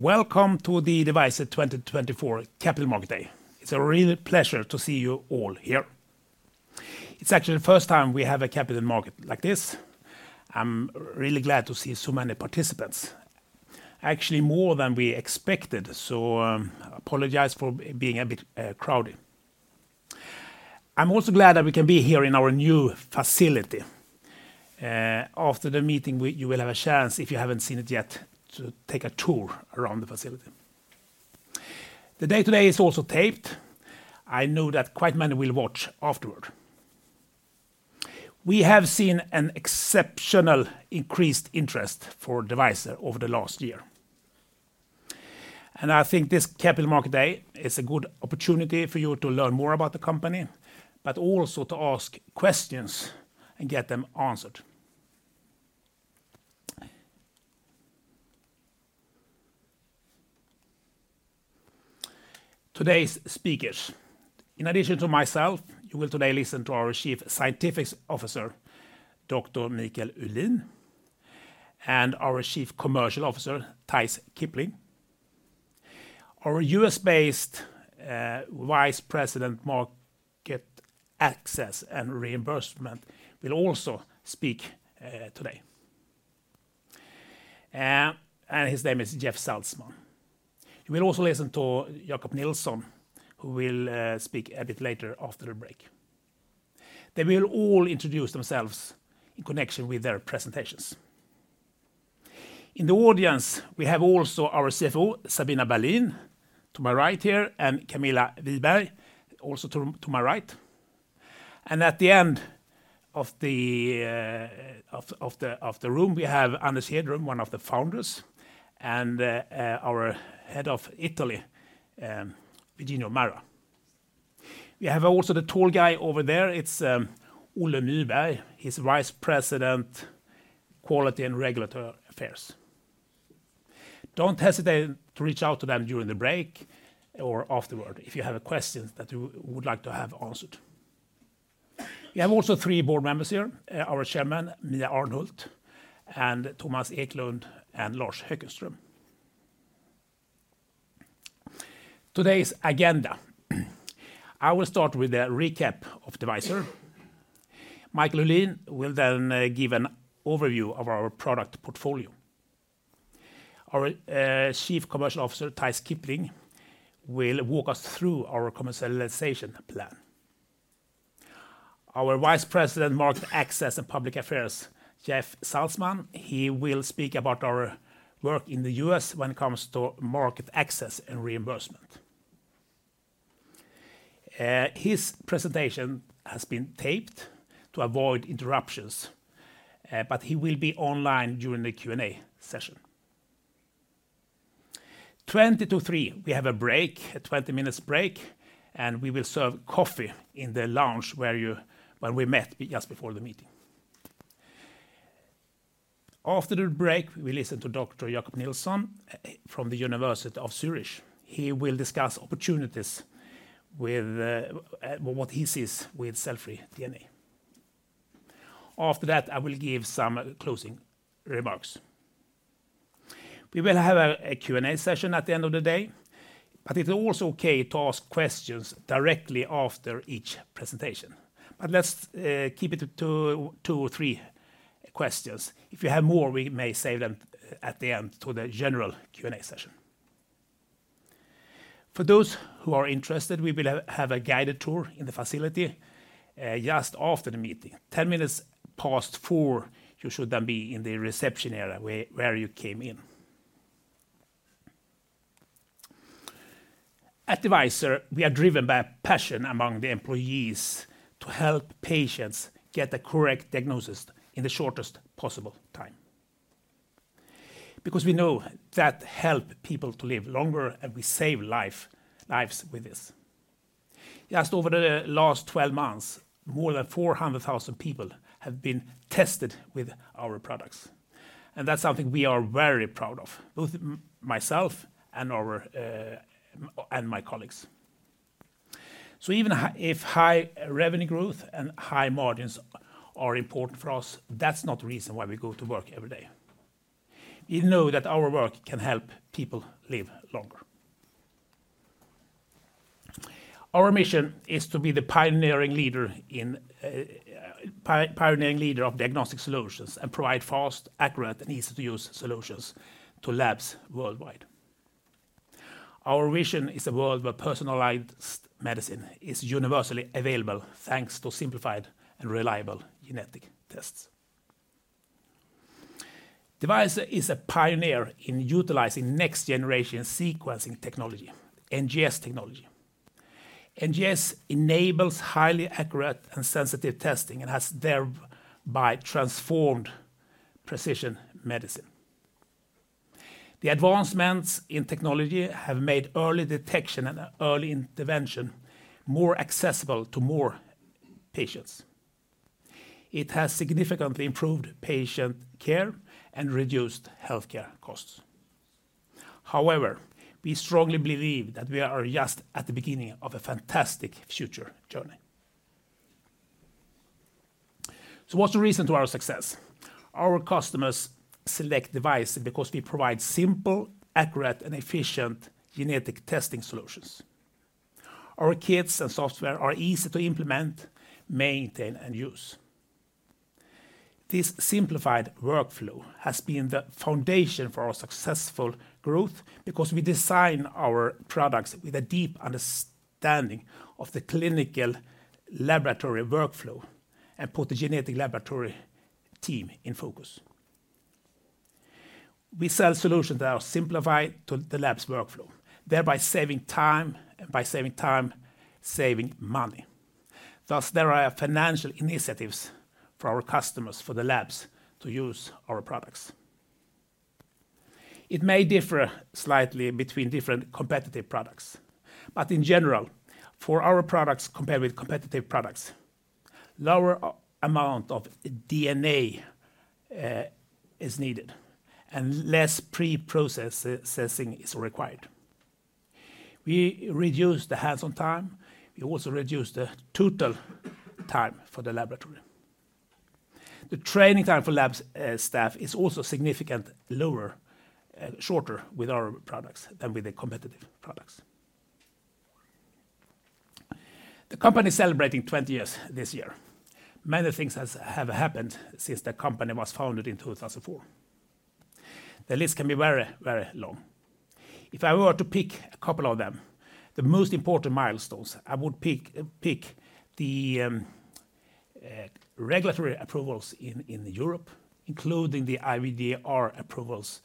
Welcome to the Devyser 2024 Capital Market Day. It's a real pleasure to see you all here. It's actually the first time we have a capital market like this. I'm really glad to see so many participants, actually more than we expected, so I apologize for being a bit crowded. I'm also glad that we can be here in our new facility. After the meeting, you will have a chance, if you haven't seen it yet, to take a tour around the facility. The day today is also taped. I know that quite many will watch afterward. We have seen an exceptional increased interest for Devyser over the last year. And I think this Capital Market Day is a good opportunity for you to learn more about the company, but also to ask questions and get them answered. Today's speakers, in addition to myself, you will today listen to our Chief Scientific Officer, Dr. Michael Uhlin, and our Chief Commercial Officer, Theis Kipling. Our U.S.-based Vice President, Market Access and Reimbursement, will also speak today. And his name is Jeff Saltzman. You will also listen to Jakob Nilsson, who will speak a bit later after the break. They will all introduce themselves in connection with their presentations. In the audience, we have also our CFO, Sabina Berlin, to my right here, and Camilla Wiberg, also to my right. And at the end of the room, we have Anders Hedlund, one of the founders, and our head of Italy, Virginio Marra. We have also the tall guy over there. It's Olle Nyberg. He's Vice President, Quality and Regulatory Affairs. Don't hesitate to reach out to them during the break or afterward if you have questions that you would like to have answered. We have also three board members here: our chairman, Mia Arnhult, and Thomas Eklund, and Lars Höckenström. Today's agenda. I will start with a recap of Devyser. Michael Uhlin will then give an overview of our product portfolio. Our Chief Commercial Officer, Theis Kipling, will walk us through our commercialization plan. Our Vice President, Market Access and Public Affairs, Jeff Saltzman, he will speak about our work in the U.S. when it comes to market access and reimbursement. His presentation has been taped to avoid interruptions, but he will be online during the Q&A session. 10:03 P.M., we have a break, a 20-minute break, and we will serve coffee in the lounge where we met just before the meeting. After the break, we will listen to Dr. Jakob Nilsson from the University Hospital Zurich. He will discuss opportunities with what he sees with cell-free DNA. After that, I will give some closing remarks. We will have a Q&A session at the end of the day, but it's also okay to ask questions directly after each presentation, but let's keep it to two or three questions. If you have more, we may save them at the end to the general Q&A session. For those who are interested, we will have a guided tour in the facility just after the meeting. 4:10 P.M., you should then be in the reception area where you came in. At Devyser, we are driven by a passion among the employees to help patients get the correct diagnosis in the shortest possible time. Because we know that helps people to live longer, and we save lives with this. Just over the last 12 months, more than 400,000 people have been tested with our products. And that's something we are very proud of, both myself and my colleagues. So even if high revenue growth and high margins are important for us, that's not the reason why we go to work every day. We know that our work can help people live longer. Our mission is to be the pioneering leader of diagnostic solutions and provide fast, accurate, and easy-to-use solutions to labs worldwide. Our vision is a world where personalized medicine is universally available thanks to simplified and reliable genetic tests. Devyser is a pioneer in utilizing next-generation sequencing technology, NGS technology. NGS enables highly accurate and sensitive testing and has thereby transformed precision medicine. The advancements in technology have made early detection and early intervention more accessible to more patients. It has significantly improved patient care and reduced healthcare costs. However, we strongly believe that we are just at the beginning of a fantastic future journey. So what's the reason for our success? Our customers select Devyser because we provide simple, accurate, and efficient genetic testing solutions. Our kits and software are easy to implement, maintain, and use. This simplified workflow has been the foundation for our successful growth because we design our products with a deep understanding of the clinical laboratory workflow and put the genetic laboratory team in focus. We sell solutions that are simplified to the lab's workflow, thereby saving time and by saving time, saving money. Thus, there are financial initiatives for our customers, for the labs, to use our products. It may differ slightly between different competitive products. But in general, for our products compared with competitive products, a lower amount of DNA is needed and less pre-processing is required. We reduce the hands-on time. We also reduce the total time for the laboratory. The training time for lab staff is also significantly shorter with our products than with the competitive products. The company is celebrating 20 years this year. Many things have happened since the company was founded in 2004. The list can be very, very long. If I were to pick a couple of them, the most important milestones, I would pick the regulatory approvals in Europe, including the IVDR approvals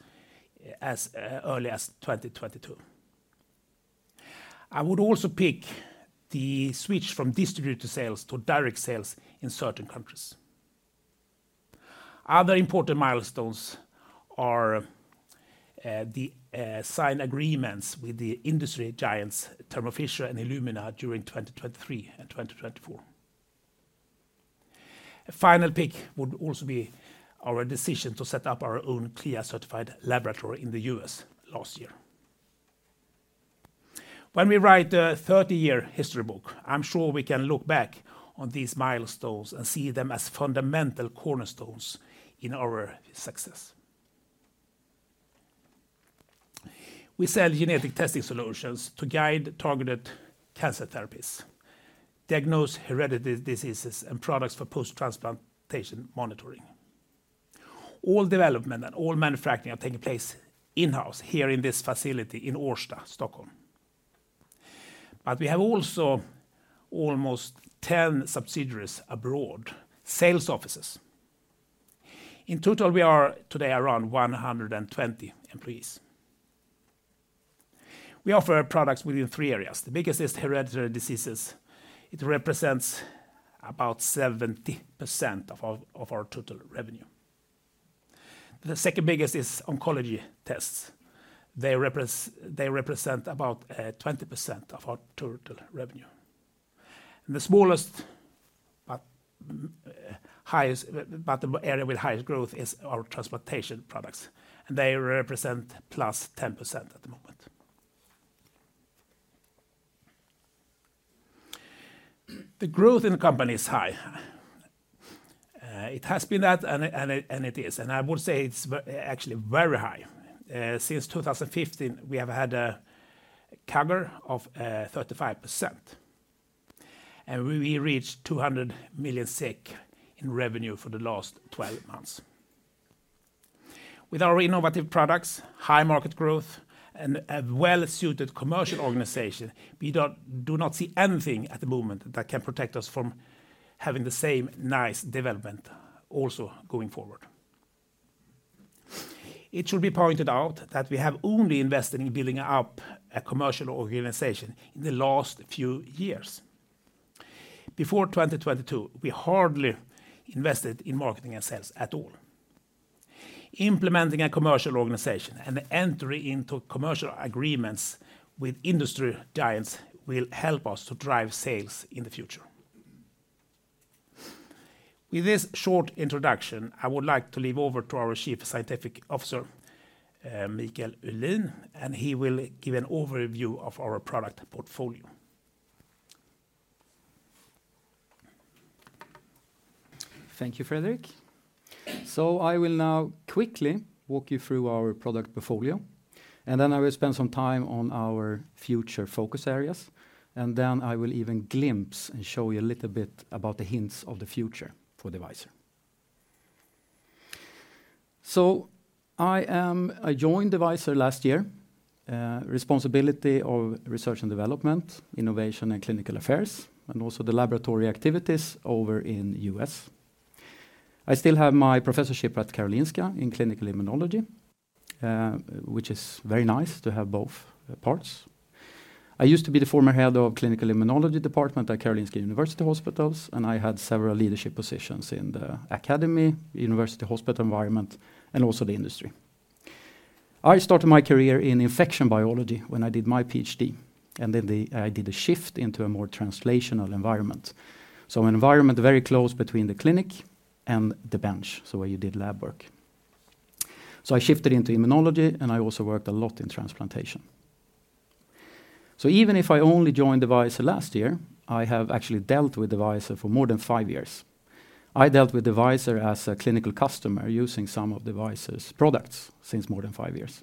as early as 2022. I would also pick the switch from distributed sales to direct sales in certain countries. Other important milestones are the signed agreements with the industry giants Thermo Fisher and Illumina during 2023 and 2024. A final pick would also be our decision to set up our own CLIA-certified laboratory in the U.S. last year. When we write the 30-year history book, I'm sure we can look back on these milestones and see them as fundamental cornerstones in our success. We sell genetic testing solutions to guide targeted cancer therapies, diagnose hereditary diseases, and products for post-transplantation monitoring. All development and all manufacturing are taking place in-house here in this facility in Årsta, Stockholm. But we have also almost 10 subsidiaries abroad, sales offices. In total, we are today around 120 employees. We offer products within three areas. The biggest is hereditary diseases. It represents about 70% of our total revenue. The second biggest is oncology tests. They represent about 20% of our total revenue. And the smallest, but the area with highest growth is our transplantation products. They represent plus 10% at the moment. The growth in the company is high. It has been that, and it is. I would say it's actually very high. Since 2015, we have had a CAGR of 35%. We reached 200 million SEK in revenue for the last 12 months. With our innovative products, high market growth, and a well-suited commercial organization, we do not see anything at the moment that can protect us from having the same nice development also going forward. It should be pointed out that we have only invested in building up a commercial organization in the last few years. Before 2022, we hardly invested in marketing and sales at all. Implementing a commercial organization and the entry into commercial agreements with industry giants will help us to drive sales in the future. With this short introduction, I would like to hand over to our Chief Scientific Officer, Michael Uhlin, and he will give an overview of our product portfolio. Thank you, Fredrik. I will now quickly walk you through our product portfolio, and then I will spend some time on our future focus areas. I will even glimpse and show you a little bit about the hints of the future for Devyser. I joined Devyser last year, responsibility of research and development, innovation and clinical affairs, and also the laboratory activities over in the U.S. I still have my professorship at Karolinska in clinical immunology, which is very nice to have both parts. I used to be the former head of the clinical immunology department at Karolinska University Hospital, and I had several leadership positions in the academy, university hospital environment, and also the industry. I started my career in infection biology when I did my PhD, and then I did a shift into a more translational environment. So, an environment very close between the clinic and the bench, so where you did lab work. So I shifted into immunology, and I also worked a lot in transplantation. So even if I only joined Devyser last year, I have actually dealt with Devyser for more than five years. I dealt with Devyser as a clinical customer using some of Devyser's products since more than five years.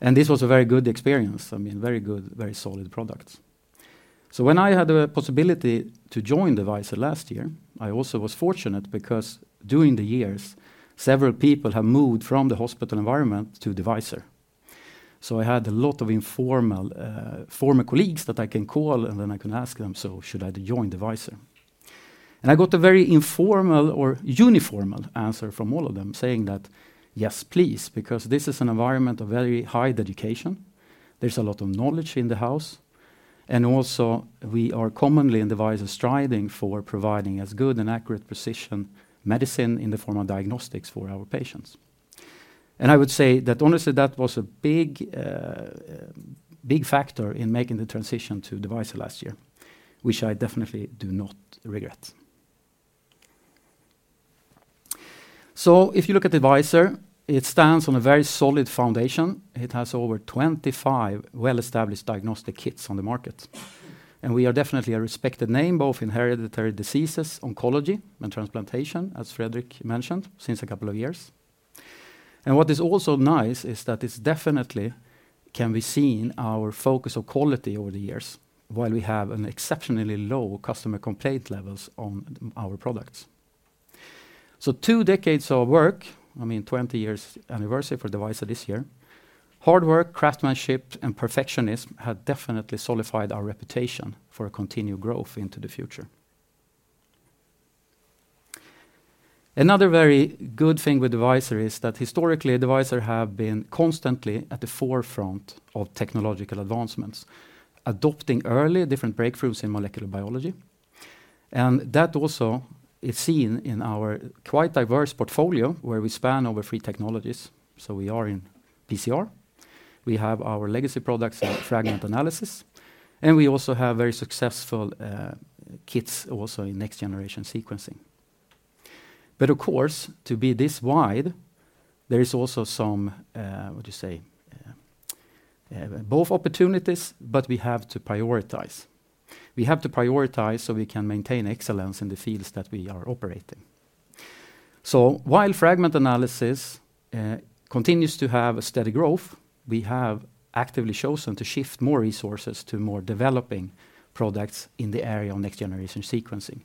And this was a very good experience. I mean, very good, very solid products. So when I had the possibility to join Devyser last year, I also was fortunate because during the years, several people have moved from the hospital environment to Devyser. So I had a lot of informal former colleagues that I can call, and then I can ask them, "So should I join Devyser?", and I got a very informal or uniform answer from all of them saying that, "Yes, please, because this is an environment of very high dedication. There's a lot of knowledge in the house," and also, we are commonly in Devyser striving for providing as good and accurate precision medicine in the form of diagnostics for our patients, and I would say that honestly, that was a big factor in making the transition to Devyser last year, which I definitely do not regret, so if you look at Devyser, it stands on a very solid foundation. It has over 25 well-established diagnostic kits on the market. And we are definitely a respected name, both in hereditary diseases, oncology, and transplantation, as Fredrik mentioned, since a couple of years. And what is also nice is that it can definitely be seen, our focus of quality over the years while we have an exceptionally low customer complaint levels on our products. So two decades of work, I mean, 20 years anniversary for Devyser this year, hard work, craftsmanship, and perfectionism have definitely solidified our reputation for continued growth into the future. Another very good thing with Devyser is that historically, Devyser has been constantly at the forefront of technological advancements, adopting early different breakthroughs in molecular biology. And that also is seen in our quite diverse portfolio where we span over three technologies. So we are in PCR. We have our legacy products in fragment analysis. And we also have very successful kits also in next-generation sequencing. But of course, to be this wide, there is also some, what do you say, both opportunities, but we have to prioritize. We have to prioritize so we can maintain excellence in the fields that we are operating. So while fragment analysis continues to have a steady growth, we have actively chosen to shift more resources to more developing products in the area of next-generation sequencing.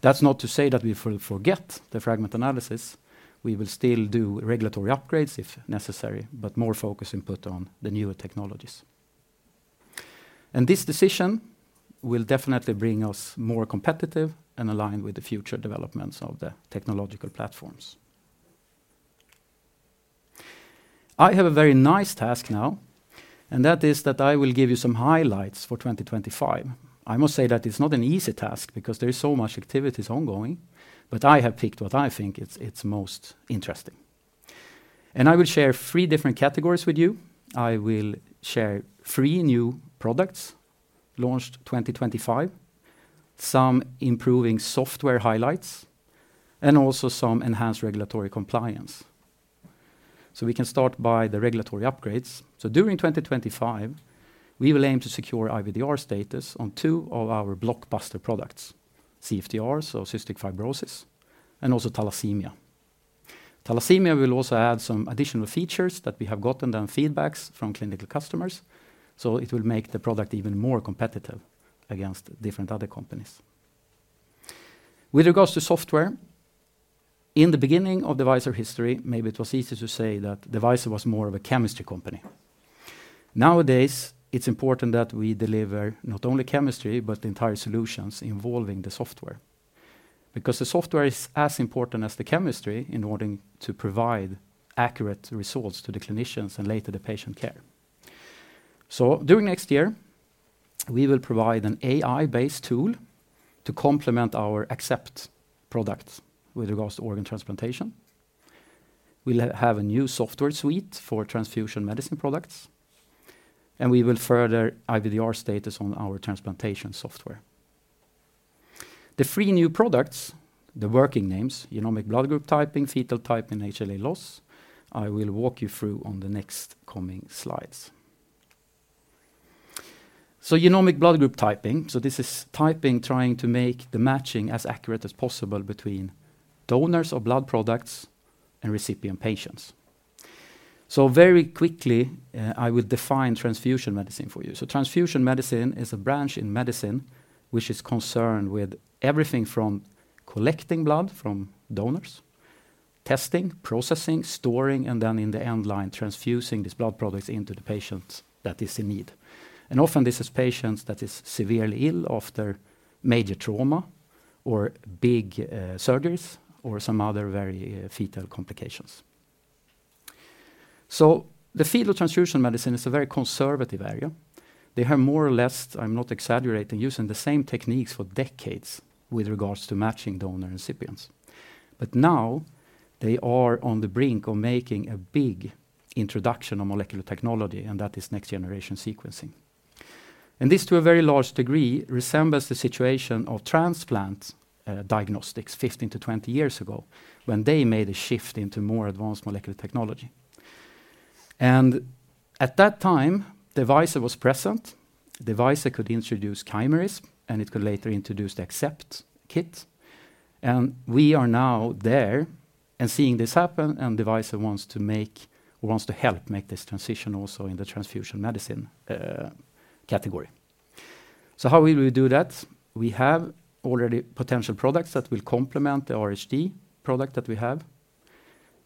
That's not to say that we forget the fragment analysis. We will still do regulatory upgrades if necessary, but more focus will be put on the newer technologies. And this decision will definitely bring us more competitive and aligned with the future developments of the technological platforms. I have a very nice task now, and that is that I will give you some highlights for 2025. I must say that it's not an easy task because there is so much activity ongoing, but I have picked what I think is most interesting, and I will share three different categories with you. I will share three new products launched 2025, some improving software highlights, and also some enhanced regulatory compliance, so we can start by the regulatory upgrades, so during 2025, we will aim to secure IVDR status on two of our blockbuster products, CFTR, so cystic fibrosis, and also Thalassemia. Thalassemia will also add some additional features that we have gotten and feedback from clinical customers. So it will make the product even more competitive against different other companies. With regards to software, in the beginning of Devyser history, maybe it was easy to say that Devyser was more of a chemistry company. Nowadays, it's important that we deliver not only chemistry, but the entire solutions involving the software because the software is as important as the chemistry in order to provide accurate results to the clinicians and later the patient care. So during next year, we will provide an AI-based tool to complement our Accept products with regards to organ transplantation. We'll have a new software suite for transfusion medicine products, and we will further IVDR status on our transplantation software. The three new products, the working names, Genomic Blood Group Typing, Fetal Typing, and HLA Loss, I will walk you through on the next coming slides. So Genomic Blood Group Typing, so this is typing trying to make the matching as accurate as possible between donors of blood products and recipient patients. So very quickly, I will define transfusion medicine for you. So transfusion medicine is a branch in medicine which is concerned with everything from collecting blood from donors, testing, processing, storing, and then in the end line, transfusing these blood products into the patients that are in need. And often, this is patients that are severely ill after major trauma or big surgeries or some other very fatal complications. So the field of transfusion medicine is a very conservative area. They have more or less, I'm not exaggerating, used the same techniques for decades with regards to matching donor and recipients. But now, they are on the brink of making a big introduction of molecular technology, and that is next-generation sequencing. And this, to a very large degree, resembles the situation of transplant diagnostics 15-20 years ago when they made a shift into more advanced molecular technology. And at that time, Devyser was present. Devyser could introduce Chimerism, and it could later introduce the Accept kit. We are now there and seeing this happen, and Devyser wants to make, wants to help make this transition also in the transfusion medicine category. How will we do that? We have already potential products that will complement the RHD product that we have.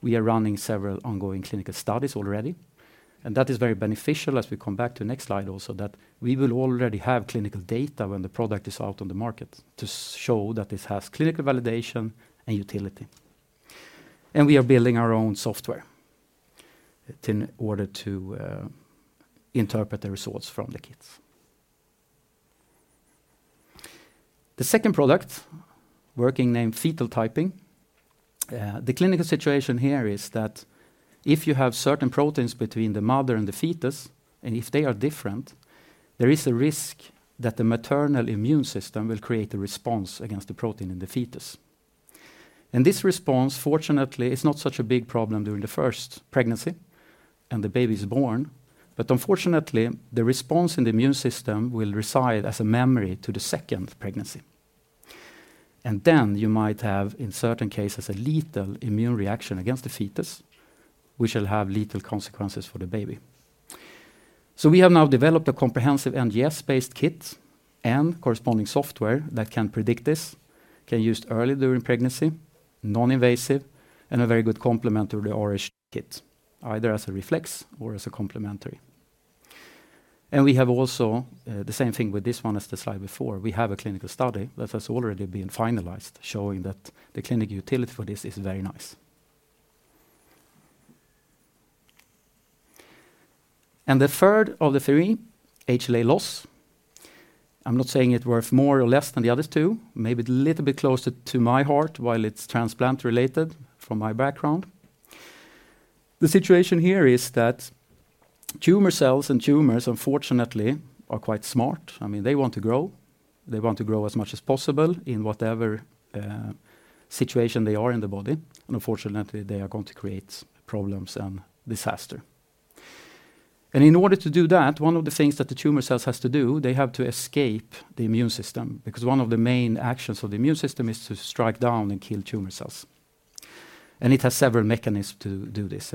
We are running several ongoing clinical studies already. That is very beneficial as we come back to the next slide also that we will already have clinical data when the product is out on the market to show that this has clinical validation and utility. We are building our own software in order to interpret the results from the kits. The second product, working name Fetal Typing, the clinical situation here is that if you have certain proteins between the mother and the fetus, and if they are different, there is a risk that the maternal immune system will create a response against the protein in the fetus. And this response, fortunately, is not such a big problem during the first pregnancy and the baby is born. But unfortunately, the response in the immune system will reside as a memory to the second pregnancy. And then you might have, in certain cases, a lethal immune reaction against the fetus, which will have lethal consequences for the baby. So we have now developed a comprehensive NGS-based kit and corresponding software that can predict this, can be used early during pregnancy, non-invasive, and a very good complement to the RHD kit, either as a reflex or as a complementary. We have also the same thing with this one as the slide before. We have a clinical study that has already been finalized showing that the clinical utility for this is very nice. The third of the three, HLA Loss, I'm not saying it's worth more or less than the other two, maybe a little bit closer to my heart while it's transplant-related from my background. The situation here is that tumor cells and tumors, unfortunately, are quite smart. I mean, they want to grow. They want to grow as much as possible in whatever situation they are in the body. Unfortunately, they are going to create problems and disaster. In order to do that, one of the things that the tumor cells have to do, they have to escape the immune system because one of the main actions of the immune system is to strike down and kill tumor cells. It has several mechanisms to do this.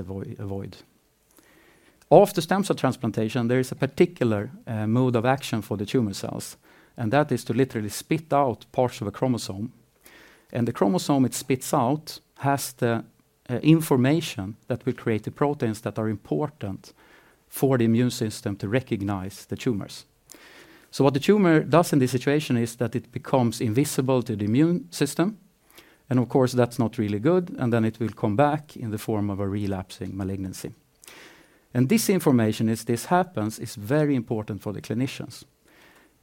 After stem cell transplantation, there is a particular mode of action for the tumor cells, and that is to literally spit out parts of a chromosome. The chromosome it spits out has the information that will create the proteins that are important for the immune system to recognize the tumors. So what the tumor does in this situation is that it becomes invisible to the immune system. Of course, that's not really good. Then it will come back in the form of a relapsing malignancy. This information, as this happens, is very important for the clinicians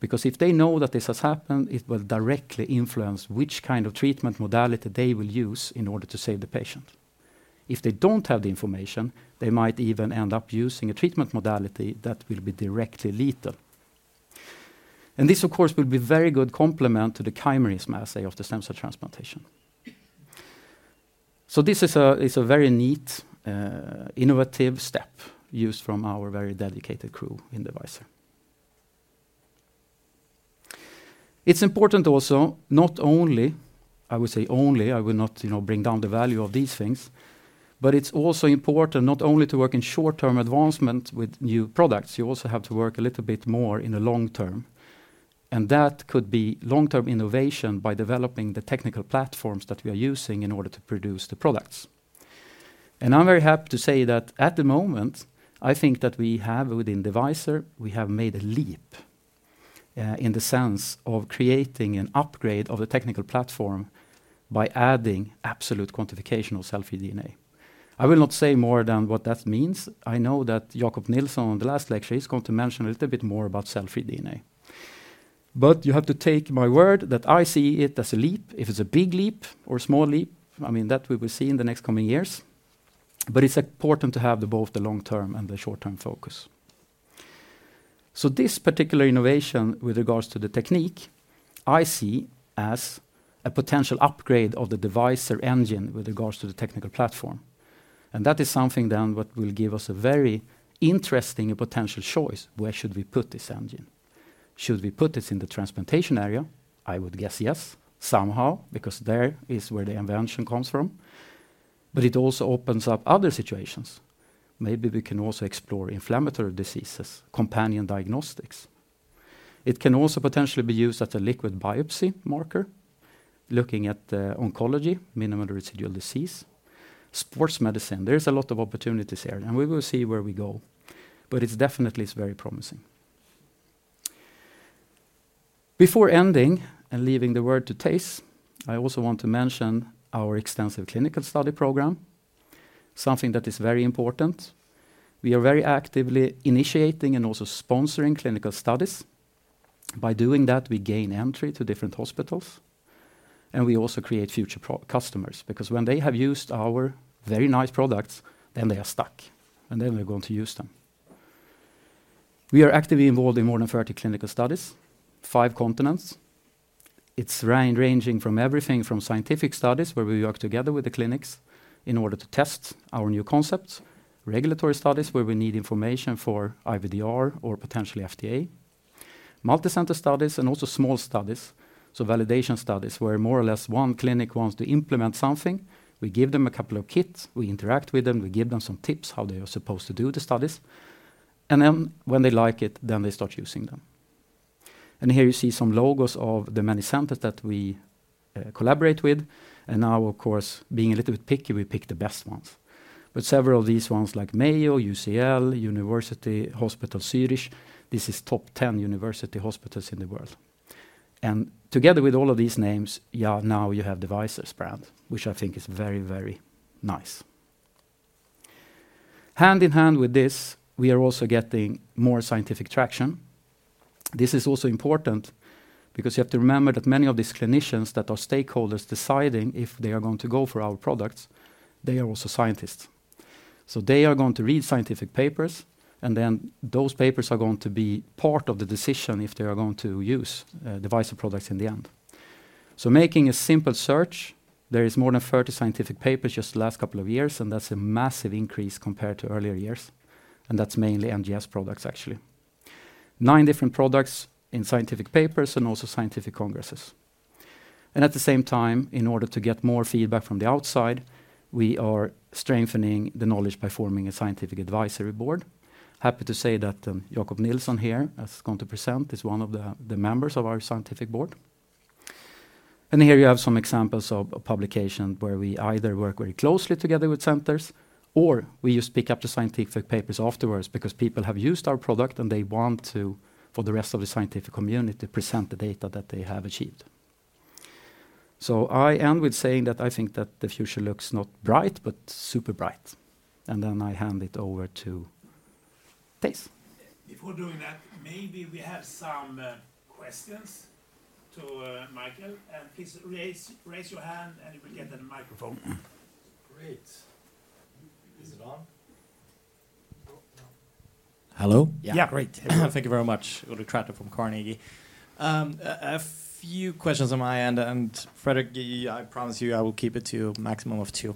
because if they know that this has happened, it will directly influence which kind of treatment modality they will use in order to save the patient. If they don't have the information, they might even end up using a treatment modality that will be directly lethal. This, of course, will be a very good complement to the chimerism assay of the stem cell transplantation. This is a very neat, innovative step used from our very dedicated crew in Devyser. It's important also not only, I would say only, I will not bring down the value of these things, but it's also important not only to work in short-term advancement with new products, you also have to work a little bit more in the long term. And that could be long-term innovation by developing the technical platforms that we are using in order to produce the products. And I'm very happy to say that at the moment, I think that we have within Devyser, we have made a leap in the sense of creating an upgrade of the technical platform by adding absolute quantification of cell-free DNA. I will not say more than what that means. I know that Jakob Nilsson on the last lecture, he's going to mention a little bit more about cell-free DNA. But you have to take my word that I see it as a leap. If it's a big leap or a small leap, I mean, that we will see in the next coming years. But it's important to have both the long-term and the short-term focus. So this particular innovation with regards to the technique, I see as a potential upgrade of the Devyser engine with regards to the technical platform. And that is something then that will give us a very interesting potential choice. Where should we put this engine? Should we put this in the transplantation area? I would guess yes, somehow, because there is where the invention comes from. But it also opens up other situations. Maybe we can also explore inflammatory diseases, companion diagnostics. It can also potentially be used as a liquid biopsy marker, looking at oncology, minimal residual disease, sports medicine. There is a lot of opportunities here, and we will see where we go. But it's definitely very promising. Before ending and leaving the word to Theis, I also want to mention our extensive clinical study program, something that is very important. We are very actively initiating and also sponsoring clinical studies. By doing that, we gain entry to different hospitals, and we also create future customers because when they have used our very nice products, then they are stuck, and then they're going to use them. We are actively involved in more than 30 clinical studies, five continents. It's ranging from everything from scientific studies where we work together with the clinics in order to test our new concepts, regulatory studies where we need information for IVDR or potentially FDA, multicenter studies, and also small studies, so validation studies where more or less one clinic wants to implement something. We give them a couple of kits. We interact with them. We give them some tips how they are supposed to do the studies, and then when they like it, then they start using them. Here you see some logos of the many centers that we collaborate with. Now, of course, being a little bit picky, we pick the best ones. But several of these ones like Mayo, UCL, University Hospital Zurich, this is top 10 university hospitals in the world. And together with all of these names, yeah, now you have Devyser's brand, which I think is very, very nice. Hand in hand with this, we are also getting more scientific traction. This is also important because you have to remember that many of these clinicians that are stakeholders deciding if they are going to go for our products, they are also scientists. So they are going to read scientific papers, and then those papers are going to be part of the decision if they are going to use Devyser products in the end. So making a simple search, there are more than 30 scientific papers just the last couple of years, and that's a massive increase compared to earlier years. And that's mainly NGS products, actually. Nine different products in scientific papers and also scientific congresses. And at the same time, in order to get more feedback from the outside, we are strengthening the knowledge by forming a scientific advisory board. Happy to say that Jakob Nilsson here, as he's going to present, is one of the members of our scientific board. And here you have some examples of publications where we either work very closely together with centers or we just pick up the scientific papers afterwards because people have used our product and they want to, for the rest of the scientific community, present the data that they have achieved. I end with saying that I think that the future looks not bright, but super bright. And then I hand it over to Theis. Before doing that, maybe we have some questions to Michael. And please raise your hand and you will get a microphone. Great. Is it on? Hello? Yeah. Great. Thank you very much. Ulrik Trattner from Carnegie. A few questions on my end. And Fredrik, I promise you, I will keep it to a maximum of two.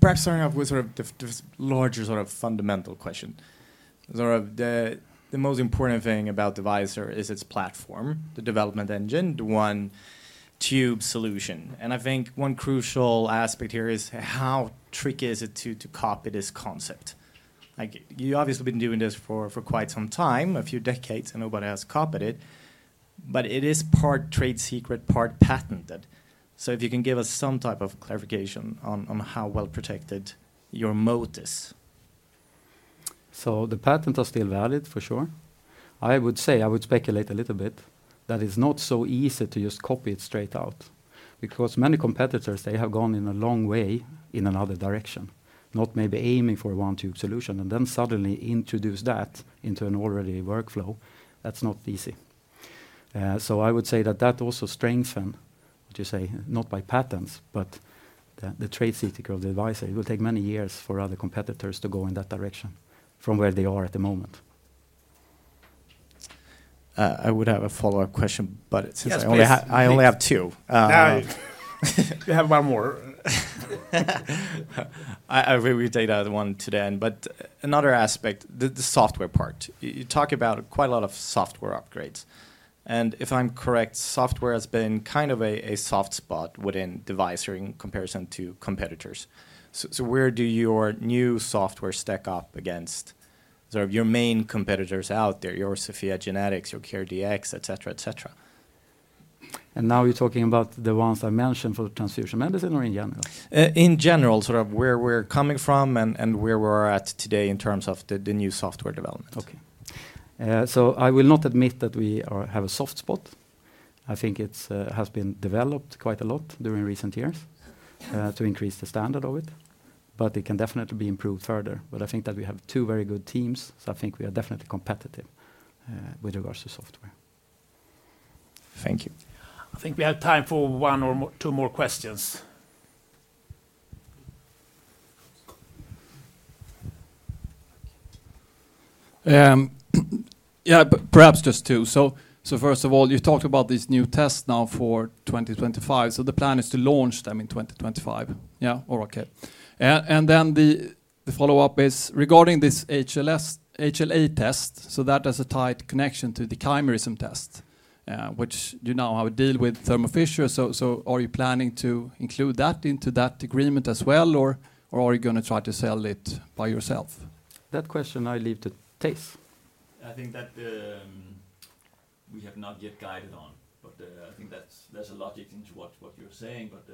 Perhaps starting off with sort of this larger sort of fundamental question. The most important thing about Devyser is its platform, the development engine, the one-tube solution. And I think one crucial aspect here is how tricky is it to copy this concept. You've obviously been doing this for quite some time, a few decades, and nobody has copied it. But it is part trade secret, part patented. So if you can give us some type of clarification on how well protected your moat is? So the patent is still valid, for sure. I would say, I would speculate a little bit that it's not so easy to just copy it straight out because many competitors, they have gone in a long way in another direction, not maybe aiming for a one-tube solution and then suddenly introduce that into an already workflow. That's not easy. So I would say that that also strengthens, what you say, not by patents, but the trade secret of the Devyser. It will take many years for other competitors to go in that direction from where they are at the moment. I would have a follow-up question, but since I only have two. You have one more. I will wait with that one to the end. But another aspect, the software part. You talk about quite a lot of software upgrades. And if I'm correct, software has been kind of a soft spot within Devyser in comparison to competitors. So where do your new software stack up against your main competitors out there, your SOPHiA GENETICS, your CareDx, et cetera, et cetera? And now you're talking about the ones I mentioned for the transfusion medicine or in general? In general, sort of where we're coming from and where we're at today in terms of the new software development. Okay. So I will not admit that we have a soft spot. I think it has been developed quite a lot during recent years to increase the standard of it, but it can definitely be improved further. But I think that we have two very good teams, so I think we are definitely competitive with regards to software. Thank you. I think we have time for one or two more questions. Yeah, perhaps just two. So first of all, you talked about these new tests now for 2025. So the plan is to launch them in 2025. Yeah, okay. And then the follow-up is regarding this HLA test, so that has a tight connection to the chimerism test, which you now have a deal with Thermo Fisher. So are you planning to include that into that agreement as well, or are you going to try to sell it by yourself? That question I leave to Theis. I think that we have not yet guided on, but I think there's a logic into what you're saying, but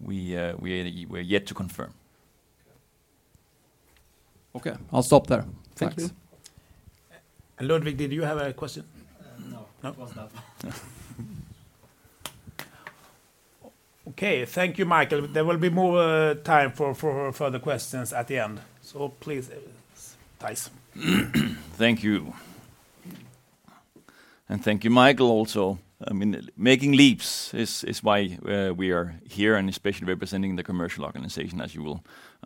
we are yet to confirm. Okay. Okay, I'll stop there. Thanks. Hello, Uhlin. Did you have a question? No, it was not. Okay, thank you, Michael. There will be more time for further questions at the end, so please, Theis. Thank you. And thank you, Michael, also. I mean, making leaps is why we are here, and especially representing the commercial organization, as you will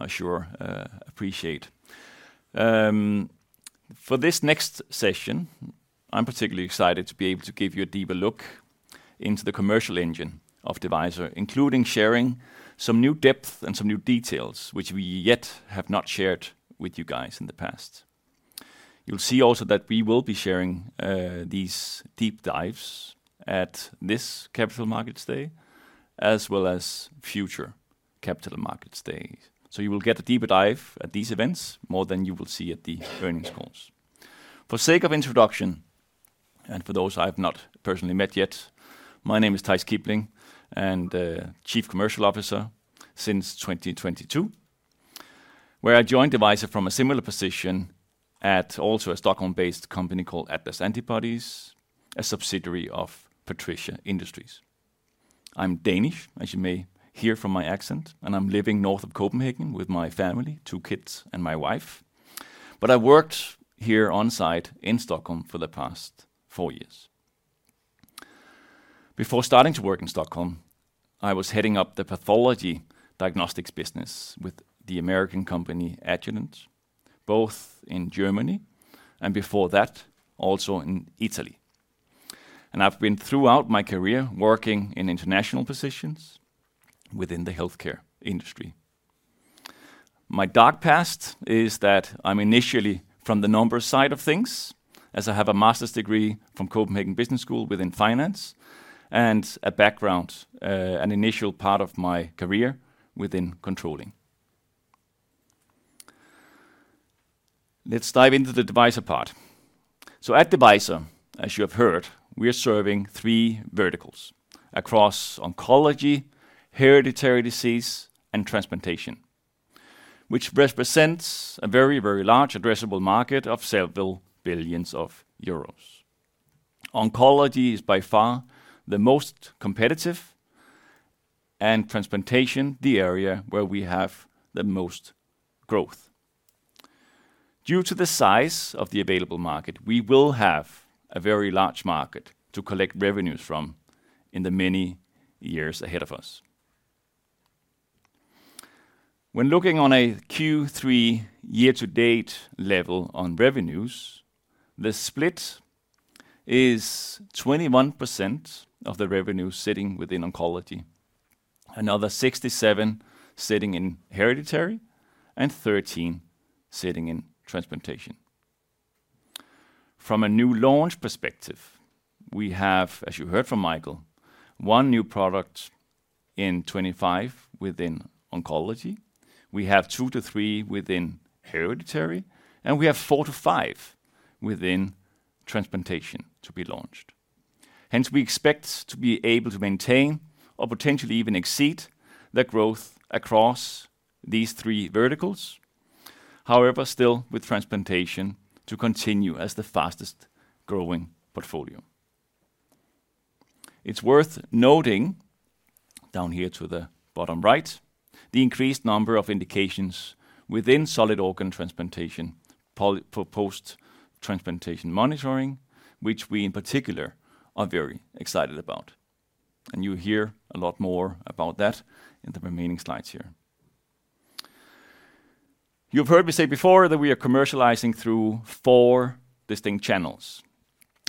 surely appreciate. For this next session, I'm particularly excited to be able to give you a deeper look into the commercial engine of Devyser, including sharing some new depth and some new details which we yet have not shared with you guys in the past. You'll see also that we will be sharing these deep dives at this Capital Markets Day, as well as future Capital Markets Days. So you will get a deeper dive at these events more than you will see at the earnings calls. For the sake of introduction, and for those I have not personally met yet, my name is Theis Kipling, and Chief Commercial Officer since 2022, where I joined Devyser from a similar position at also a Stockholm-based company called Atlas Antibodies, a subsidiary of Patricia Industries. I'm Danish, as you may hear from my accent, and I'm living north of Copenhagen with my family, two kids, and my wife. But I worked here on site in Stockholm for the past four years. Before starting to work in Stockholm, I was heading up the pathology diagnostics business with the American company Agilent, both in Germany and before that also in Italy, and I've been throughout my career working in international positions within the healthcare industry. My dark past is that I'm initially from the numbers side of things, as I have a master's degree from Copenhagen Business School within finance and a background, an initial part of my career within controlling. Let's dive into the Devyser part. So at Devyser, as you have heard, we are serving three verticals across oncology, hereditary disease, and transplantation, which represents a very, very large addressable market of several billion EUR. Oncology is by far the most competitive, and transplantation, the area where we have the most growth. Due to the size of the available market, we will have a very large market to collect revenues from in the many years ahead of us. When looking on a Q3 year-to-date level on revenues, the split is 21% of the revenue sitting within oncology, another 67% sitting in hereditary, and 13% sitting in transplantation. From a new launch perspective, we have, as you heard from Michael, one new product in 2025 within oncology. We have two to three within hereditary, and we have four to five within transplantation to be launched. Hence, we expect to be able to maintain or potentially even exceed the growth across these three verticals, however, still with transplantation to continue as the fastest growing portfolio. It's worth noting down here to the bottom right, the increased number of indications within solid organ transplantation for post-transplantation monitoring, which we in particular are very excited about. And you'll hear a lot more about that in the remaining slides here. You've heard me say before that we are commercializing through four distinct channels,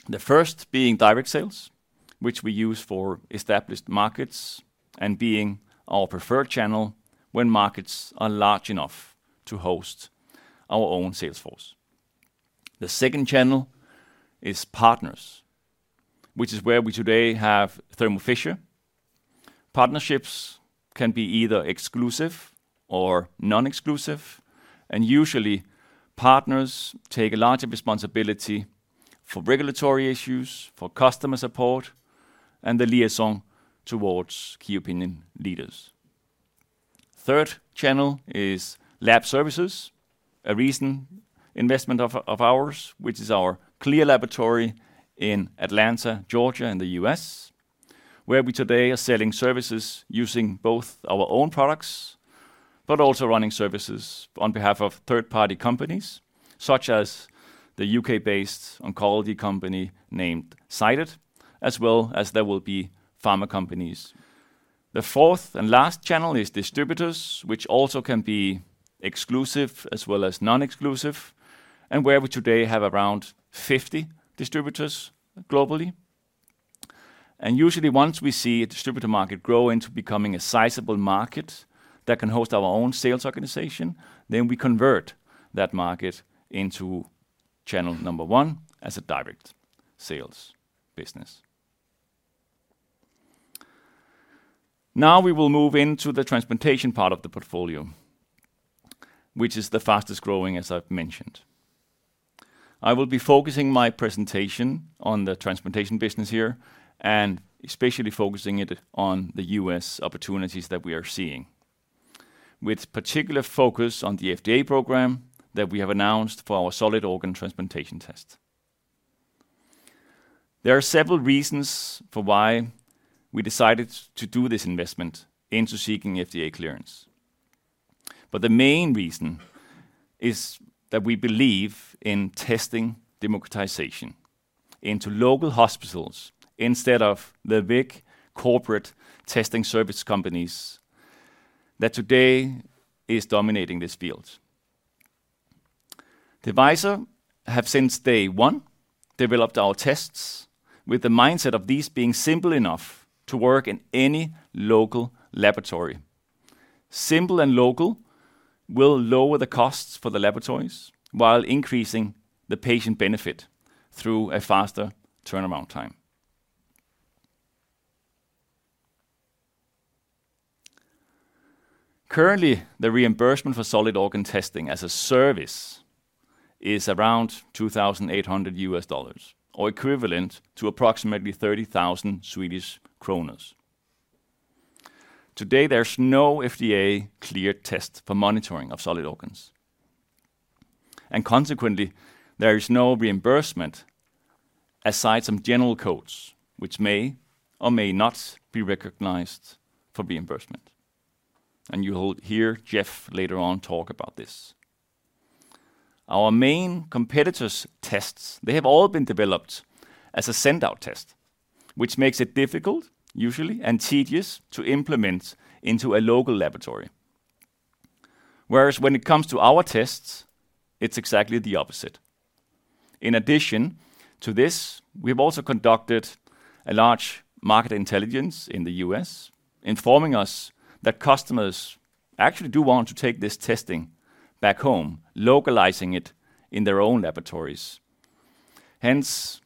the first being direct sales, which we use for established markets and being our preferred channel when markets are large enough to host our own sales force. The second channel is partners, which is where we today have Thermo Fisher. Partnerships can be either exclusive or non-exclusive, and usually partners take a larger responsibility for regulatory issues, for customer support, and the liaison towards key opinion leaders. The third channel is lab services, a recent investment of ours, which is our CLIA Laboratory in Atlanta, Georgia, in the US, where we today are selling services using both our own products, but also running services on behalf of third-party companies such as the UK-based oncology company named Cyted, as well as there will be pharma companies. The fourth and last channel is distributors, which also can be exclusive as well as non-exclusive, and where we today have around 50 distributors globally. Usually, once we see a distributor market grow into becoming a sizable market that can host our own sales organization, then we convert that market into channel number one as a direct sales business. Now we will move into the transplantation part of the portfolio, which is the fastest growing, as I've mentioned. I will be focusing my presentation on the transplantation business here and especially focusing it on the U.S. opportunities that we are seeing, with particular focus on the FDA program that we have announced for our solid organ transplantation test. There are several reasons for why we decided to do this investment into seeking FDA clearance. The main reason is that we believe in testing democratization into local hospitals instead of the big corporate testing service companies that today are dominating this field. Devyser has since day one developed our tests with the mindset of these being simple enough to work in any local laboratory. Simple and local will lower the costs for the laboratories while increasing the patient benefit through a faster turnaround time. Currently, the reimbursement for solid organ testing as a service is around $2,800 or equivalent to approximately 30,000 Swedish kronor. Today, there's no FDA-cleared test for monitoring of solid organs, and consequently, there is no reimbursement aside from general codes, which may or may not be recognized for reimbursement, and you will hear Jeff later on talk about this. Our main competitors' tests, they have all been developed as a send-out test, which makes it difficult, usually, and tedious to implement into a local laboratory. Whereas when it comes to our tests, it's exactly the opposite. In addition to this, we've also conducted a large market intelligence in the U.S., informing us that customers actually do want to take this testing back home, localizing it in their own laboratories. Hence,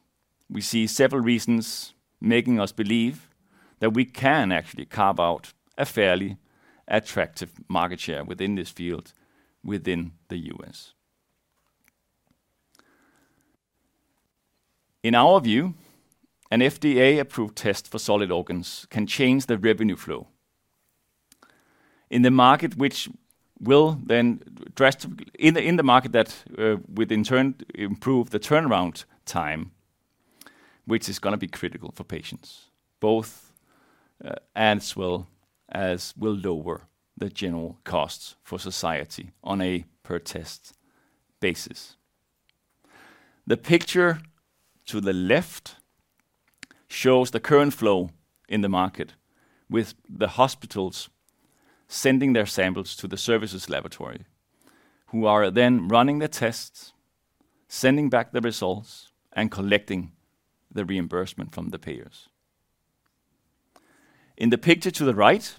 we see several reasons making us believe that we can actually carve out a fairly attractive market share within this field within the U.S. In our view, an FDA-approved test for solid organs can change the revenue flow in the market, which will then drastically improve the market that will in turn improve the turnaround time, which is going to be critical for patients. Both as well as will lower the general costs for society on a per-test basis. The picture to the left shows the current flow in the market with the hospitals sending their samples to the services laboratory, who are then running the tests, sending back the results, and collecting the reimbursement from the payers. In the picture to the right,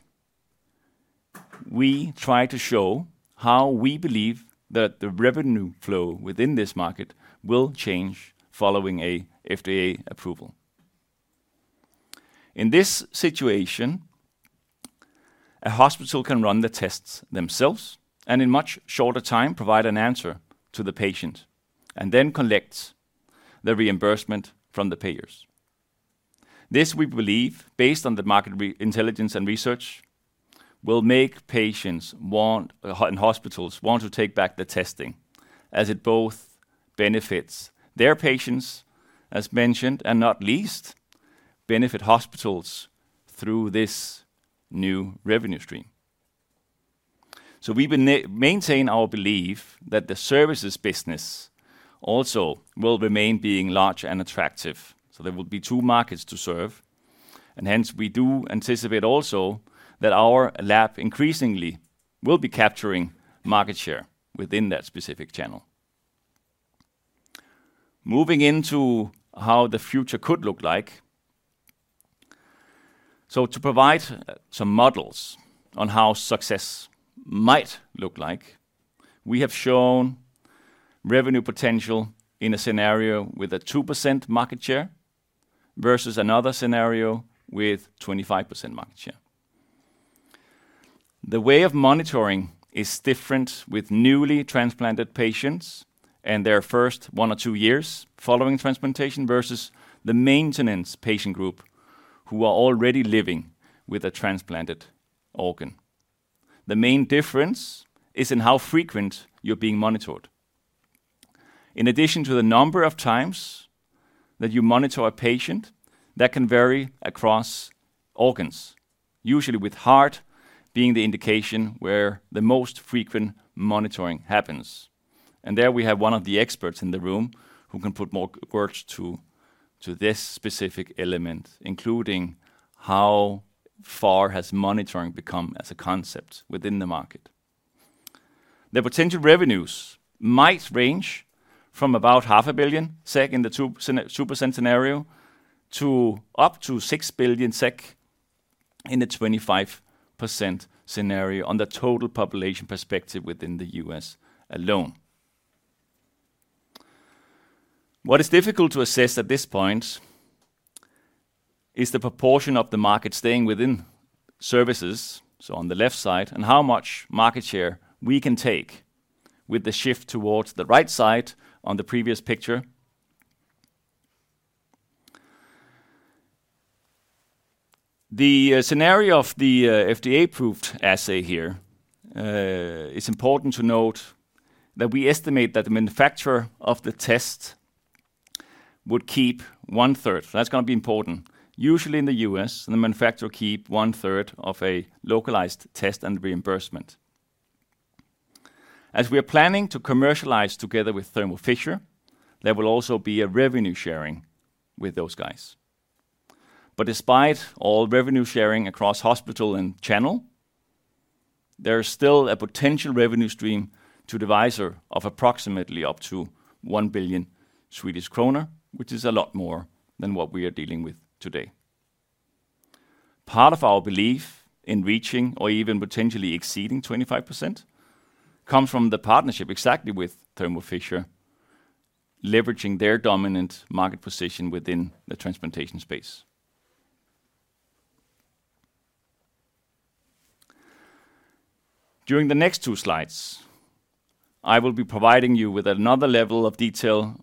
we try to show how we believe that the revenue flow within this market will change following an FDA approval. In this situation, a hospital can run the tests themselves and in much shorter time provide an answer to the patient and then collect the reimbursement from the payers. This, we believe, based on the market intelligence and research, will make patients and hospitals want to take back the testing, as it both benefits their patients, as mentioned, and not least, benefits hospitals through this new revenue stream, so we maintain our belief that the services business also will remain being large and attractive. So there will be two markets to serve, and hence, we do anticipate also that our lab increasingly will be capturing market share within that specific channel. Moving into how the future could look like, so to provide some models on how success might look like, we have shown revenue potential in a scenario with a 2% market share versus another scenario with 25% market share. The way of monitoring is different with newly transplanted patients and their first one or two years following transplantation versus the maintenance patient group who are already living with a transplanted organ. The main difference is in how frequent you're being monitored. In addition to the number of times that you monitor a patient, that can vary across organs, usually with heart being the indication where the most frequent monitoring happens. There we have one of the experts in the room who can put more words to this specific element, including how far has monitoring become as a concept within the market. The potential revenues might range from about 500 million SEK in the 2% scenario to up to 6 billion SEK in the 25% scenario on the total population perspective within the U.S. alone. What is difficult to assess at this point is the proportion of the market staying within services, so on the left side, and how much market share we can take with the shift towards the right side on the previous picture. The scenario of the FDA-approved assay here is important to note that we estimate that the manufacturer of the test would keep one-third. That's going to be important. Usually in the U.S., the manufacturer will keep one-third of a localized test and reimbursement. As we are planning to commercialize together with Thermo Fisher, there will also be a revenue sharing with those guys. But despite all revenue sharing across hospital and channel, there is still a potential revenue stream to Devyser of approximately up to 1 billion Swedish kronor, which is a lot more than what we are dealing with today. Part of our belief in reaching or even potentially exceeding 25% comes from the partnership exactly with Thermo Fisher, leveraging their dominant market position within the transplantation space. During the next two slides, I will be providing you with another level of detail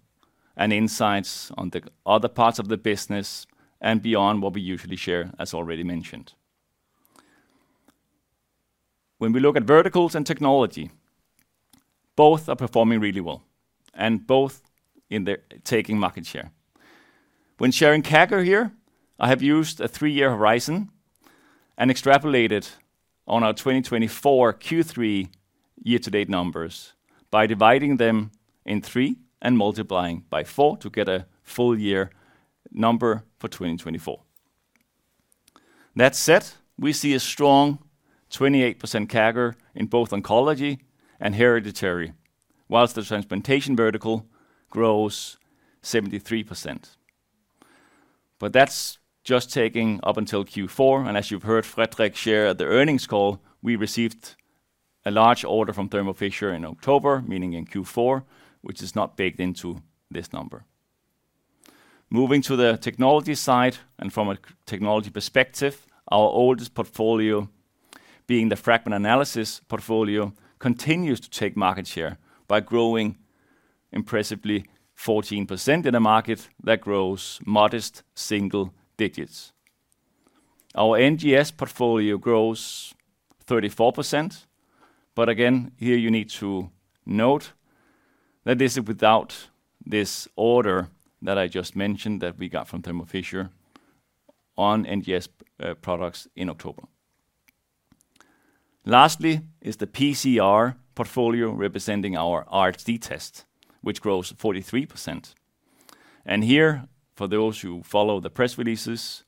and insights on the other parts of the business and beyond what we usually share, as already mentioned. When we look at verticals and technology, both are performing really well and both in their taking market share. When sharing CAGR here, I have used a three-year horizon and extrapolated on our 2024 Q3 year-to-date numbers by dividing them in three and multiplying by four to get a full year number for 2024. That said, we see a strong 28% CAGR in both oncology and hereditary, while the transplantation vertical grows 73%. But that's just taking up until Q4. And as you've heard Fredrik share at the earnings call, we received a large order from Thermo Fisher in October, meaning in Q4, which is not baked into this number. Moving to the technology side and from a technology perspective, our oldest portfolio, being the fragment analysis portfolio, continues to take market share by growing impressively 14% in a market that grows modest single digits. Our NGS portfolio grows 34%. But again, here you need to note that this is without this order that I just mentioned that we got from Thermo Fisher on NGS products in October. Lastly is the PCR portfolio representing our RHD test, which grows 43%. And here, for those who follow the press releases,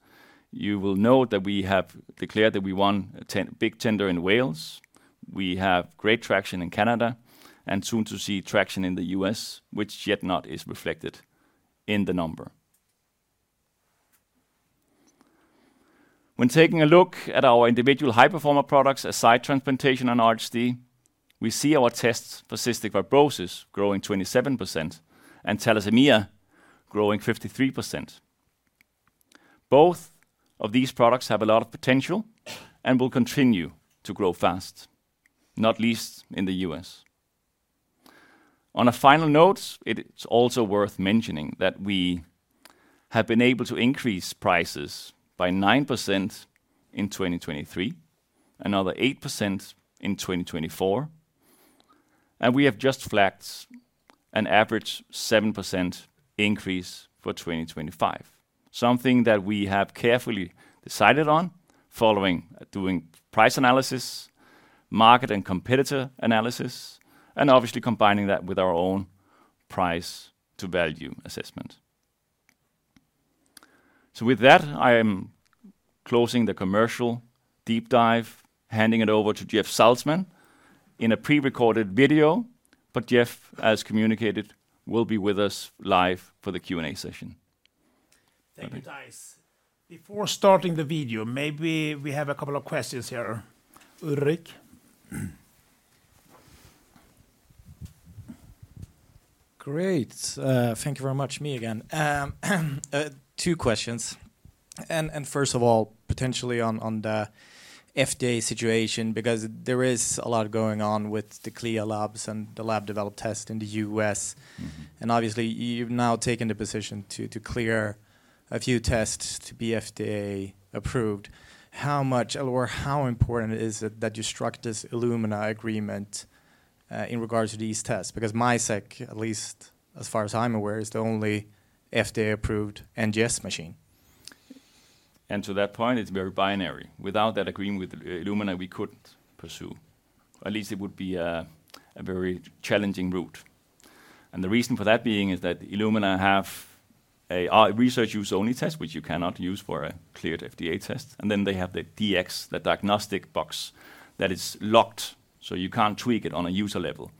you will note that we have declared that we won a big tender in Wales. We have great traction in Canada and soon to see traction in the U.S., which yet not is reflected in the number. When taking a look at our individual high-performer products aside transplantation and RHD, we see our tests for cystic fibrosis growing 27% and thalassemia growing 53%. Both of these products have a lot of potential and will continue to grow fast, not least in the U.S. On a final note, it's also worth mentioning that we have been able to increase prices by 9% in 2023, another 8% in 2024, and we have just flagged an average 7% increase for 2025, something that we have carefully decided on following doing price analysis, market and competitor analysis, and obviously combining that with our own price-to-value assessment. So with that, I am closing the commercial deep dive, handing it over to Jeff Saltzman in a prerecorded video, but Jeff, as communicated, will be with us live for the Q&A session. Thank you, Theis. Before starting the video, maybe we have a couple of questions here. Ulrik. Great. Thank you very much. Me again. Two questions, and first of all, potentially on the FDA situation, because there is a lot going on with the CLIA labs and the lab-developed test in the U.S. Obviously, you've now taken the position to clear a few tests to be FDA approved. How much or how important is it that you struck this Illumina agreement in regards to these tests? Because MiSeq, at least as far as I'm aware, is the only FDA-approved NGS machine. To that point, it's very binary. Without that agreement with Illumina, we couldn't pursue. At least it would be a very challenging route. The reason for that being is that Illumina have a research use-only test, which you cannot use for a cleared FDA test. Then they have the Dx, the diagnostic box that is locked. So you can't tweak it on a user level,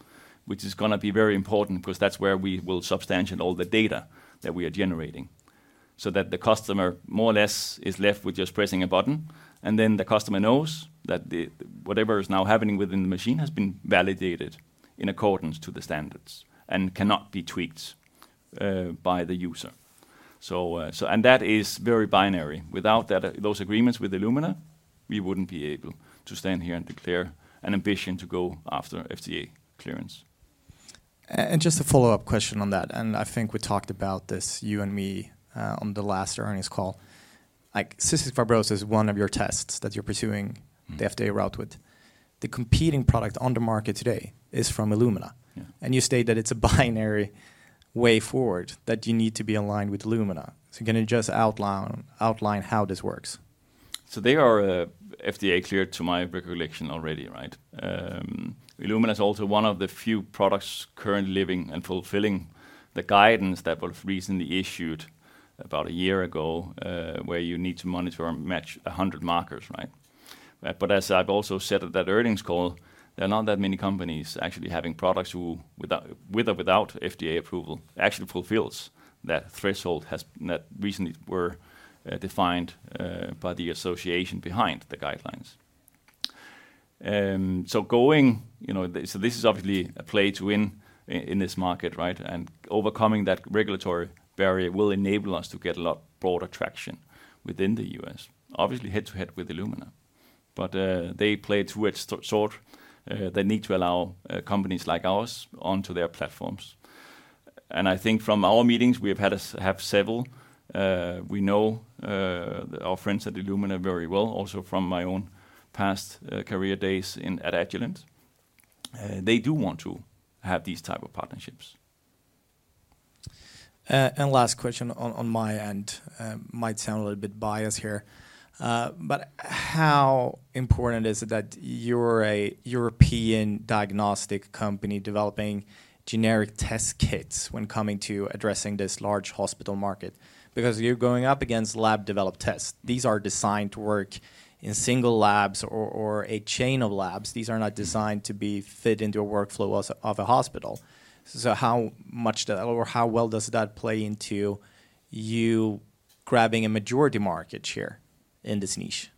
which is going to be very important because that's where we will substantiate all the data that we are generating so that the customer more or less is left with just pressing a button. Then the customer knows that whatever is now happening within the machine has been validated in accordance to the standards and cannot be tweaked by the user. That is very binary. Without those agreements with Illumina, we wouldn't be able to stand here and declare an ambition to go after FDA clearance. And just a follow-up question on that. And I think we talked about this, you and me, on the last earnings call. Cystic fibrosis is one of your tests that you're pursuing the FDA route with. The competing product on the market today is from Illumina. And you state that it's a binary way forward that you need to be aligned with Illumina. So can you just outline how this works? So they are FDA cleared to my recollection already. Illumina is also one of the few products currently living and fulfilling the guidance that was recently issued about a year ago where you need to monitor or match 100 markers. But as I've also said at that earnings call, there are not that many companies actually having products who, with or without FDA approval, actually fulfills that threshold that recently were defined by the association behind the guidelines. So this is obviously a play to win in this market. And overcoming that regulatory barrier will enable us to get a lot broader traction within the US, obviously head-to-head with Illumina. But they play too short. They need to allow companies like ours onto their platforms. And I think from our meetings, we have had us have several. We know our friends at Illumina very well, also from my own past career days at Agilent. They do want to have these types of partnerships. And last question on my end. Might sound a little bit biased here. But how important is it that you're a European diagnostic company developing generic test kits when coming to addressing this large hospital market? Because you're going up against lab-developed tests. These are designed to work in single labs or a chain of labs. These are not designed to be fit into a workflow of a hospital. So how much or how well does that play into you grabbing a majority market share in this niche?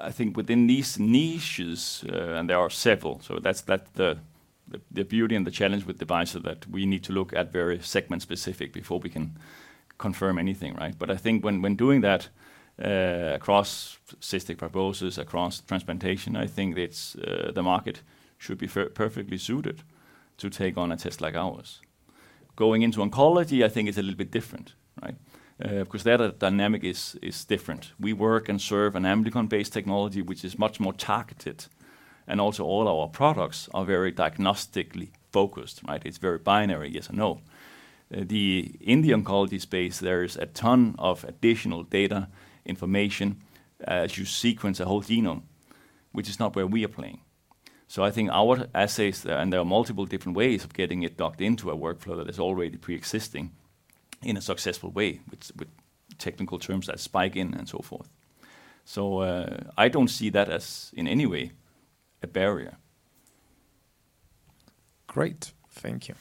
I think within these niches, and there are several. So that's the beauty and the challenge with Devyser that we need to look at various segments specifically before we can confirm anything. But I think when doing that across cystic fibrosis, across transplantation, I think the market should be perfectly suited to take on a test like ours. Going into oncology, I think it's a little bit different because their dynamic is different. We work and serve an amplicon-based technology, which is much more targeted. And also all our products are very diagnostically focused. It's very binary, yes or no. In the oncology space, there is a ton of additional data information as you sequence a whole genome, which is not where we are playing. So I think our assays, and there are multiple different ways of getting it docked into a workflow that is already pre-existing in a successful way with technical terms like spike-in and so forth. So I don't see that as in any way a barrier. Great. Thank you.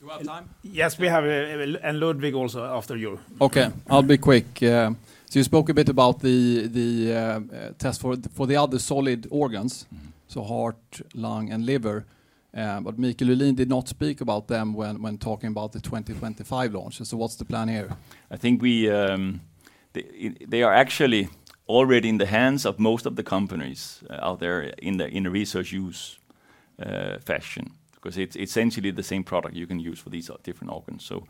Do we have time? Yes, we have, and Ludvig also after you. OK, I'll be quick. So you spoke a bit about the test for the other solid organs, so heart, lung, and liver. But Michael Uhlin did not speak about them when talking about the 2025 launch. So what's the plan here? I think they are actually already in the hands of most of the companies out there in a research use fashion because it's essentially the same product you can use for these different organs. So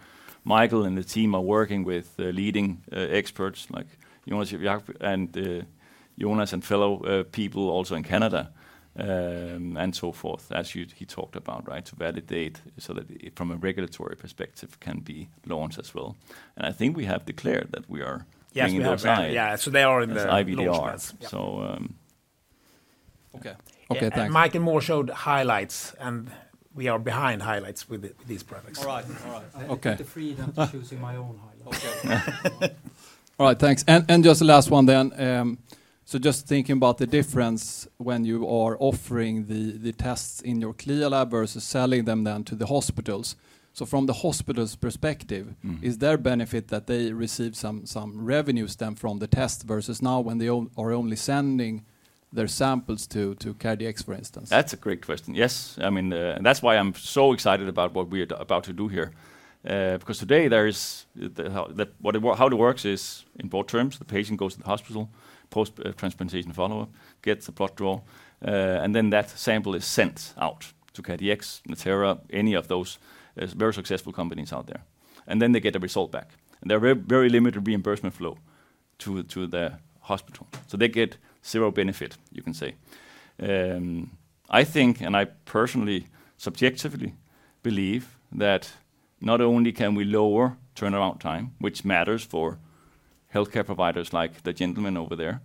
Michael and the team are working with leading experts like Jonas and fellow people also in Canada and so forth, as he talked about, to validate so that from a regulatory perspective can be launched as well. And I think we have declared that we are being their guide. Yeah, so they are in the launch pads. So OK. OK, thanks. Michael Uhlin showed highlights, and we are behind highlights with these products. All right. I have the freedom to choose in my own highlight. All right, thanks. And just the last one then. So just thinking about the difference when you are offering the tests in your CLIA lab versus selling them then to the hospitals. So from the hospital's perspective, is there benefit that they receive some revenue stream from the test versus now when they are only sending their samples to CareDx, for instance? That's a great question. Yes. I mean, that's why I'm so excited about what we are about to do here. Because today, how it works is, in broad terms, the patient goes to the hospital, post-transplantation follow-up, gets a blood draw, and then that sample is sent out to CareDx, Natera, any of those very successful companies out there. And then they get a result back. And there are very limited reimbursement flow to the hospital. So they get zero benefit, you can say. I think, and I personally subjectively believe that not only can we lower turnaround time, which matters for health care providers like the gentleman over there,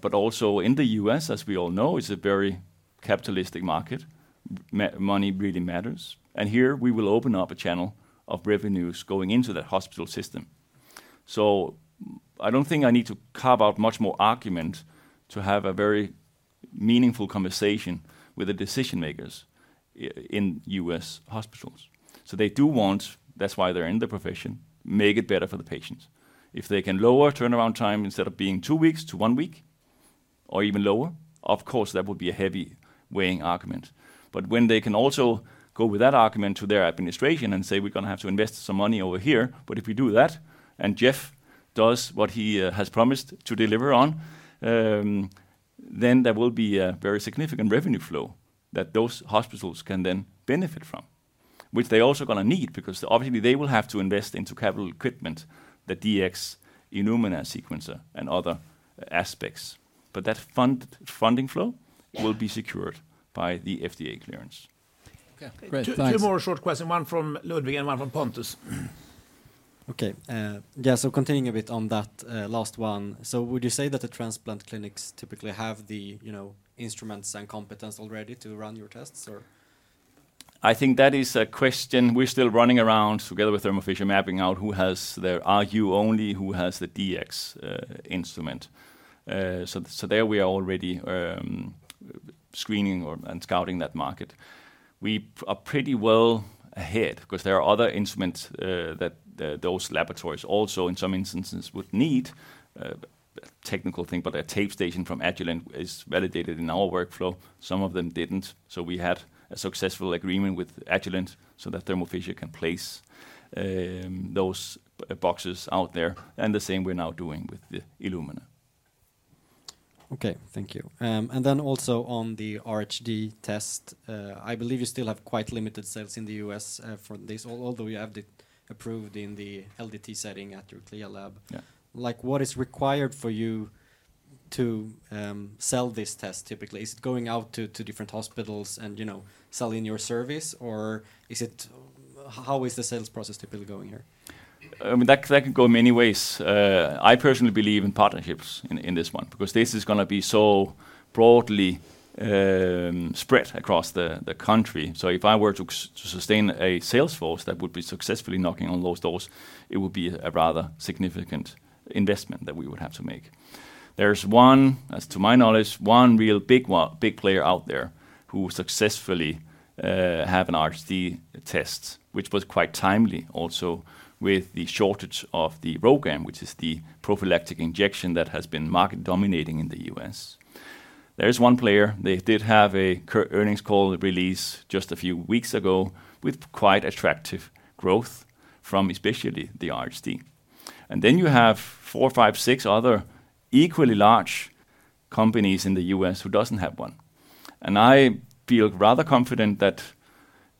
but also in the U.S., as we all know, is a very capitalistic market. Money really matters. And here, we will open up a channel of revenues going into that hospital system. I don't think I need to carve out much more argument to have a very meaningful conversation with the decision-makers in U.S. hospitals. They do want, that's why they're in the profession, make it better for the patients. If they can lower turnaround time instead of being two weeks to one week or even lower, of course, that would be a heavy-weighing argument. But when they can also go with that argument to their administration and say, we're going to have to invest some money over here, but if we do that, and Jeff does what he has promised to deliver on, then there will be a very significant revenue flow that those hospitals can then benefit from, which they're also going to need because obviously, they will have to invest into capital equipment, the Dx Illumina sequencer, and other aspects. But that funding flow will be secured by the FDA clearance. OK, great. Two more short questions. One from Ludvig and one from Pontus. OK. Yeah, so continuing a bit on that last one. So would you say that the transplant clinics typically have the instruments and competence already to run your tests? I think that is a question we're still running around together with Thermo Fisher, mapping out who has their RU only, who has the DX instrument, so there we are already screening and scouting that market. We are pretty well ahead because there are other instruments that those laboratories also in some instances would need a technical thing, but a TapeStation from Agilent is validated in our workflow. Some of them didn't, so we had a successful agreement with Agilent so that Thermo Fisher can place those boxes out there, and the same we're now doing with the Illumina. OK, thank you. And then also on the RHD test, I believe you still have quite limited sales in the U.S. for this, although you have it approved in the LDT setting at your CLIA lab. What is required for you to sell this test typically? Is it going out to different hospitals and selling your service? Or how is the sales process typically going here? I mean, that can go many ways. I personally believe in partnerships in this one because this is going to be so broadly spread across the country. So if I were to sustain a sales force that would be successfully knocking on those doors, it would be a rather significant investment that we would have to make. There is, to my knowledge, one real big player out there who successfully has an RHD test, which was quite timely also with the shortage of the RhoGAM, which is the prophylactic injection that has been market dominating in the U.S. There is one player. They did have an earnings call release just a few weeks ago with quite attractive growth from especially the RHD. And then you have four, five, six other equally large companies in the U.S. who don't have one. And I feel rather confident that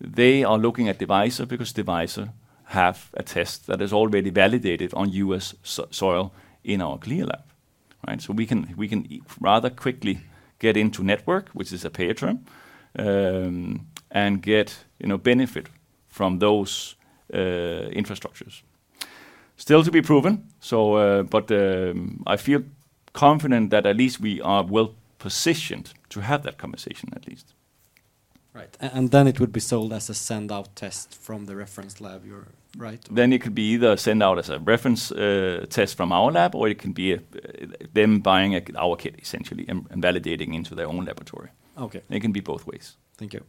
they are looking at Devyser because Devyser has a test that is already validated on U.S. soil in our CLIA lab. So we can rather quickly get into network, which is a payer term, and get benefit from those infrastructures. Still to be proven. But I feel confident that at least we are well positioned to have that conversation at least. Right. And then it would be sold as a send-out test from the reference lab, right? Then it could be either a send-out as a reference test from our lab, or it can be them buying our kit, essentially, and validating into their own laboratory. It can be both ways. Thank you.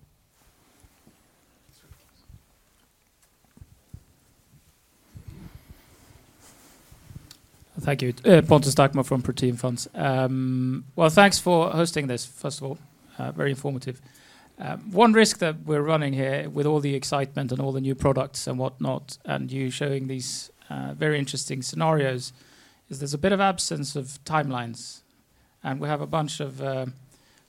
Thank you. Pontus Dackmo from Protean Funds. Well, thanks for hosting this, first of all. Very informative. One risk that we're running here with all the excitement and all the new products and whatnot, and you showing these very interesting scenarios, is there's a bit of absence of timelines. And we have a bunch of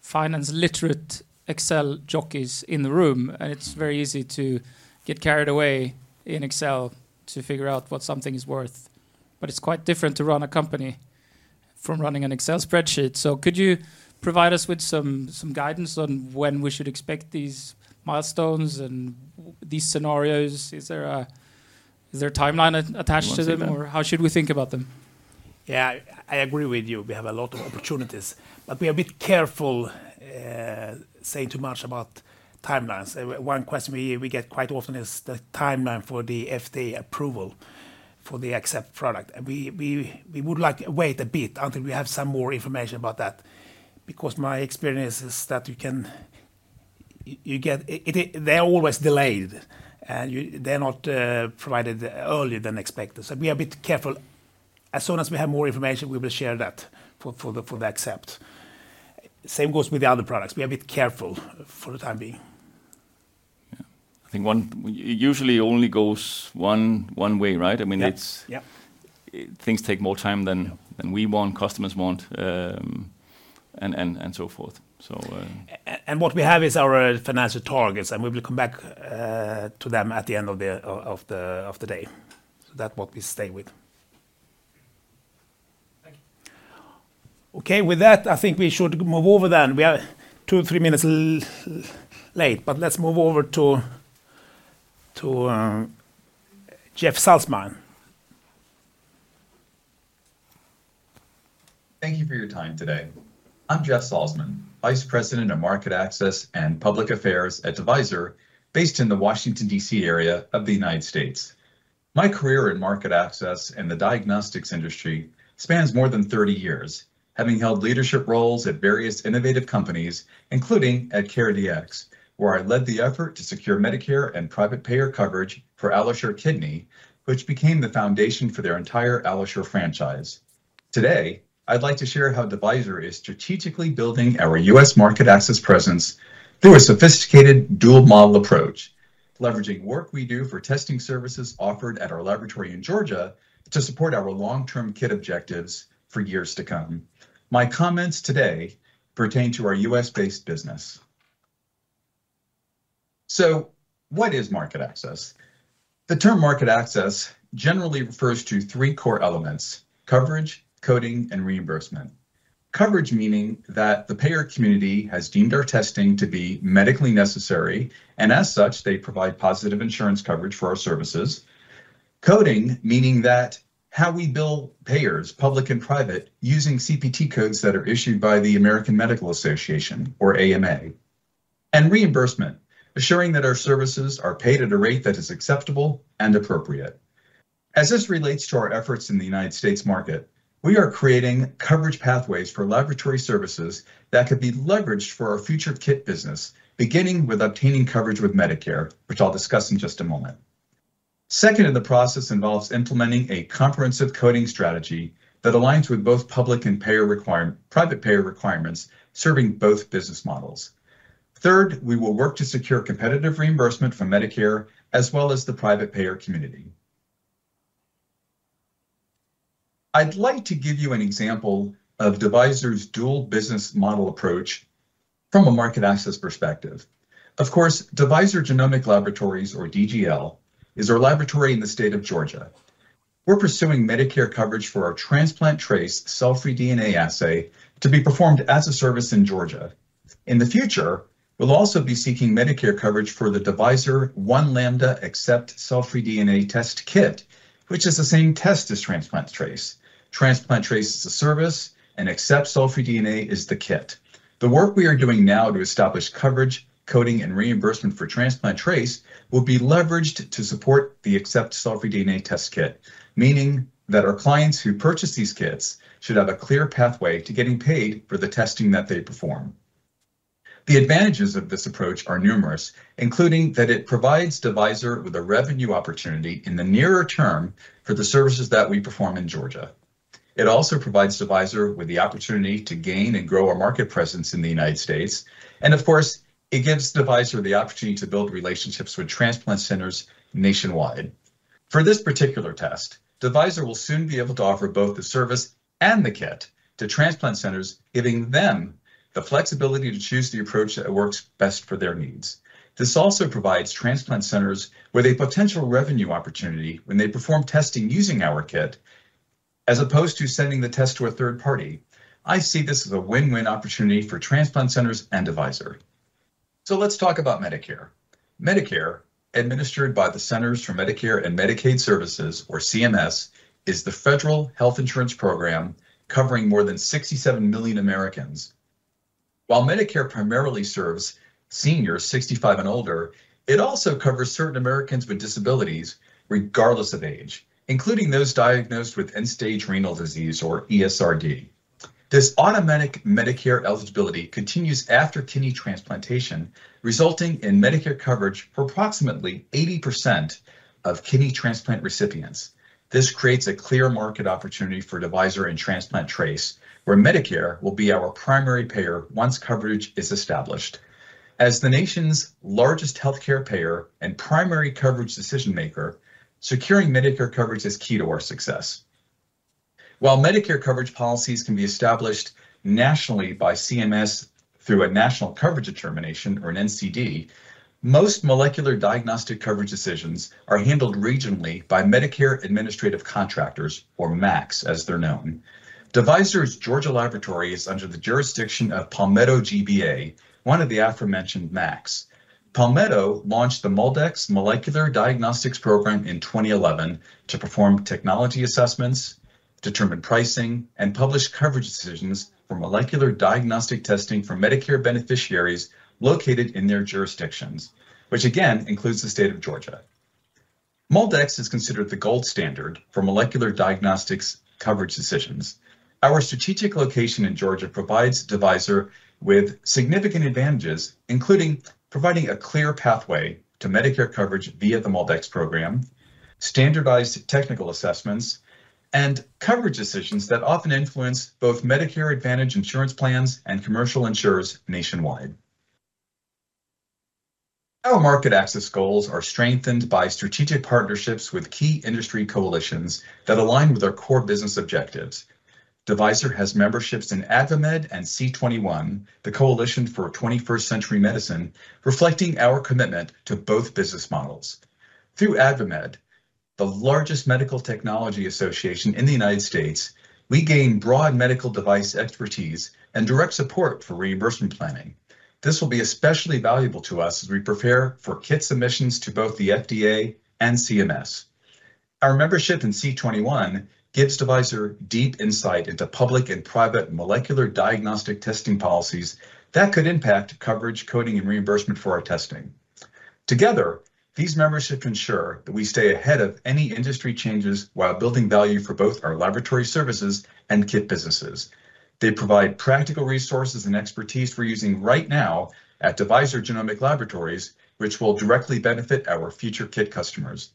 finance-literate Excel jockeys in the room. And it's very easy to get carried away in Excel to figure out what something is worth. But it's quite different to run a company from running an Excel spreadsheet. So could you provide us with some guidance on when we should expect these milestones and these scenarios? Is there a timeline attached to them? Or how should we think about them? Yeah, I agree with you. We have a lot of opportunities. But we are a bit careful saying too much about timelines. One question we get quite often is the timeline for the FDA approval for the Accept product. We would like to wait a bit until we have some more information about that because my experience is that you can, they're always delayed, and they're not provided earlier than expected. So we are a bit careful. As soon as we have more information, we will share that for the Accept. Same goes with the other products. We are a bit careful for the time being. I think usually it only goes one way, right? I mean, things take more time than we want, customers want, and so forth. What we have is our financial targets. We will come back to them at the end of the day. That's what we stay with. Thank you. OK, with that, I think we should move over then. We are two or three minutes late. But let's move over to Jeff Saltzman. Thank you for your time today. I'm Jeff Saltzman, Vice President of Market Access and Public Affairs at Devyser, based in the Washington, DC area of the United States. My career in market access and the diagnostics industry spans more than 30 years, having held leadership roles at various innovative companies, including at CareDx, where I led the effort to secure Medicare and private payer coverage for AlloSure Kidney, which became the foundation for their entire AlloSure franchise. Today, I'd like to share how Devyser is strategically building our U.S. market access presence through a sophisticated dual-model approach, leveraging work we do for testing services offered at our laboratory in Georgia to support our long-term kit objectives for years to come. My comments today pertain to our U.S.-based business. So what is market access? The term market access generally refers to three core elements: coverage, coding, and reimbursement. Coverage meaning that the payer community has deemed our testing to be medically necessary, and as such, they provide positive insurance coverage for our services. Coding meaning that how we bill payers, public and private, using CPT codes that are issued by the American Medical Association, or AMA, and reimbursement, assuring that our services are paid at a rate that is acceptable and appropriate. As this relates to our efforts in the United States market, we are creating coverage pathways for laboratory services that could be leveraged for our future kit business, beginning with obtaining coverage with Medicare, which I'll discuss in just a moment. Second, the process involves implementing a comprehensive coding strategy that aligns with both public and private payer requirements, serving both business models. Third, we will work to secure competitive reimbursement from Medicare as well as the private payer community. I'd like to give you an example of Devyser's dual business model approach from a market access perspective. Of course, Devyser Genomic Laboratories, or DGL, is our laboratory in the state of Georgia. We're pursuing Medicare coverage for our TransplantTrace cfDNA assay to be performed as a service in Georgia. In the future, we'll also be seeking Medicare coverage for the Devyser Accept cell-free DNA Test Kit, which is the same test as TransplantTrace. TransplantTrace is a service, and Accept cell-free DNA is the kit. The work we are doing now to establish coverage, coding, and reimbursement for TransplantTrace will be leveraged to support the Accept cell-free DNA Test Kit, meaning that our clients who purchase these kits should have a clear pathway to getting paid for the testing that they perform. The advantages of this approach are numerous, including that it provides Devyser with a revenue opportunity in the nearer term for the services that we perform in Georgia. It also provides Devyser with the opportunity to gain and grow our market presence in the United States. And of course, it gives Devyser the opportunity to build relationships with transplant centers nationwide. For this particular test, Devyser will soon be able to offer both the service and the kit to transplant centers, giving them the flexibility to choose the approach that works best for their needs. This also provides transplant centers with a potential revenue opportunity when they perform testing using our kit, as opposed to sending the test to a third party. I see this as a win-win opportunity for transplant centers and Devyser. So let's talk about Medicare. Medicare, administered by the Centers for Medicare and Medicaid Services, or CMS, is the federal health insurance program covering more than 67 million Americans. While Medicare primarily serves seniors 65 and older, it also covers certain Americans with disabilities, regardless of age, including those diagnosed with end-stage renal disease, or ESRD. This automatic Medicare eligibility continues after kidney transplantation, resulting in Medicare coverage for approximately 80% of kidney transplant recipients. This creates a clear market opportunity for Devyser and TransplantTrace, where Medicare will be our primary payer once coverage is established. As the nation's largest health care payer and primary coverage decision maker, securing Medicare coverage is key to our success. While Medicare coverage policies can be established nationally by CMS through a national coverage determination, or an NCD, most molecular diagnostic coverage decisions are handled regionally by Medicare Administrative Contractors, or MACs, as they're known. Devyser's Georgia laboratory is under the jurisdiction of Palmetto GBA, one of the aforementioned MACs. Palmetto launched the MolDX Molecular Diagnostics Program in 2011 to perform technology assessments, determine pricing, and publish coverage decisions for molecular diagnostic testing for Medicare beneficiaries located in their jurisdictions, which again includes the state of Georgia. MolDX is considered the gold standard for molecular diagnostics coverage decisions. Our strategic location in Georgia provides Devyser with significant advantages, including providing a clear pathway to Medicare coverage via the MolDX program, standardized technical assessments, and coverage decisions that often influence both Medicare Advantage insurance plans and commercial insurers nationwide. Our market access goals are strengthened by strategic partnerships with key industry coalitions that align with our core business objectives. Devyser has memberships in AdvaMed and C21, the Coalition for 21st Century Medicine, reflecting our commitment to both business models. Through AdvaMed, the largest medical technology association in the United States, we gain broad medical device expertise and direct support for reimbursement planning. This will be especially valuable to us as we prepare for kit submissions to both the FDA and CMS. Our membership in C21 gives Devyser deep insight into public and private molecular diagnostic testing policies that could impact coverage, coding, and reimbursement for our testing. Together, these memberships ensure that we stay ahead of any industry changes while building value for both our laboratory services and kit businesses. They provide practical resources and expertise we're using right now at Devyser Genomic Laboratories, which will directly benefit our future kit customers.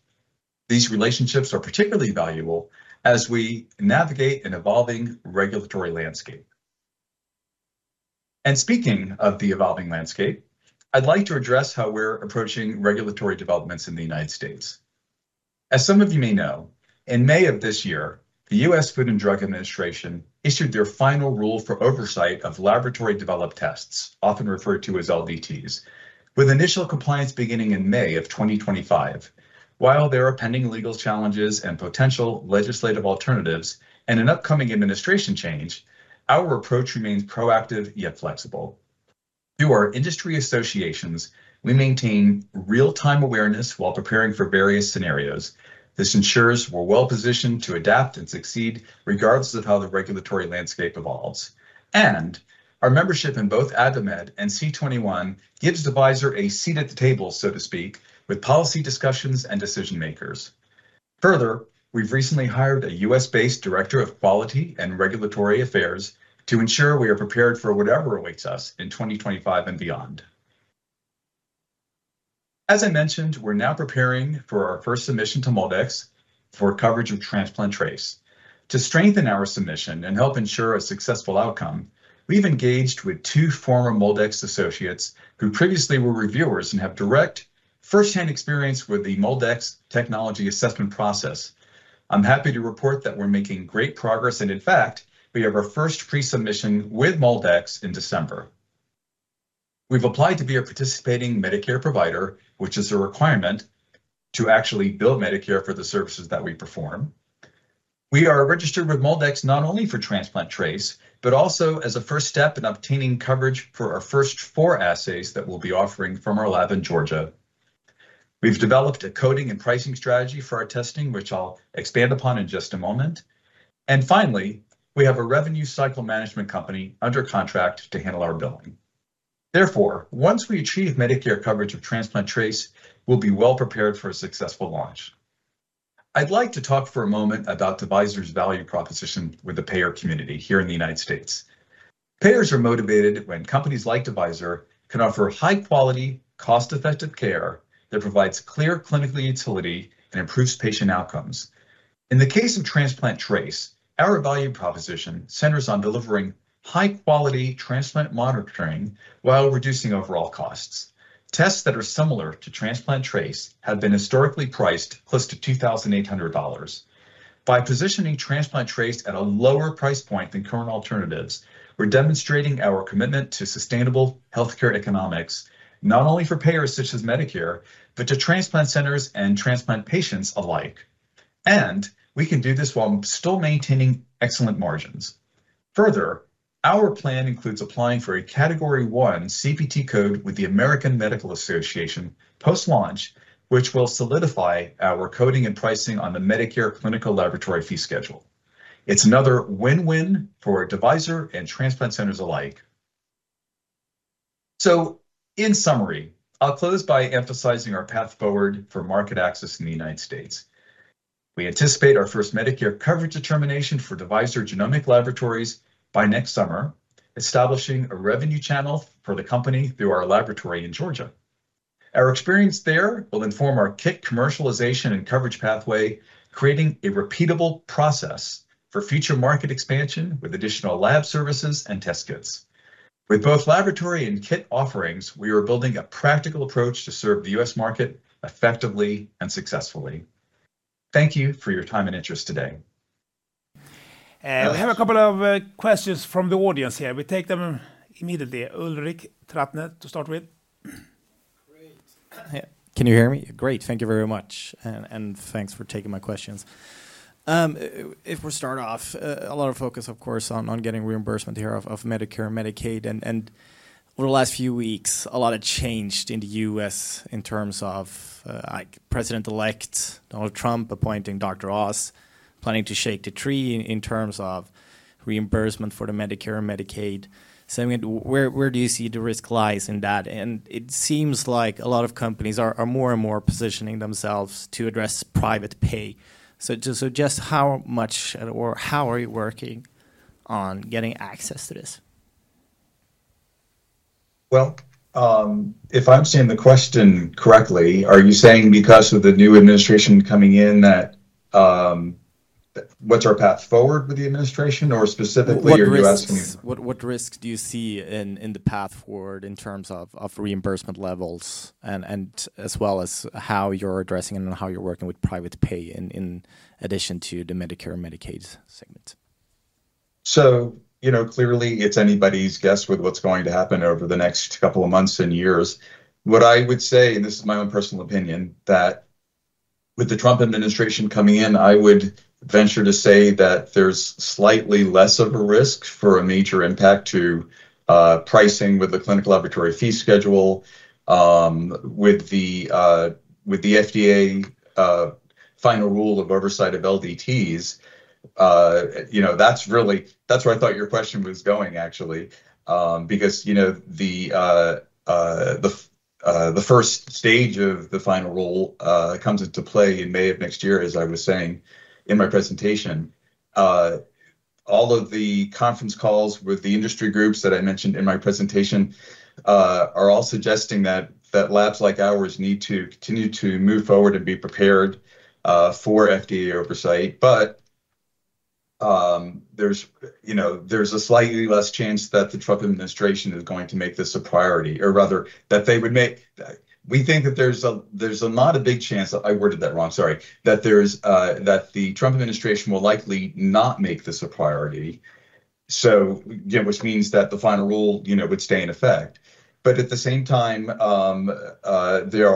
These relationships are particularly valuable as we navigate an evolving regulatory landscape, and speaking of the evolving landscape, I'd like to address how we're approaching regulatory developments in the United States. As some of you may know, in May of this year, the U.S. Food and Drug Administration issued their final rule for oversight of laboratory-developed tests, often referred to as LDTs, with initial compliance beginning in May of 2025. While there are pending legal challenges and potential legislative alternatives and an upcoming administration change, our approach remains proactive yet flexible. Through our industry associations, we maintain real-time awareness while preparing for various scenarios. This ensures we're well positioned to adapt and succeed, regardless of how the regulatory landscape evolves, and our membership in both AdvaMed and C21 gives Devyser a seat at the table, so to speak, with policy discussions and decision makers. Further, we've recently hired a U.S.-based Director of Quality and Regulatory Affairs to ensure we are prepared for whatever awaits us in 2025 and beyond. As I mentioned, we're now preparing for our first submission to MolDX for coverage of TransplantTrace. To strengthen our submission and help ensure a successful outcome, we've engaged with two former MolDX associates who previously were reviewers and have direct firsthand experience with the MolDX technology assessment process. I'm happy to report that we're making great progress. And in fact, we have our first pre-submission with MolDX in December. We've applied to be a participating Medicare provider, which is a requirement to actually bill Medicare for the services that we perform. We are registered with MolDX not only for TransplantTrace, but also as a first step in obtaining coverage for our first four assays that we'll be offering from our lab in Georgia. We've developed a coding and pricing strategy for our testing, which I'll expand upon in just a moment. Finally, we have a revenue cycle management company under contract to handle our billing. Therefore, once we achieve Medicare coverage of TransplantTrace, we'll be well prepared for a successful launch. I'd like to talk for a moment about Devyser's value proposition with the payer community here in the United States. Payers are motivated when companies like Devyser can offer high-quality, cost-effective care that provides clear clinical utility and improves patient outcomes. In the case of TransplantTrace, our value proposition centers on delivering high-quality transplant monitoring while reducing overall costs. Tests that are similar to TransplantTrace have been historically priced close to $2,800. By positioning TransplantTrace at a lower price point than current alternatives, we're demonstrating our commitment to sustainable health care economics, not only for payers such as Medicare, but to transplant centers and transplant patients alike. We can do this while still maintaining excellent margins. Further, our plan includes applying for a Category 1 CPT code with the American Medical Association post-launch, which will solidify our coding and pricing on the Medicare clinical laboratory fee schedule. It's another win-win for Devyser and transplant centers alike. In summary, I'll close by emphasizing our path forward for market access in the United States. We anticipate our first Medicare coverage determination for Devyser Genomic Laboratories by next summer, establishing a revenue channel for the company through our laboratory in Georgia. Our experience there will inform our kit commercialization and coverage pathway, creating a repeatable process for future market expansion with additional lab services and test kits. With both laboratory and kit offerings, we are building a practical approach to serve the US market effectively and successfully. Thank you for your time and interest today. We have a couple of questions from the audience here. We take them immediately. Ulrik Trattner to start with. Great. Can you hear me? Great. Thank you very much. Thanks for taking my questions. If we start off, a lot of focus, of course, on getting reimbursement here of Medicare and Medicaid. Over the last few weeks, a lot has changed in the U.S. in terms of President-elect Donald Trump appointing Dr. Oz, planning to shake the tree in terms of reimbursement for the Medicare and Medicaid. So I mean, where do you see the risk lies in that? It seems like a lot of companies are more and more positioning themselves to address private pay. So just how much, or how are you working on getting access to this? If I'm seeing the question correctly, are you saying because of the new administration coming in that what's our path forward with the administration, or specifically are you asking? What risk do you see in the path forward in terms of reimbursement levels, as well as how you're addressing and how you're working with private pay in addition to the Medicare and Medicaid segment? Clearly, it's anybody's guess with what's going to happen over the next couple of months and years. What I would say, and this is my own personal opinion, that with the Trump administration coming in, I would venture to say that there's slightly less of a risk for a major impact to pricing with the clinical laboratory fee schedule. With the FDA final rule of oversight of LDTs, that's where I thought your question was going, actually, because the first stage of the final rule comes into play in May of next year, as I was saying in my presentation. All of the conference calls with the industry groups that I mentioned in my presentation are all suggesting that labs like ours need to continue to move forward and be prepared for FDA oversight. But there's a slightly less chance that the Trump administration is going to make this a priority, or rather that they would make we think that there's not a big chance, I worded that wrong, sorry, that the Trump administration will likely not make this a priority, which means that the final rule would stay in effect. But at the same time, there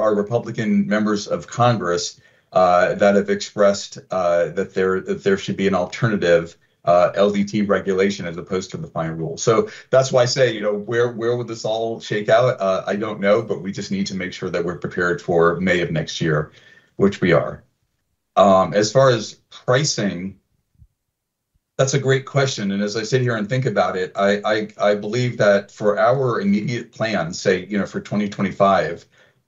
are Republican members of Congress that have expressed that there should be an alternative LDT regulation as opposed to the final rule. So that's why I say, where will this all shake out? I don't know, but we just need to make sure that we're prepared for May of next year, which we are. As far as pricing, that's a great question. And as I sit here and think about it, I believe that for our immediate plan, say, for 2025,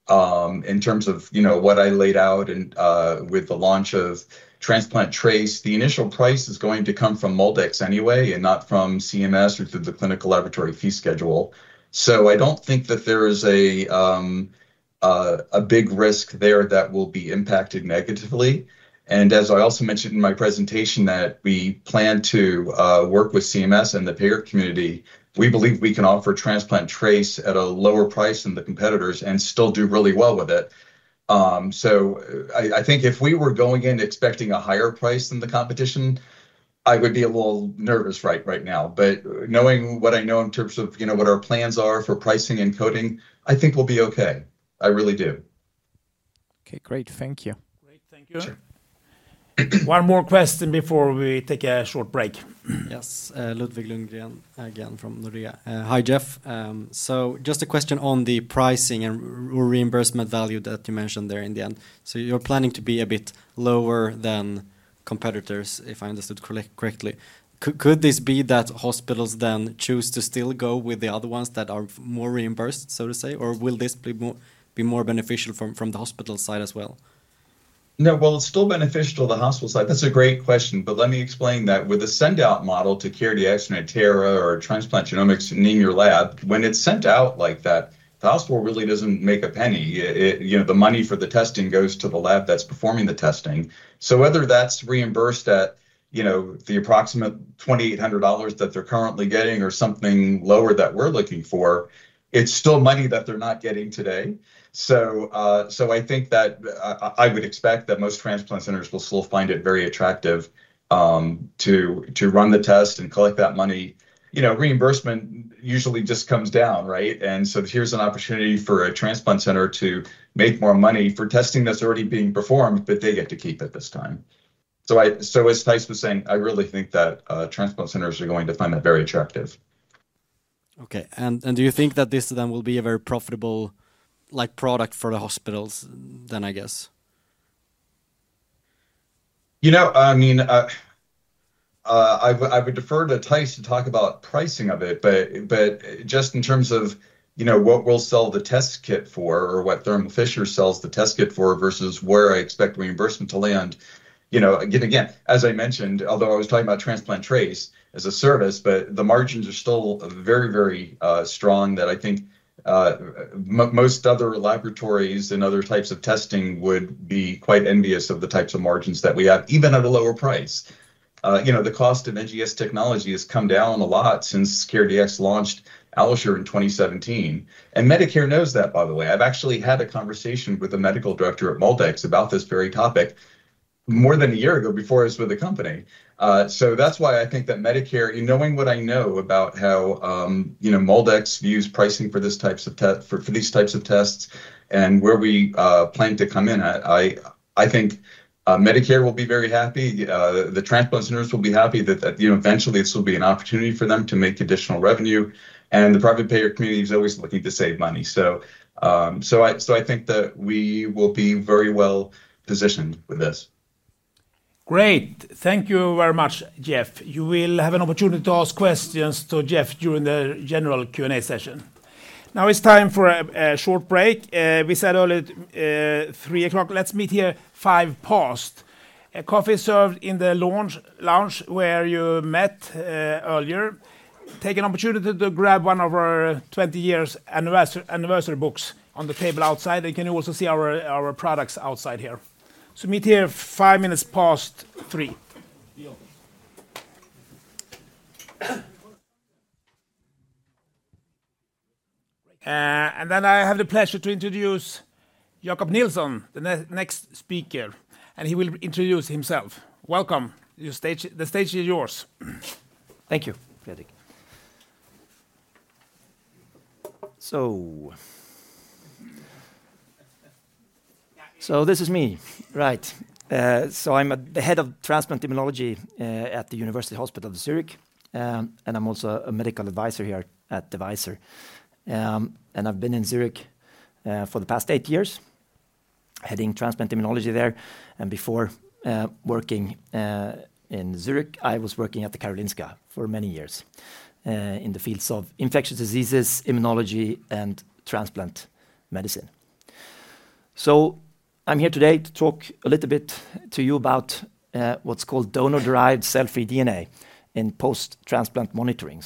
in terms of what I laid out with the launch of TransplantTrace, the initial price is going to come from MolDX anyway and not from CMS or through the clinical laboratory fee schedule. So I don't think that there is a big risk there that will be impacted negatively. And as I also mentioned in my presentation that we plan to work with CMS and the payer community, we believe we can offer TransplantTrace at a lower price than the competitors and still do really well with it. So I think if we were going in expecting a higher price than the competition, I would be a little nervous right now. But knowing what I know in terms of what our plans are for pricing and coding, I think we'll be okay. I really do. Okay. Great. Thank you. Great. Thank you. One more question before we take a short break. Yes. Ludvig Lundgren again from Nordea. Hi, Jeff. So just a question on the pricing and reimbursement value that you mentioned there in the end. So you're planning to be a bit lower than competitors, if I understood correctly. Could this be that hospitals then choose to still go with the other ones that are more reimbursed, so to say, or will this be more beneficial from the hospital side as well? No, well, it's still beneficial to the hospital side. That's a great question, but let me explain that. With the send-out model to CareDx and Natera, or transplant genomics in your lab, when it's sent out like that, the hospital really doesn't make a penny. The money for the testing goes to the lab that's performing the testing. So whether that's reimbursed at the approximate $2,800 that they're currently getting or something lower that we're looking for, it's still money that they're not getting today. So I think that I would expect that most transplant centers will still find it very attractive to run the test and collect that money. Reimbursement usually just comes down, right? So here's an opportunity for a transplant center to make more money for testing that's already being performed, but they get to keep it this time. So as Theis was saying, I really think that transplant centers are going to find that very attractive. Okay. And do you think that this then will be a very profitable product for the hospitals then, I guess? I mean, I would defer to Theis to talk about pricing of it, but just in terms of what we'll sell the test kit for or what Thermo Fisher sells the test kit for versus where I expect reimbursement to land. Again, as I mentioned, although I was talking about TransplantTrace as a service, the margins are still very, very strong that I think most other laboratories and other types of testing would be quite envious of the types of margins that we have, even at a lower price. The cost of NGS technology has come down a lot since CareDx launched AlloSure in 2017, and Medicare knows that, by the way. I've actually had a conversation with the medical director at MolDX about this very topic more than a year ago before I was with the company, so that's why I think that Medicare, knowing what I know about how MolDX views pricing for these types of tests and where we plan to come in at, I think Medicare will be very happy. The transplant centers will be happy that eventually this will be an opportunity for them to make additional revenue, and the private payer community is always looking to save money. So I think that we will be very well positioned with this. Great. Thank you very much, Jeff. You will have an opportunity to ask questions to Jeff during the general Q&A session. Now it's time for a short break. We said earlier, 3 o'clock. Let's meet here 5 past. A coffee served in the lounge where you met earlier. Take an opportunity to grab one of our 20-year anniversary books on the table outside, and can you also see our products outside here? So meet here 5 minutes past 3, and then I have the pleasure to introduce Jakob Nilsson, the next speaker, and he will introduce himself. Welcome. The stage is yours. Thank you, Fredrik. This is me. Right. I'm the head of transplant immunology at the University Hospital Zurich. I'm also a medical advisor here at Devyser. I've been in Zurich for the past eight years, heading transplant immunology there. Before working in Zurich, I was working at the Karolinska for many years in the fields of infectious diseases, immunology, and transplant medicine. I'm here today to talk a little bit to you about what's called donor-derived cell-free DNA in post-transplant monitoring.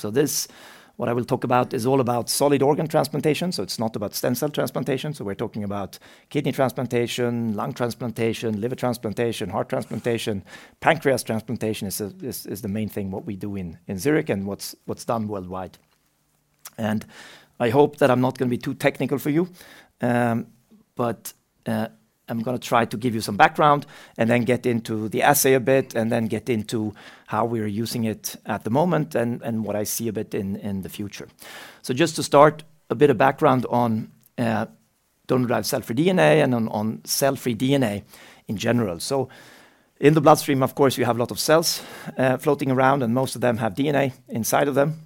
What I will talk about is all about solid organ transplantation. It's not about stem cell transplantation. We're talking about kidney transplantation, lung transplantation, liver transplantation, heart transplantation. Pancreas transplantation is the main thing what we do in Zurich and what's done worldwide. And I hope that I'm not going to be too technical for you, but I'm going to try to give you some background and then get into the assay a bit and then get into how we are using it at the moment and what I see a bit in the future. So just to start, a bit of background on donor-derived cell-free DNA and on cell-free DNA in general. So in the bloodstream, of course, you have a lot of cells floating around, and most of them have DNA inside of them.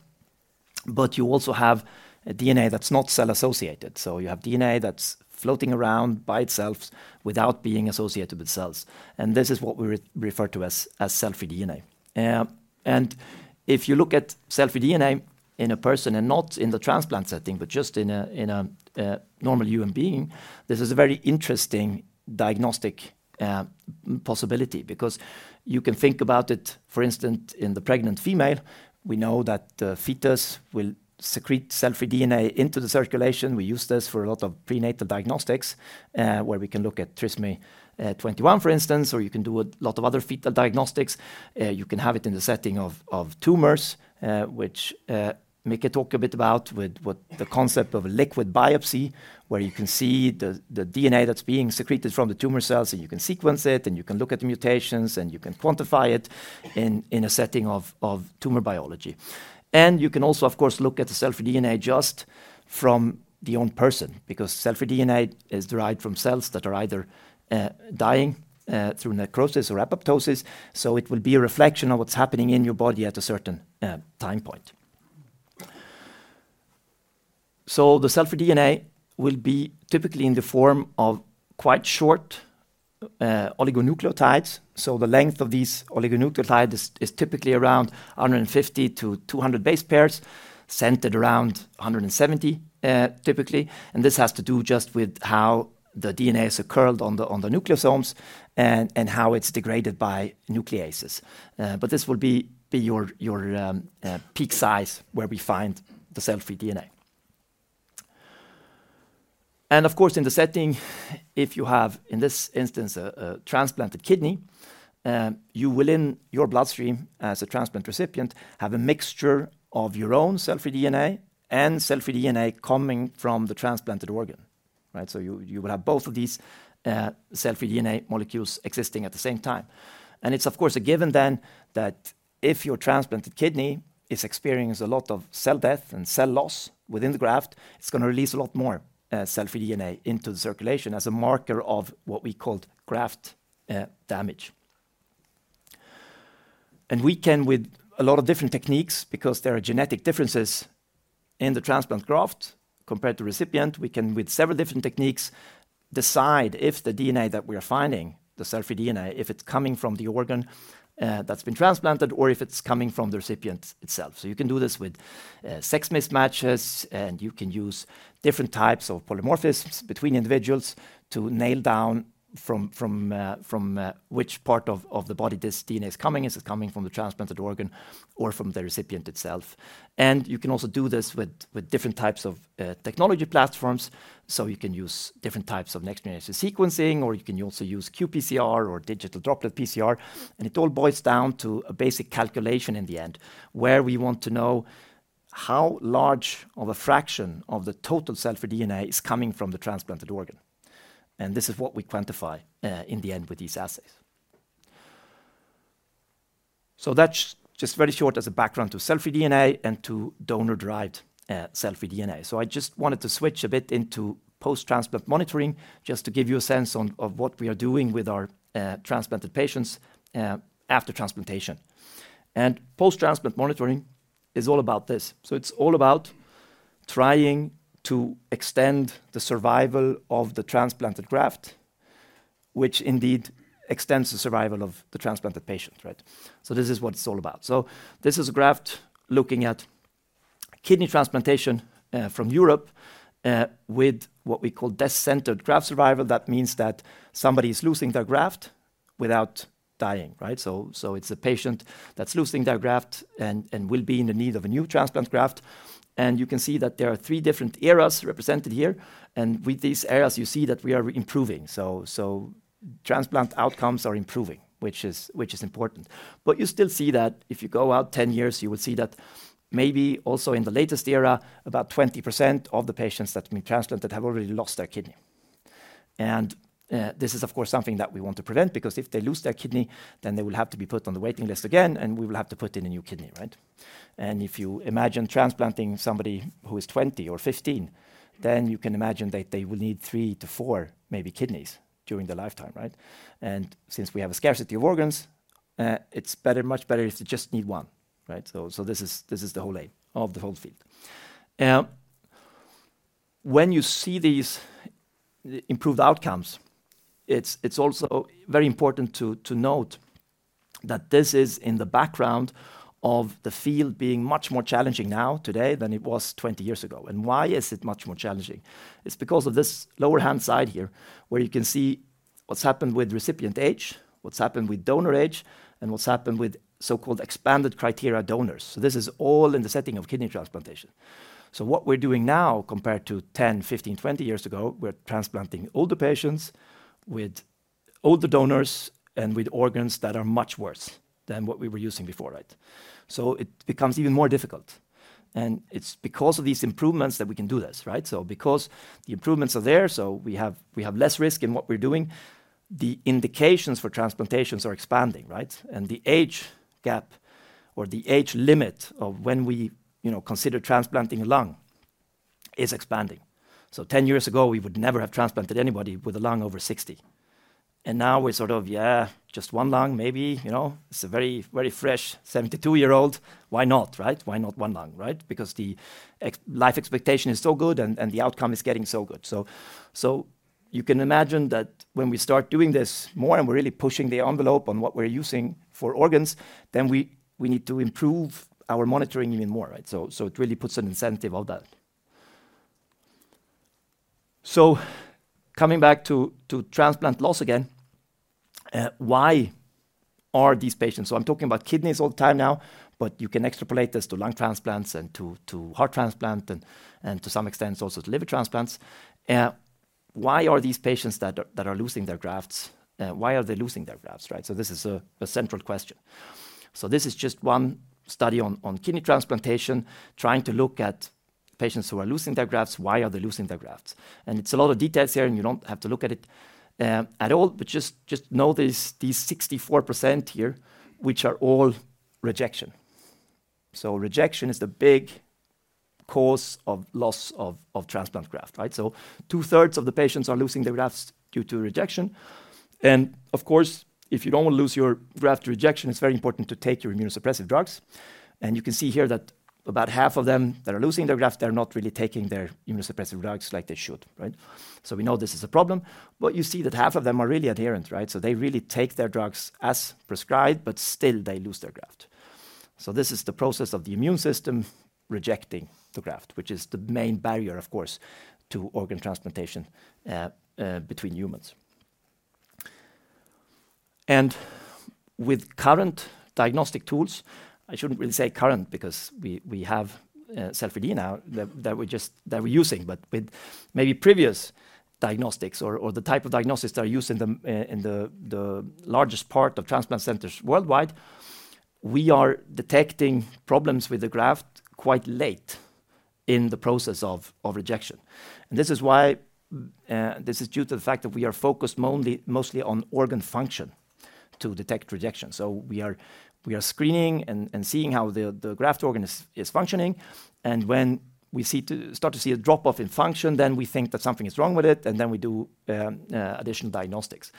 But you also have DNA that's not cell-associated. So you have DNA that's floating around by itself without being associated with cells. And this is what we refer to as cell-free DNA. If you look at cell-free DNA in a person and not in the transplant setting, but just in a normal human being, this is a very interesting diagnostic possibility because you can think about it, for instance, in the pregnant female. We know that the fetus will secrete cell-free DNA into the circulation. We use this for a lot of prenatal diagnostics where we can look at trisomy 21, for instance, or you can do a lot of other fetal diagnostics. You can have it in the setting of tumors, which Mika talked a bit about with the concept of a liquid biopsy where you can see the DNA that's being secreted from the tumor cells, and you can sequence it, and you can look at the mutations, and you can quantify it in a setting of tumor biology. You can also, of course, look at the cell-free DNA just from the own person because cell-free DNA is derived from cells that are either dying through necrosis or apoptosis. It will be a reflection of what's happening in your body at a certain time point. The cell-free DNA will be typically in the form of quite short oligonucleotides. The length of these oligonucleotides is typically around 150-200 base pairs, centered around 170 typically. This has to do just with how the DNA is curled on the nucleosomes and how it's degraded by nucleases. This will be your peak size where we find the cell-free DNA. Of course, in the setting, if you have, in this instance, a transplanted kidney, you will, in your bloodstream as a transplant recipient, have a mixture of your own cell-free DNA and cell-free DNA coming from the transplanted organ. You will have both of these cell-free DNA molecules existing at the same time. It's, of course, a given then that if your transplanted kidney is experiencing a lot of cell death and cell loss within the graft, it's going to release a lot more cell-free DNA into the circulation as a marker of what we call graft damage. We can, with a lot of different techniques, because there are genetic differences in the transplant graft compared to recipient, we can, with several different techniques, decide if the DNA that we are finding, the cell-free DNA, if it's coming from the organ that's been transplanted or if it's coming from the recipient itself. So you can do this with sex mismatches, and you can use different types of polymorphisms between individuals to nail down from which part of the body this DNA is coming. Is it coming from the transplanted organ or from the recipient itself? And you can also do this with different types of technology platforms. So you can use different types of next-generation sequencing, or you can also use qPCR or digital droplet PCR. And it all boils down to a basic calculation in the end where we want to know how large of a fraction of the total cell-free DNA is coming from the transplanted organ. And this is what we quantify in the end with these assays. So that's just very short as a background to cell-free DNA and to donor-derived cell-free DNA. So I just wanted to switch a bit into post-transplant monitoring just to give you a sense of what we are doing with our transplanted patients after transplantation. And post-transplant monitoring is all about this. So it's all about trying to extend the survival of the transplanted graft, which indeed extends the survival of the transplanted patient. So this is what it's all about. So this is a graph looking at kidney transplantation from Europe with what we call death-censored graft survival. That means that somebody is losing their graft without dying. So it's a patient that's losing their graft and will be in the need of a new transplant graft. And you can see that there are three different eras represented here. And with these eras, you see that we are improving. So transplant outcomes are improving, which is important. But you still see that if you go out 10 years, you will see that maybe also in the latest era, about 20% of the patients that have been transplanted have already lost their kidney. And this is, of course, something that we want to prevent because if they lose their kidney, then they will have to be put on the waiting list again, and we will have to put in a new kidney. And if you imagine transplanting somebody who is 20 or 15, then you can imagine that they will need three to four, maybe, kidneys during their lifetime. And since we have a scarcity of organs, it's much better if they just need one. So this is the whole aim of the whole field. When you see these improved outcomes, it's also very important to note that this is in the background of the field being much more challenging now, today, than it was 20 years ago. And why is it much more challenging? It's because of this lower right-hand side here where you can see what's happened with recipient age, what's happened with donor age, and what's happened with so-called expanded criteria donors. So this is all in the setting of kidney transplantation. So what we're doing now compared to 10, 15, 20 years ago, we're transplanting older patients with older donors and with organs that are much worse than what we were using before. So it becomes even more difficult. And it's because of these improvements that we can do this. So because the improvements are there, so we have less risk in what we're doing, the indications for transplantations are expanding. And the age gap or the age limit of when we consider transplanting a lung is expanding. So 10 years ago, we would never have transplanted anybody with a lung over 60. And now we're sort of, yeah, just one lung maybe. It's a very fresh 72-year-old. Why not? Why not one lung? Because the life expectation is so good and the outcome is getting so good. You can imagine that when we start doing this more and we're really pushing the envelope on what we're using for organs, then we need to improve our monitoring even more. It really puts an incentive on that. Coming back to transplant loss again, why are these patients? I'm talking about kidneys all the time now, but you can extrapolate this to lung transplants and to heart transplant and to some extent also to liver transplants. Why are these patients that are losing their grafts? Why are they losing their grafts? This is a central question. This is just one study on kidney transplantation trying to look at patients who are losing their grafts. Why are they losing their grafts? It's a lot of details here, and you don't have to look at it at all, but just know these 64% here, which are all rejection. Rejection is the big cause of loss of transplant graft. Two-thirds of the patients are losing their grafts due to rejection. Of course, if you don't want to lose your graft to rejection, it's very important to take your immunosuppressive drugs. You can see here that about half of them that are losing their graft, they're not really taking their immunosuppressive drugs like they should. We know this is a problem. You see that half of them are really adherent. They really take their drugs as prescribed, but still they lose their graft. So this is the process of the immune system rejecting the graft, which is the main barrier, of course, to organ transplantation between humans, and with current diagnostic tools, I shouldn't really say current because we have cell-free DNA that we're using, but with maybe previous diagnostics or the type of diagnosis that are used in the largest part of transplant centers worldwide, we are detecting problems with the graft quite late in the process of rejection, and this is why this is due to the fact that we are focused mostly on organ function to detect rejection, so we are screening and seeing how the graft organ is functioning, and when we start to see a drop-off in function, then we think that something is wrong with it, and then we do additional diagnostics.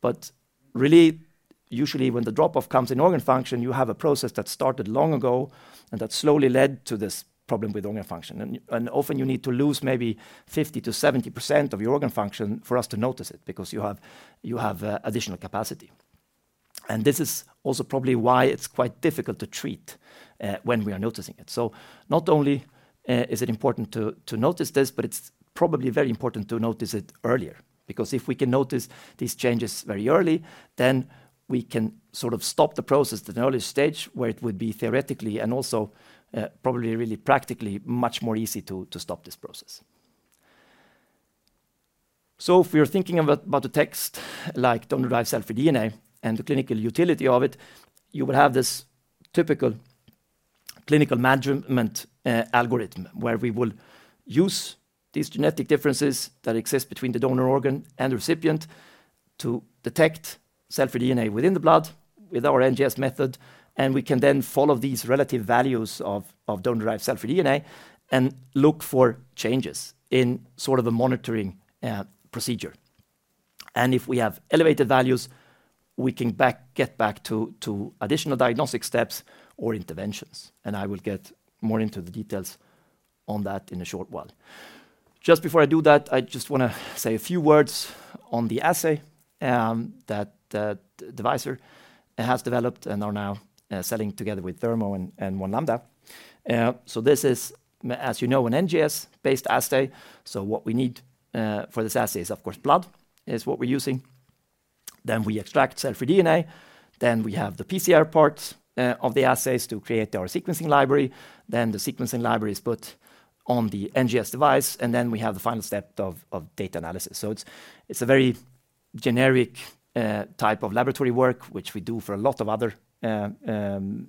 But really, usually when the drop-off comes in organ function, you have a process that started long ago and that slowly led to this problem with organ function. And often you need to lose maybe 50%-70% of your organ function for us to notice it because you have additional capacity. And this is also probably why it's quite difficult to treat when we are noticing it. So not only is it important to notice this, but it's probably very important to notice it earlier because if we can notice these changes very early, then we can sort of stop the process at an early stage where it would be theoretically and also probably really practically much more easy to stop this process. If we are thinking about a test like donor-derived cell-free DNA and the clinical utility of it, you will have this typical clinical management algorithm where we will use these genetic differences that exist between the donor organ and the recipient to detect cell-free DNA within the blood with our NGS method. We can then follow these relative values of donor-derived cell-free DNA and look for changes in sort of a monitoring procedure. If we have elevated values, we can get back to additional diagnostic steps or interventions. I will get more into the details on that in a short while. Just before I do that, I just want to say a few words on the assay that Devyser has developed and are now selling together with Thermo and One Lambda. This is, as you know, an NGS-based assay. So what we need for this assay is, of course, blood is what we're using. Then we extract cell-free DNA. Then we have the PCR parts of the assays to create our sequencing library. Then the sequencing library is put on the NGS device. And then we have the final step of data analysis. So it's a very generic type of laboratory work, which we do for a lot of other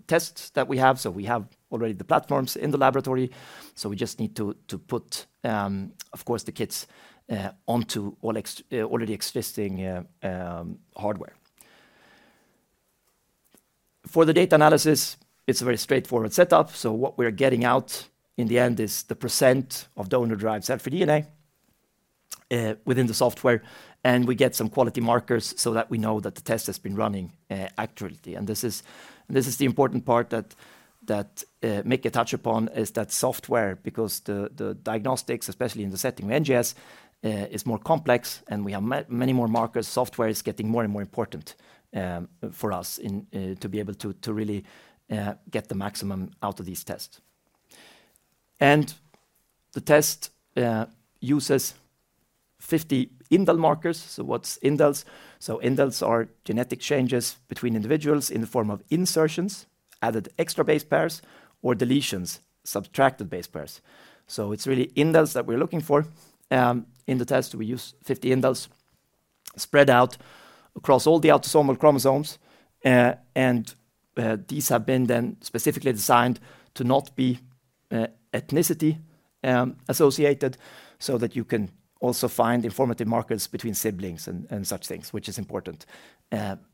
tests that we have. So we have already the platforms in the laboratory. So we just need to put, of course, the kits onto already existing hardware. For the data analysis, it's a very straightforward setup. So what we're getting out in the end is the percent of donor-derived cell-free DNA within the software. And we get some quality markers so that we know that the test has been running accurately. And this is the important part that Mika touched upon, is that software, because the diagnostics, especially in the setting of NGS, is more complex and we have many more markers. Software is getting more and more important for us to be able to really get the maximum out of these tests. And the test uses 50 indel markers. So what's indels? So indels are genetic changes between individuals in the form of insertions, added extra base pairs, or deletions, subtracted base pairs. So it's really indels that we're looking for. In the test, we use 50 indels spread out across all the autosomal chromosomes. These have been then specifically designed to not be ethnicity associated so that you can also find informative markers between siblings and such things, which is important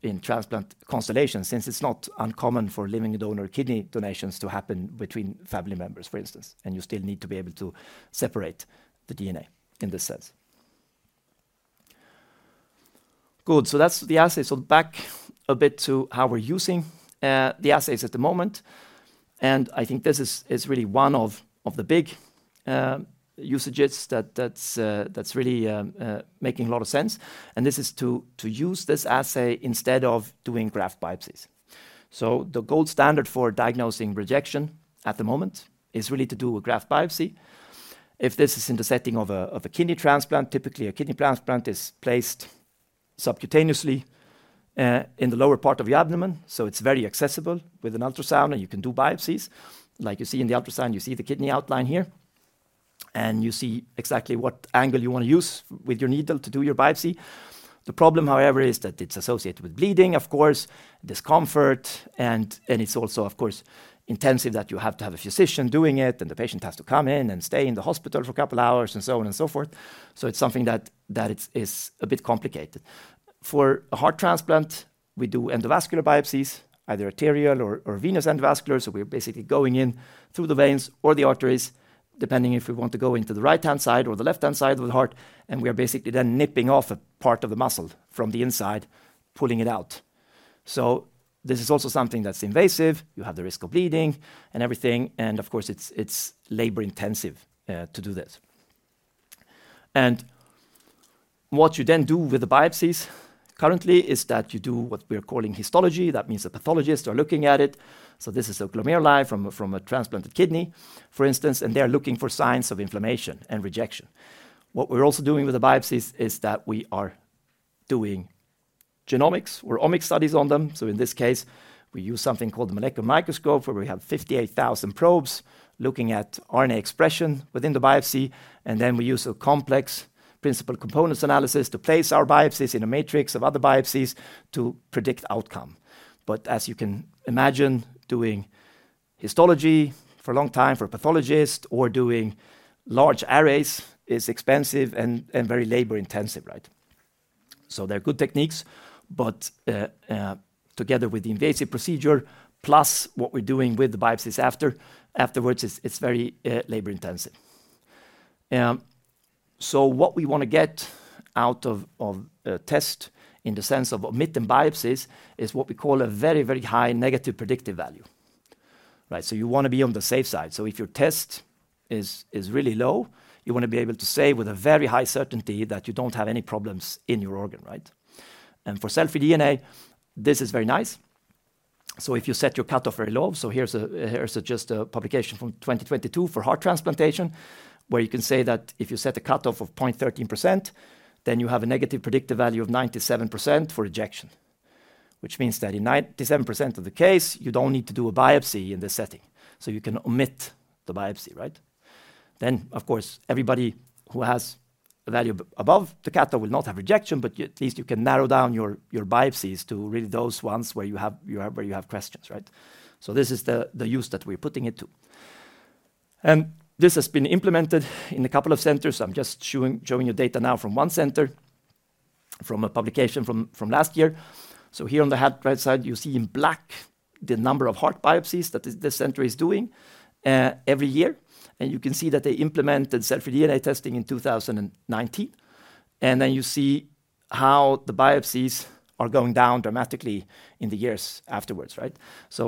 in transplant constellations since it's not uncommon for living donor kidney donations to happen between family members, for instance. And you still need to be able to separate the DNA in this sense. Good. So that's the assay. So back a bit to how we're using the assays at the moment. And I think this is really one of the big usages that's really making a lot of sense. And this is to use this assay instead of doing graft biopsies. So the gold standard for diagnosing rejection at the moment is really to do a graft biopsy. If this is in the setting of a kidney transplant, typically a kidney transplant is placed subcutaneously in the lower part of your abdomen. So it's very accessible with an ultrasound and you can do biopsies. Like you see in the ultrasound, you see the kidney outline here. And you see exactly what angle you want to use with your needle to do your biopsy. The problem, however, is that it's associated with bleeding, of course, discomfort. And it's also, of course, intensive that you have to have a physician doing it. And the patient has to come in and stay in the hospital for a couple of hours and so on and so forth. So it's something that is a bit complicated. For a heart transplant, we do endovascular biopsies, either arterial or venous endovascular. So we're basically going in through the veins or the arteries, depending if we want to go into the right-hand side or the left-hand side of the heart. We are basically then nipping off a part of the muscle from the inside, pulling it out. This is also something that's invasive. You have the risk of bleeding and everything. Of course, it's labor-intensive to do this. What you then do with the biopsies currently is that you do what we're calling histology. That means the pathologists are looking at it. This is a glomeruli from a transplanted kidney, for instance, and they're looking for signs of inflammation and rejection. What we're also doing with the biopsies is that we are doing genomics or omics studies on them. In this case, we use something called the Molecular Microscope where we have 58,000 probes looking at RNA expression within the biopsy. Then we use a complex principal components analysis to place our biopsies in a matrix of other biopsies to predict outcome. But as you can imagine, doing histology for a long time for a pathologist or doing large arrays is expensive and very labor-intensive. So they're good techniques, but together with the invasive procedure, plus what we're doing with the biopsies afterwards, it's very labor-intensive. So what we want to get out of a test in the sense of omitting biopsies is what we call a very, very high negative predictive value. So you want to be on the safe side. So if your test is really low, you want to be able to say with a very high certainty that you don't have any problems in your organ. And for cell-free DNA, this is very nice. If you set your cutoff very low, here's just a publication from 2022 for heart transplantation where you can say that if you set a cutoff of 0.13%, then you have a negative predictive value of 97% for rejection, which means that in 97% of the case, you don't need to do a biopsy in this setting. You can omit the biopsy. Then, of course, everybody who has a value above the cutoff will not have rejection, but at least you can narrow down your biopsies to really those ones where you have questions. This is the use that we're putting it to. And this has been implemented in a couple of centers. I'm just showing you data now from one center from a publication from last year. Here on the right side, you see in black the number of heart biopsies that this center is doing every year. You can see that they implemented cell-free DNA testing in 2019. Then you see how the biopsies are going down dramatically in the years afterwards.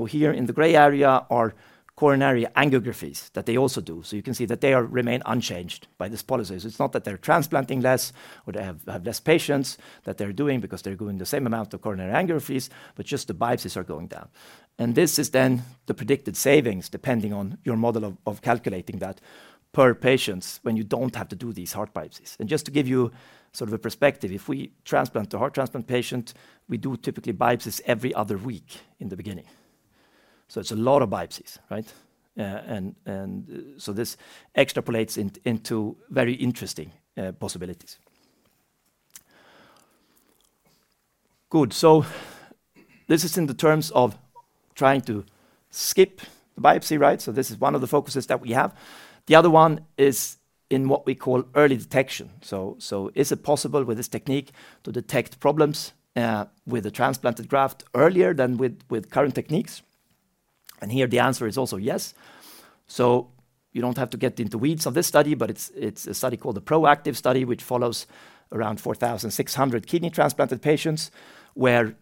Here in the gray area are coronary angiographies that they also do. You can see that they remain unchanged by this policy. It's not that they're transplanting less or they have less patients that they're doing because they're doing the same amount of coronary angiographies, but just the biopsies are going down. This is then the predicted savings depending on your model of calculating that per patients when you don't have to do these heart biopsies. Just to give you sort of a perspective, if we transplant a heart transplant patient, we do typically biopsies every other week in the beginning. So it's a lot of biopsies. And so this extrapolates into very interesting possibilities. Good. So this is in terms of trying to skip the biopsy. So this is one of the focuses that we have. The other one is in what we call early detection. So is it possible with this technique to detect problems with a transplanted graft earlier than with current techniques? And here the answer is also yes. So you don't have to get into the weeds of this study, but it's a study called the ProActive study, which follows around 4,600 kidney transplanted patients where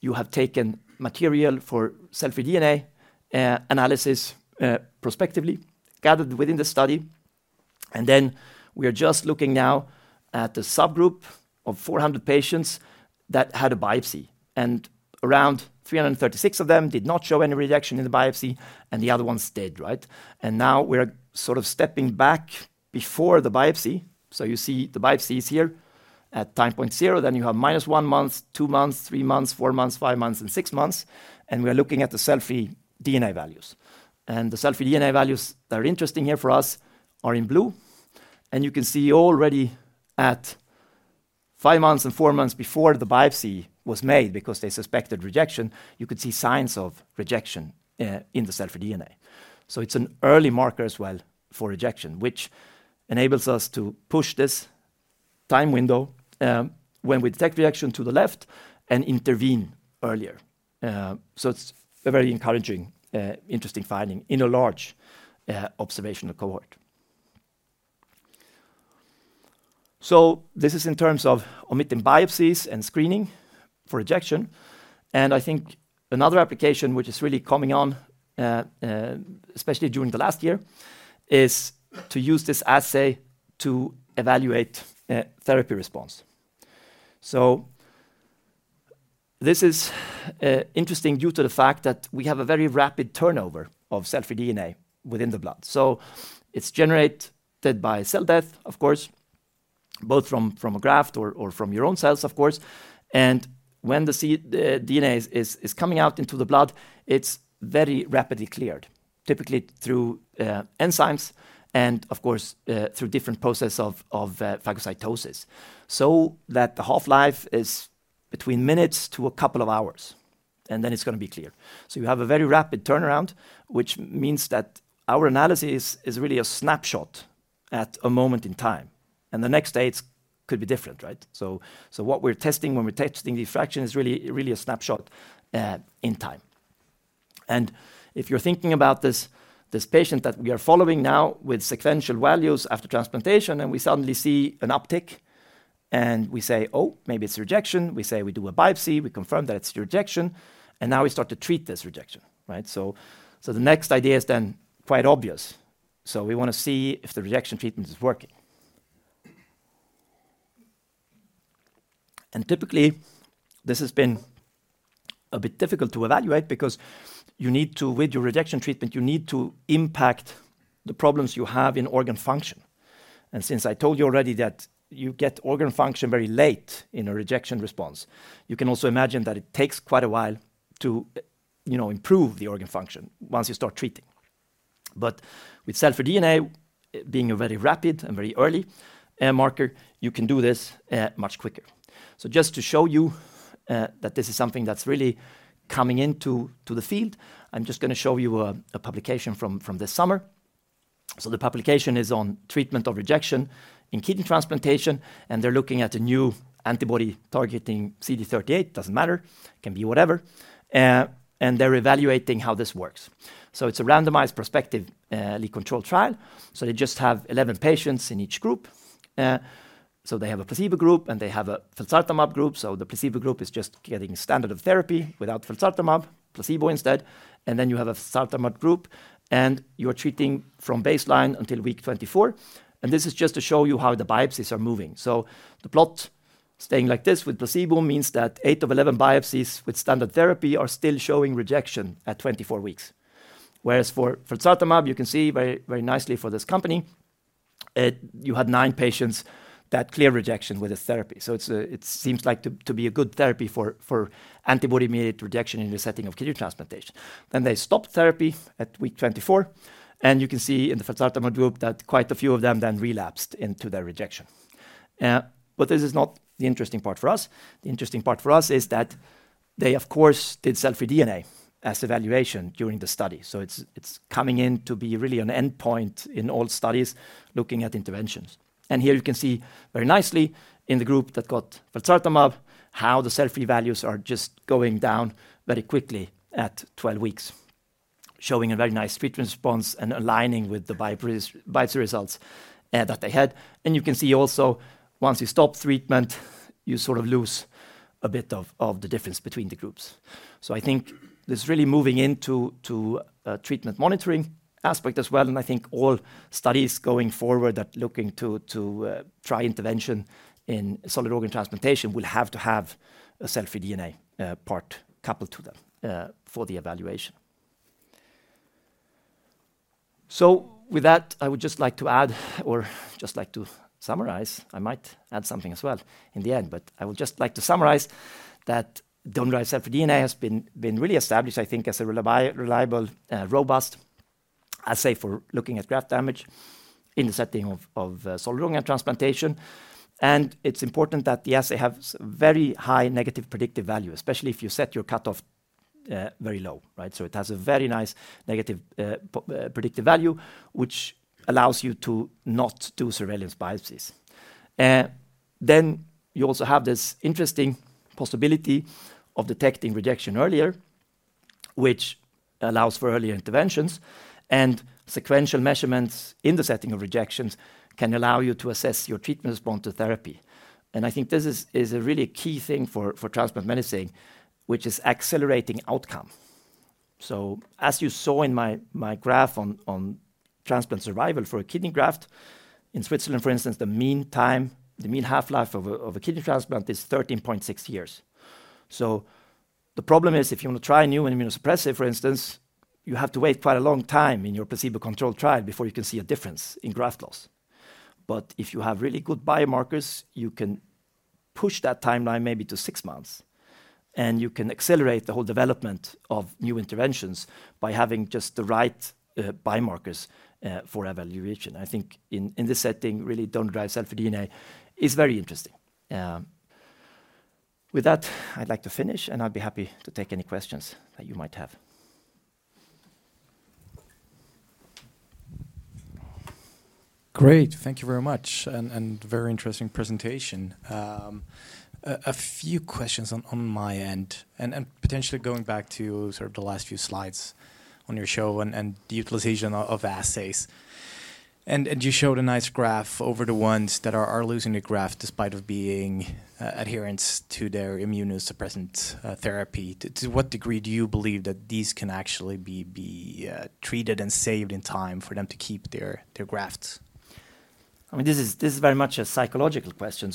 you have taken material for cell-free DNA analysis prospectively gathered within the study. And then we are just looking now at the subgroup of 400 patients that had a biopsy. And around 336 of them did not show any rejection in the biopsy, and the other ones did. And now we're sort of stepping back before the biopsy. So you see the biopsies here at time point zero. Then you have minus one month, two months, three months, four months, five months, and six months. And we're looking at the cell-free DNA values. And the cell-free DNA values that are interesting here for us are in blue. And you can see already at five months and four months before the biopsy was made because they suspected rejection, you could see signs of rejection in the cell-free DNA. So it's an early marker as well for rejection, which enables us to push this time window when we detect rejection to the left and intervene earlier. So it's a very encouraging, interesting finding in a large observational cohort. So this is in terms of omitting biopsies and screening for rejection. And I think another application, which is really coming on, especially during the last year, is to use this assay to evaluate therapy response. So this is interesting due to the fact that we have a very rapid turnover of cell-free DNA within the blood. So it's generated by cell death, of course, both from a graft or from your own cells, of course. And when the DNA is coming out into the blood, it's very rapidly cleared, typically through enzymes and, of course, through different processes of phagocytosis so that the half-life is between minutes to a couple of hours. And then it's going to be cleared. So you have a very rapid turnaround, which means that our analysis is really a snapshot at a moment in time. And the next day it could be different. So what we're testing when we're testing the fraction is really a snapshot in time. And if you're thinking about this patient that we are following now with sequential values after transplantation and we suddenly see an uptick and we say, "Oh, maybe it's rejection," we do a biopsy, we confirm that it's rejection, and now we start to treat this rejection. So the next idea is then quite obvious. We want to see if the rejection treatment is working. Typically, this has been a bit difficult to evaluate because with your rejection treatment, you need to impact the problems you have in organ function. Since I told you already that you get organ function very late in a rejection response, you can also imagine that it takes quite a while to improve the organ function once you start treating. With cell-free DNA being a very rapid and very early marker, you can do this much quicker. Just to show you that this is something that's really coming into the field, I'm just going to show you a publication from this summer. The publication is on treatment of rejection in kidney transplantation. They're looking at a new antibody targeting CD38. It doesn't matter. It can be whatever. They're evaluating how this works. It's a randomized prospectively controlled trial. They just have 11 patients in each group. They have a placebo group and they have a felzartamab group. The placebo group is just getting standard of therapy without felzartamab, placebo instead. Then you have a felzartamab group and you are treating from baseline until week 24. This is just to show you how the biopsies are moving. The plot staying like this with placebo means that eight of 11 biopsies with standard therapy are still showing rejection at 24 weeks. Whereas for felzartamab, you can see very nicely for this company, you had nine patients that cleared rejection with this therapy. It seems like to be a good therapy for antibody-mediated rejection in the setting of kidney transplantation. They stopped therapy at week 24. And you can see in the felzartamab group that quite a few of them then relapsed into their rejection. But this is not the interesting part for us. The interesting part for us is that they, of course, did cell-free DNA as evaluation during the study. So it's coming in to be really an endpoint in all studies looking at interventions. And here you can see very nicely in the group that got felzartamab how the cell-free values are just going down very quickly at 12 weeks, showing a very nice treatment response and aligning with the vital results that they had. And you can see also once you stop treatment, you sort of lose a bit of the difference between the groups. So I think this is really moving into a treatment monitoring aspect as well. I think all studies going forward that are looking to try intervention in solid organ transplantation will have to have a cell-free DNA part coupled to them for the evaluation. With that, I would just like to add or just like to summarize. I might add something as well in the end, but I would just like to summarize that donor-derived cell-free DNA has been really established, I think, as a reliable, robust assay for looking at graft damage in the setting of solid organ transplantation. It's important that the assay has very high negative predictive value, especially if you set your cutoff very low. It has a very nice negative predictive value, which allows you to not do surveillance biopsies. You also have this interesting possibility of detecting rejection earlier, which allows for earlier interventions. Sequential measurements in the setting of rejections can allow you to assess your treatment response to therapy. I think this is really a key thing for transplant medicine, which is accelerating outcome. As you saw in my graph on transplant survival for a kidney graft in Switzerland, for instance, the mean half-life of a kidney transplant is 13.6 years. The problem is if you want to try a new immunosuppressive, for instance, you have to wait quite a long time in your placebo-controlled trial before you can see a difference in graft loss. If you have really good biomarkers, you can push that timeline maybe to six months. You can accelerate the whole development of new interventions by having just the right biomarkers for evaluation. I think in this setting, really donor-derived cell-free DNA is very interesting. With that, I'd like to finish, and I'd be happy to take any questions that you might have. Great. Thank you very much, and very interesting presentation. A few questions on my end, and potentially going back to sort of the last few slides on your show and the utilization of assays, and you showed a nice graph over the ones that are losing the graft despite being adherent to their immunosuppressant therapy. To what degree do you believe that these can actually be treated and saved in time for them to keep their grafts? I mean, this is very much a psychological question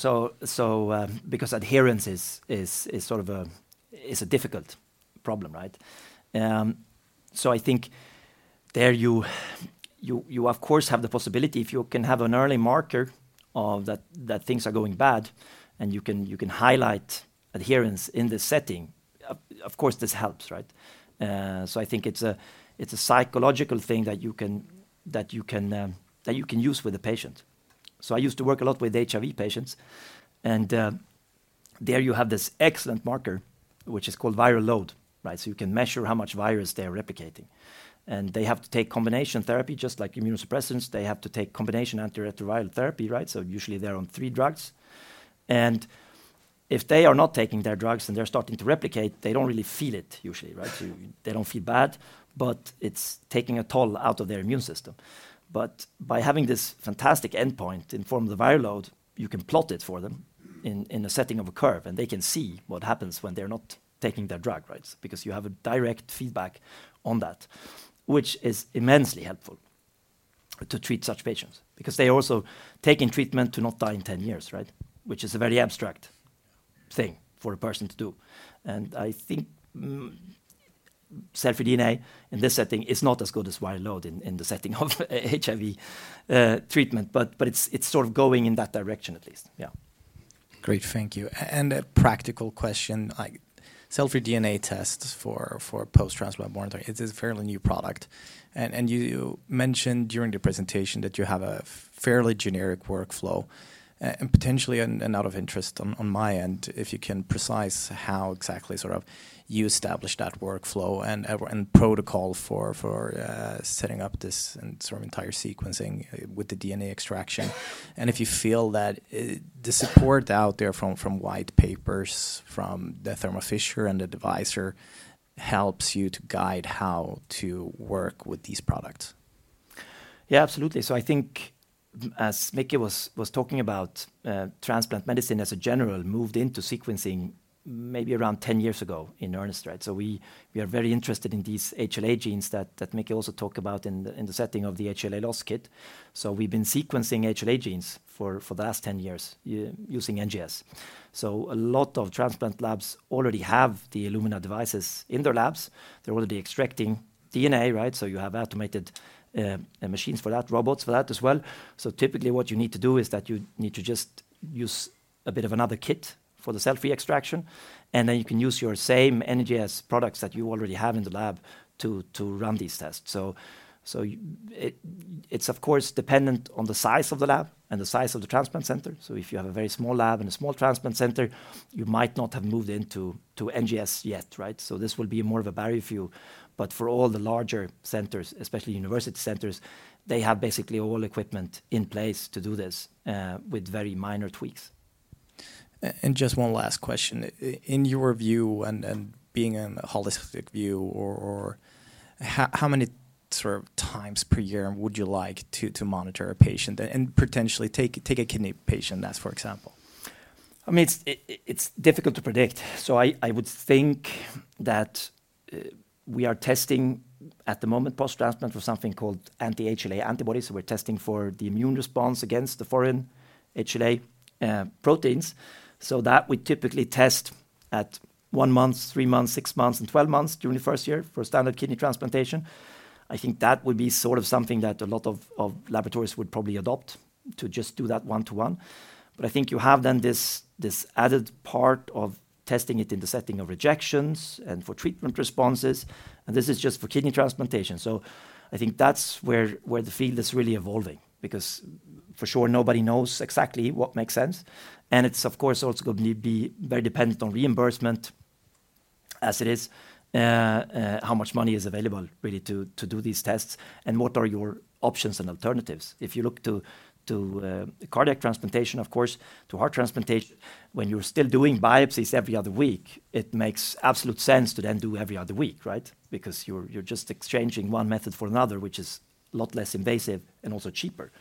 because adherence is sort of a difficult problem, so I think there you, of course, have the possibility if you can have an early marker that things are going bad and you can highlight adherence in this setting. Of course, this helps. So I think it's a psychological thing that you can use with the patient. So I used to work a lot with HIV patients. And there you have this excellent marker, which is called viral load. So you can measure how much virus they're replicating. And they have to take combination therapy, just like immunosuppressants. They have to take combination antiretroviral therapy. So usually they're on three drugs. And if they are not taking their drugs and they're starting to replicate, they don't really feel it usually. They don't feel bad, but it's taking a toll out of their immune system. But by having this fantastic endpoint in form of the viral load, you can plot it for them in a setting of a curve. And they can see what happens when they're not taking their drug because you have a direct feedback on that, which is immensely helpful to treat such patients because they are also taking treatment to not die in 10 years, which is a very abstract thing for a person to do. And I think cell-free DNA in this setting is not as good as viral load in the setting of HIV treatment, but it's sort of going in that direction at least. Yeah. Great. Thank you. And a practical question. Cell-free DNA tests for post-transplant monitoring, it is a fairly new product. And you mentioned during the presentation that you have a fairly generic workflow and potentially an interest on my end if you can elaborate how exactly you sort of establish that workflow and protocol for setting up this entire sequencing with the DNA extraction. And if you feel that the support out there from white papers from the Thermo Fisher and the Devyser helps you to guide how to work with these products. Yeah, absolutely. I think as Michael was talking about, transplant medicine in general moved into sequencing maybe around 10 years ago in earnest. We are very interested in these HLA genes that Michael also talked about in the setting of the HLA loss kit. We've been sequencing HLA genes for the last 10 years using NGS. A lot of transplant labs already have the Illumina devices in their labs. They're already extracting DNA. You have automated machines for that, robots for that as well. Typically what you need to do is that you need to just use a bit of another kit for the cell-free extraction. Then you can use your same NGS products that you already have in the lab to run these tests. It's, of course, dependent on the size of the lab and the size of the transplant center. If you have a very small lab and a small transplant center, you might not have moved into NGS yet. This will be more of a barrier for you. But for all the larger centers, especially university centers, they have basically all equipment in place to do this with very minor tweaks. Just one last question. In your view, and being a holistic view, how many times per year would you like to monitor a patient and potentially take a kidney patient, for example? I mean, it's difficult to predict. I would think that we are testing at the moment post-transplant for something called anti-HLA antibodies. We're testing for the immune response against the foreign HLA proteins. We typically test at one month, three months, six months, and 12 months during the first year for standard kidney transplantation. I think that would be sort of something that a lot of laboratories would probably adopt to just do that one-to-one. But I think you have then this added part of testing it in the setting of rejections and for treatment responses. And this is just for kidney transplantation. I think that's where the field is really evolving because for sure nobody knows exactly what makes sense. And it's, of course, also going to be very dependent on reimbursement as it is, how much money is available really to do these tests and what are your options and alternatives. If you look to cardiac transplantation, of course, to heart transplantation, when you're still doing biopsies every other week, it makes absolute sense to then do every other week because you're just exchanging one method for another, which is a lot less invasive and also cheaper,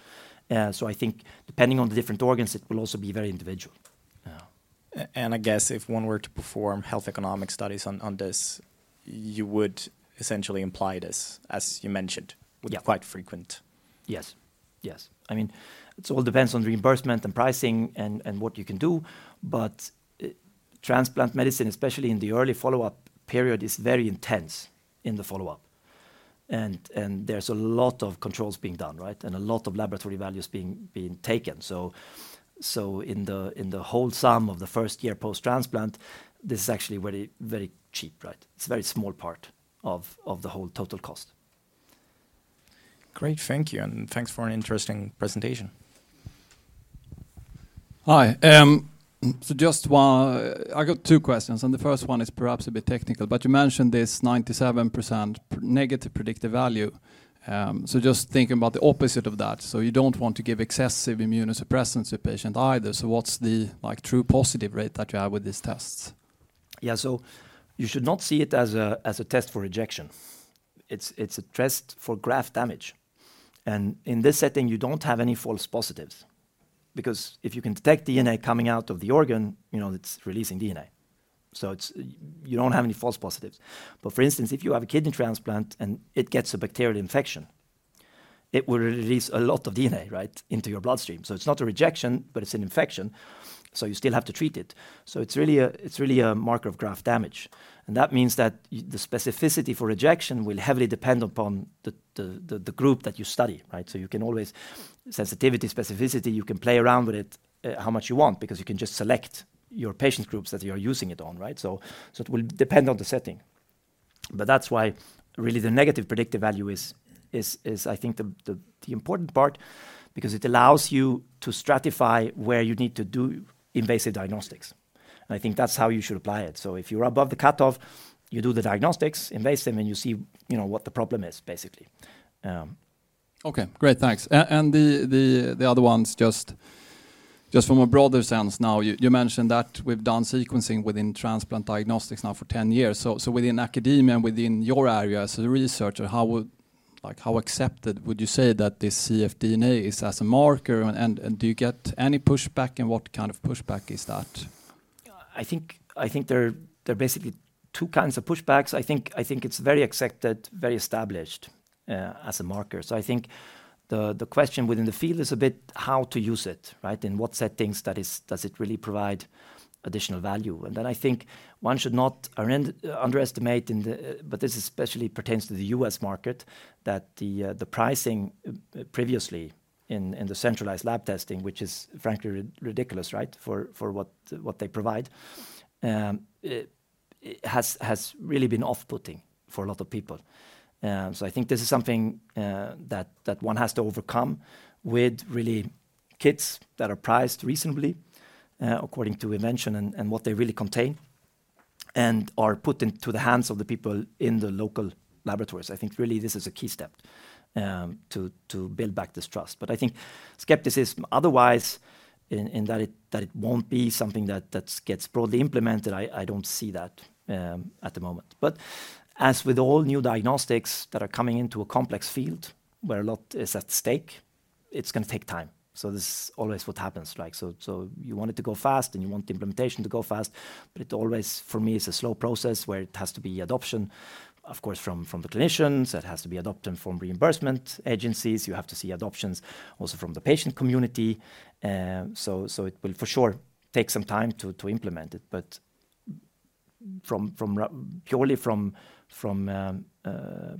so I think depending on the different organs, it will also be very individual, and I guess if one were to perform health economic studies on this, you would essentially imply this, as you mentioned, would be quite frequent. Yes. Yes. I mean, it all depends on reimbursement and pricing and what you can do, but transplant medicine, especially in the early follow-up period, is very intense in the follow-up. And there's a lot of controls being done and a lot of laboratory values being taken, so in the whole sum of the first year post-transplant, this is actually very cheap. It's a very small part of the whole total cost. Great. Thank you. And thanks for an interesting presentation. Hi. So just one, I got two questions. And the first one is perhaps a bit technical. But you mentioned this 97% negative predictive value. So just thinking about the opposite of that. So you don't want to give excessive immunosuppressants to patients either. So what's the true positive rate that you have with these tests? Yeah. So you should not see it as a test for rejection. It's a test for graft damage. And in this setting, you don't have any false positives because if you can detect DNA coming out of the organ, it's releasing DNA. So you don't have any false positives. But for instance, if you have a kidney transplant and it gets a bacterial infection, it will release a lot of DNA into your bloodstream. So it's not a rejection, but it's an infection. So you still have to treat it. So it's really a marker of graft damage. And that means that the specificity for rejection will heavily depend upon the group that you study. So you can always sensitivity, specificity, you can play around with it how much you want because you can just select your patient groups that you are using it on. So it will depend on the setting. But that's why really the negative predictive value is, I think, the important part because it allows you to stratify where you need to do invasive diagnostics. And I think that's how you should apply it. So if you're above the cutoff, you do the diagnostics, invasive them, and you see what the problem is, basically. Okay. Great. Thanks. And the other ones, just from a broader sense now, you mentioned that we've done sequencing within transplant diagnostics now for 10 years. So within academia, within your area as a researcher, how accepted would you say that this cfDNA is as a marker? And do you get any pushback? And what kind of pushback is that? I think there are basically two kinds of pushbacks. I think it's very accepted, very established as a marker. So I think the question within the field is a bit how to use it and what settings does it really provide additional value. And then I think one should not underestimate, but this especially pertains to the U.S. market, that the pricing previously in the centralized lab testing, which is frankly ridiculous for what they provide, has really been off-putting for a lot of people. I think this is something that one has to overcome with really kits that are priced reasonably according to intention and what they really contain and are put into the hands of the people in the local laboratories. I think really this is a key step to build back this trust. But I think skepticism otherwise in that it won't be something that gets broadly implemented. I don't see that at the moment. But as with all new diagnostics that are coming into a complex field where a lot is at stake, it's going to take time. This is always what happens. You want it to go fast and you want the implementation to go fast. But always for me, it's a slow process where it has to be adoption, of course, from the clinicians. It has to be adopted from reimbursement agencies. You have to see adoptions also from the patient community. So it will for sure take some time to implement it. But purely from a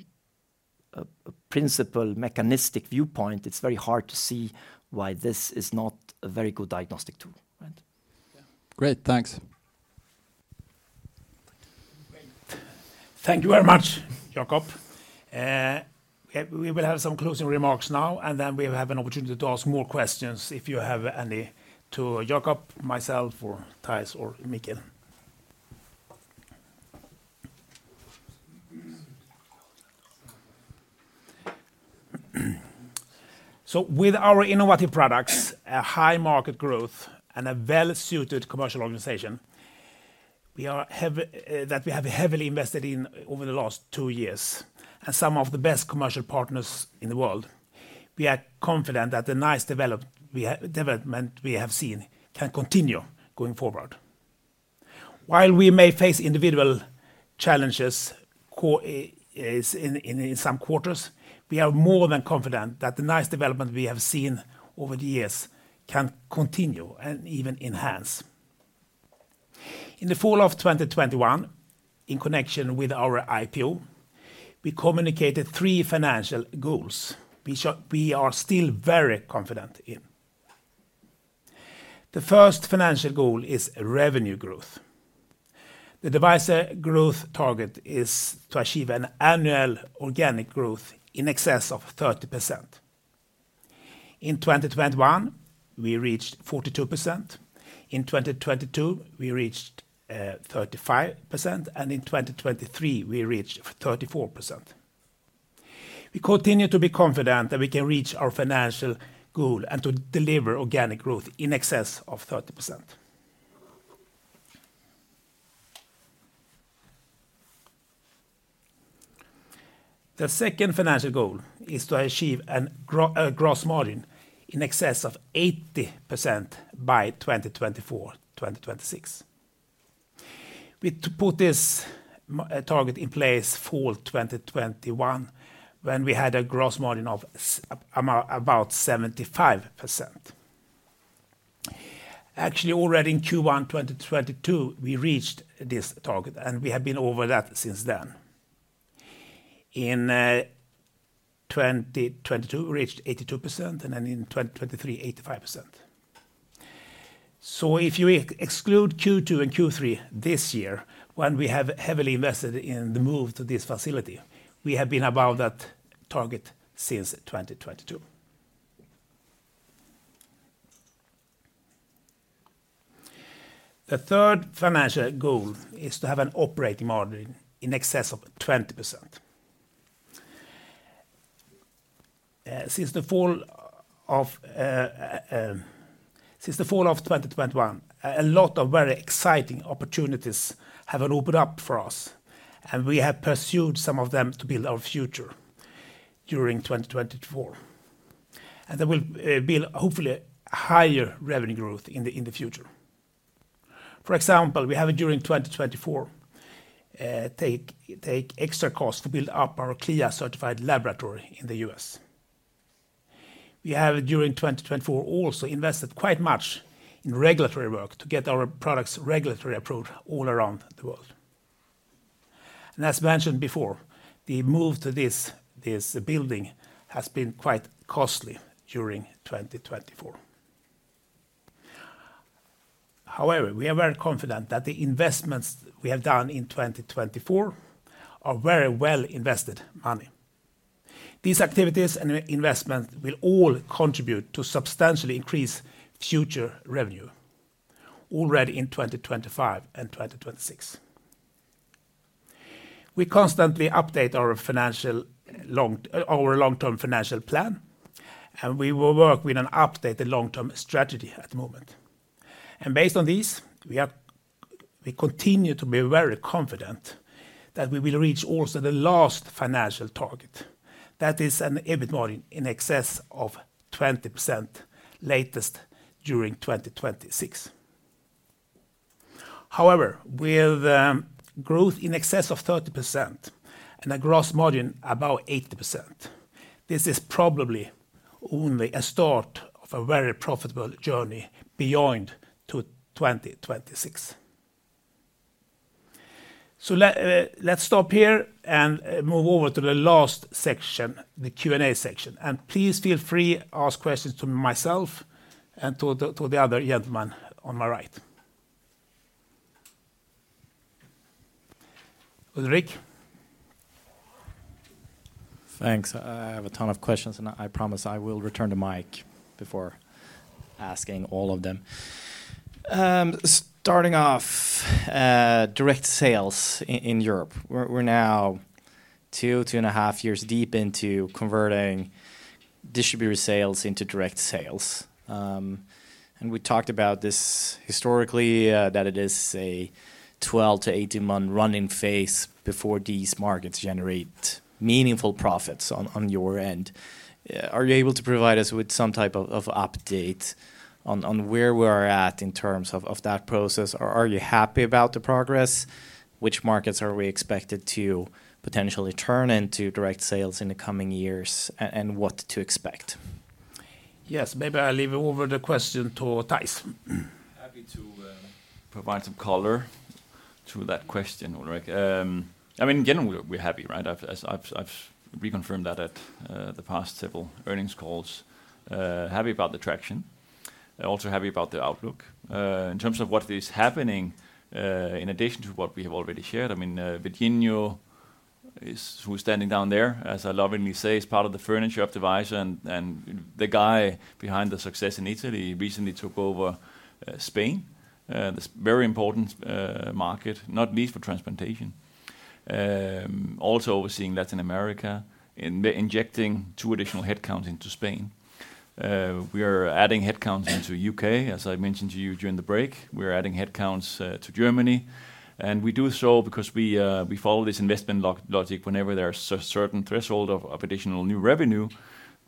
principle mechanistic viewpoint, it's very hard to see why this is not a very good diagnostic tool. Great. Thanks. Thank you very much, Jakob. We will have some closing remarks now, and then we have an opportunity to ask more questions if you have any to Jakob, myself, or Theis or Michael. So with our innovative products, a high market growth, and a well-suited commercial organization that we have heavily invested in over the last two years and some of the best commercial partners in the world, we are confident that the nice development we have seen can continue going forward. While we may face individual challenges in some quarters, we are more than confident that the nice development we have seen over the years can continue and even enhance. In the fall of 2021, in connection with our IPO, we communicated three financial goals we are still very confident in. The first financial goal is revenue growth. The revenue growth target is to achieve an annual organic growth in excess of 30%. In 2021, we reached 42%. In 2022, we reached 35%. And in 2023, we reached 34%. We continue to be confident that we can reach our financial goal and to deliver organic growth in excess of 30%. The second financial goal is to achieve a gross margin in excess of 80% by 2024-2026. We put this target in place fall 2021 when we had a gross margin of about 75%. Actually, already in Q1 2022, we reached this target, and we have been over that since then. In 2022, we reached 82%, and then in 2023, 85%. So if you exclude Q2 and Q3 this year, when we have heavily invested in the move to this facility, we have been above that target since 2022. The third financial goal is to have an operating margin in excess of 20%. Since the fall of 2021, a lot of very exciting opportunities have opened up for us, and we have pursued some of them to build our future during 2024, and there will be, hopefully, higher revenue growth in the future. For example, we have during 2024 take extra costs to build up our CLIA-certified laboratory in the U.S. We have during 2024 also invested quite much in regulatory work to get our products regulatory approval all around the world. As mentioned before, the move to this building has been quite costly during 2024. However, we are very confident that the investments we have done in 2024 are very well invested money. These activities and investments will all contribute to substantially increase future revenue already in 2025 and 2026. We constantly update our long-term financial plan, and we will work with an updated long-term strategy at the moment. Based on these, we continue to be very confident that we will reach also the last financial target. That is an EBIT margin in excess of 20% latest during 2026. However, with growth in excess of 30% and a gross margin above 80%, this is probably only a start of a very profitable journey beyond 2026. Let's stop here and move over to the last section, the Q&A section. Please feel free to ask questions to myself and to the other gentleman on my right. Ulrik? Thanks. I have a ton of questions, and I promise I will return to Mike before asking all of them. Starting off, direct sales in Europe. We're now two, two and a half years deep into converting distributor sales into direct sales. And we talked about this historically, that it is a 12- to 18-month running phase before these markets generate meaningful profits on your end. Are you able to provide us with some type of update on where we are at in terms of that process? Are you happy about the progress? Which markets are we expected to potentially turn into direct sales in the coming years and what to expect? Yes, maybe I'll hand over the question to Theis. Happy to provide some color to that question, Ulrik. I mean, in general, we're happy. I've reconfirmed that at the past several earnings calls. Happy about the traction. Also happy about the outlook. In terms of what is happening, in addition to what we have already shared, I mean, Virginio is who's standing down there, as I lovingly say, is part of the furniture of Devyser, and the guy behind the success in Italy recently took over Spain, this very important market, not least for transplantation. Also overseeing Latin America, injecting two additional headcounts into Spain. We are adding headcounts into the U.K., as I mentioned to you during the break. We are adding headcounts to Germany. And we do so because we follow this investment logic. Whenever there's a certain threshold of additional new revenue,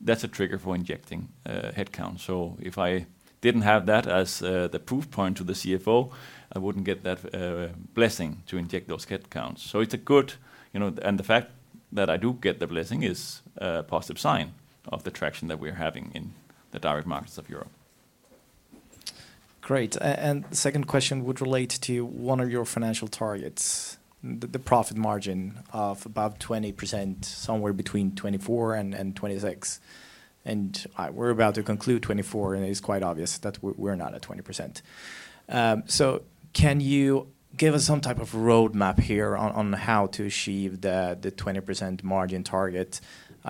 that's a trigger for injecting headcounts. So if I didn't have that as the proof point to the CFO, I wouldn't get that blessing to inject those headcounts. So it's a good, and the fact that I do get the blessing is a positive sign of the traction that we are having in the direct markets of Europe. Great. And the second question would relate to one of your financial targets, the profit margin of about 20%, somewhere between 2024 and 2026. And we're about to conclude 2024, and it's quite obvious that we're not at 20%. So can you give us some type of roadmap here on how to achieve the 20% margin target?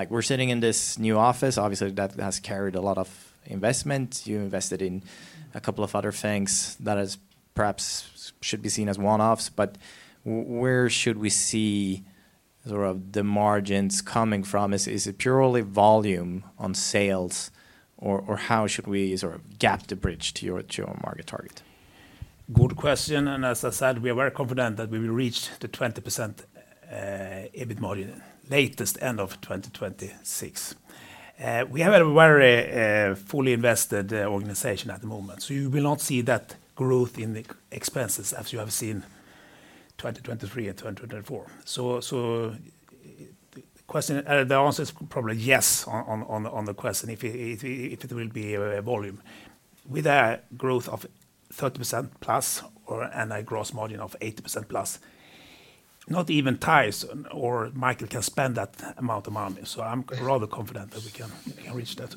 We're sitting in this new office. Obviously, that has carried a lot of investment. You invested in a couple of other things that perhaps should be seen as one-offs. But where should we see the margins coming from? Is it purely volume on sales, or how should we sort of gap the bridge to your market target? Good question. And as I said, we are very confident that we will reach the 20% EBIT margin latest end of 2026. We have a very fully invested organization at the moment. So you will not see that growth in the expenses as you have seen 2023 and 2024. So the answer is probably yes on the question if it will be a volume. With a growth of 30% plus and a gross margin of 80% plus, not even Theis or Michael can spend that amount of money. So I'm rather confident that we can reach that.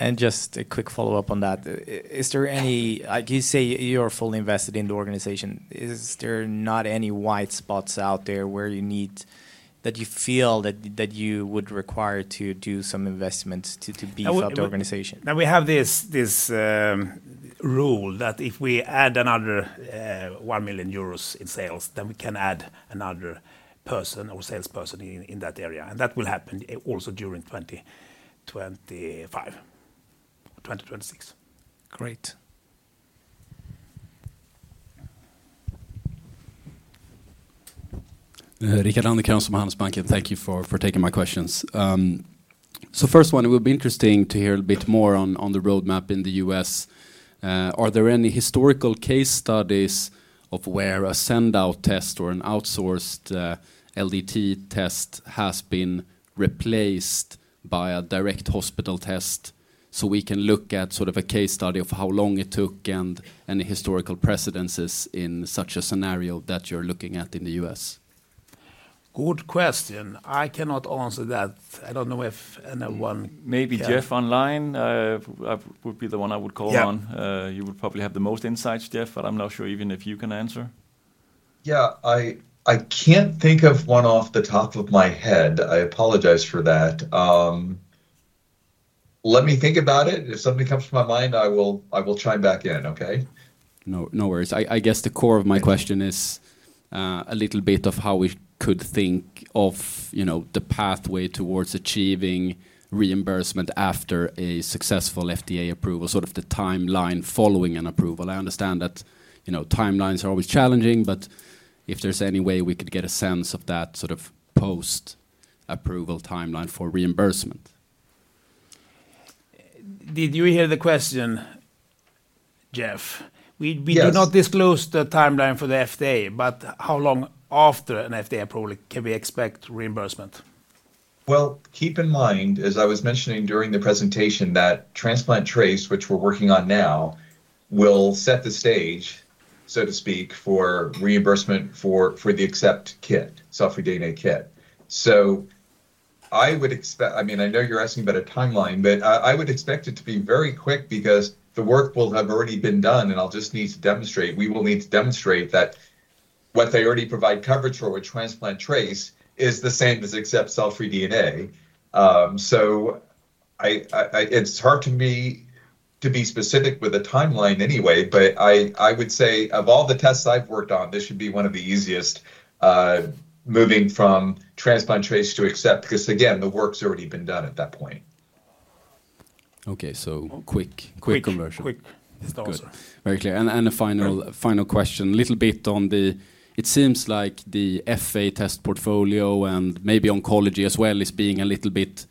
And just a quick follow-up on that. Do you say you are fully invested in the organization? Is there not any white spots out there where you feel that you would require to do some investments to beef up the organization? Now, we have this rule that if we add another 1 million euros in sales, then we can add another person or salesperson in that area. And that will happen also during 2025, 2026. Great. Rickard Anderkrans from Handelsbanken, thank you for taking my questions. So first one, it would be interesting to hear a bit more on the roadmap in the U.S. Are there any historical case studies of where a send-out test or an outsourced LDT test has been replaced by a direct hospital test? So we can look at sort of a case study of how long it took and any historical precedents in such a scenario that you're looking at in the U.S.? Good question. I cannot answer that. I don't know if anyone can. Maybe Jeff online would be the one I would call on. You would probably have the most insights, Jeff, but I'm not sure even if you can answer. Yeah, I can't think of one off the top of my head. I apologize for that. Let me think about it. If something comes to my mind, I will chime back in, okay? No worries. I guess the core of my question is a little bit of how we could think of the pathway towards achieving reimbursement after a successful FDA approval, sort of the timeline following an approval. I understand that timelines are always challenging, but if there's any way we could get a sense of that sort of post-approval timeline for reimbursement. Did you hear the question, Jeff? We do not disclose the timeline for the FDA, but how long after an FDA approval can we expect reimbursement? Keep in mind, as I was mentioning during the presentation, that TransplantTrace, which we're working on now, will set the stage, so to speak, for reimbursement for the Accept cell-free DNA kit. So I would expect, I mean, I know you're asking about a timeline, but I would expect it to be very quick because the work will have already been done, and I'll just need to demonstrate. We will need to demonstrate that what they already provide coverage for with TransplantTrace is the same as Accept cell-free DNA. It's hard for me to be specific with a timeline anyway, but I would say of all the tests I've worked on, this should be one of the easiest moving from TransplantTrace to Accept because, again, the work's already been done at that point. Okay, so quick conversion. Quick. Very clear. And a final question, a little bit on the, it seems like the FA test portfolio and maybe oncology as well is being a little bit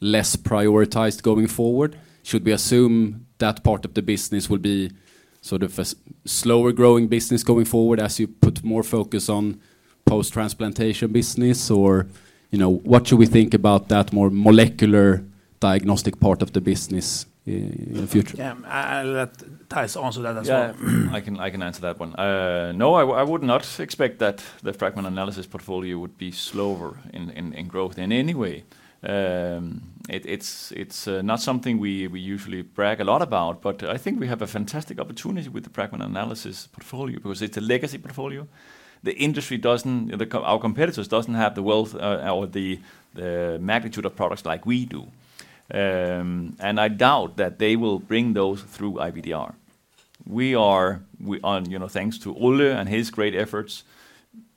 less prioritized going forward. Should we assume that part of the business will be sort of a slower-growing business going forward as you put more focus on post-transplantation business? Or what should we think about that more molecular diagnostic part of the business in the future? Theis answered that as well. I can answer that one. No, I would not expect that the fragment analysis portfolio would be slower in growth in any way. It's not something we usually brag a lot about, but I think we have a fantastic opportunity with the fragment analysis portfolio because it's a legacy portfolio. The industry doesn't, our competitors doesn't have the wealth or the magnitude of products like we do. And I doubt that they will bring those through IVDR. We are, thanks to Olle and his great efforts,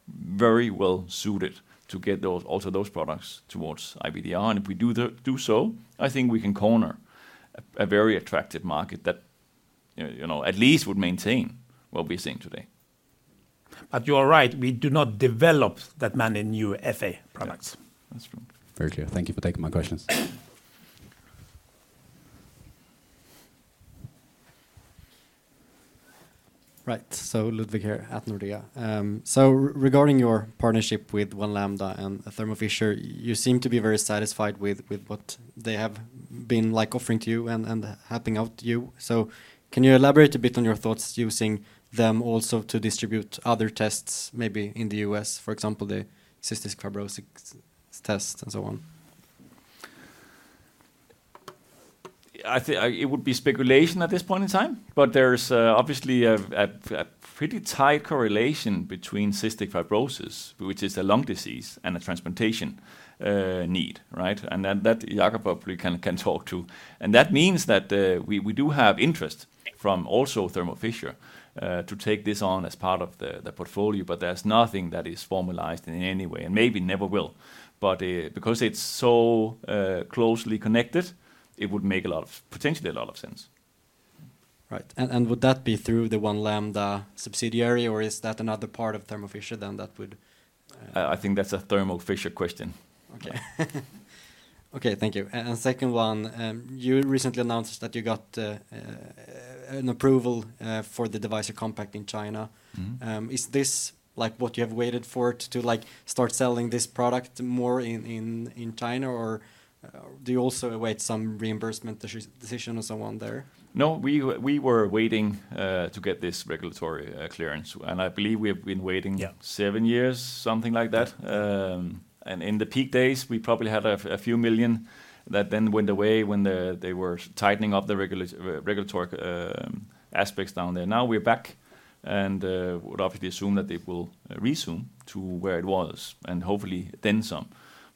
very well suited to get also those products towards IVDR. And if we do so, I think we can corner a very attractive market that at least would maintain what we're seeing today. But you are right, we do not develop that many new FA products. That's true. Very clear. Thank you for taking my questions. Right. So Ludvig here at Nordea. Regarding your partnership with One Lambda and Thermo Fisher, you seem to be very satisfied with what they have been offering to you and helping out you. Can you elaborate a bit on your thoughts using them also to distribute other tests, maybe in the US, for example, the cystic fibrosis test and so on? It would be speculation at this point in time, but there's obviously a pretty tight correlation between cystic fibrosis, which is a lung disease, and a transplantation need. And that Jakob probably can talk to. And that means that we do have interest from also Thermo Fisher to take this on as part of the portfolio, but there's nothing that is formalized in any way, and maybe never will. But because it's so closely connected, it would make a lot of, potentially a lot of sense. Right. Would that be through the One Lambda subsidiary, or is that another part of Thermo Fisher then that would? I think that's a Thermo Fisher question. Okay. Okay, thank you. Second one, you recently announced that you got an approval for the Devyser Compact in China. Is this what you have waited for to start selling this product more in China, or do you also await some reimbursement decision or someone there? No, we were waiting to get this regulatory clearance. I believe we have been waiting seven years, something like that. In the peak days, we probably had a few million that then went away when they were tightening up the regulatory aspects down there. Now we're back and would obviously assume that it will resume to where it was and hopefully then some.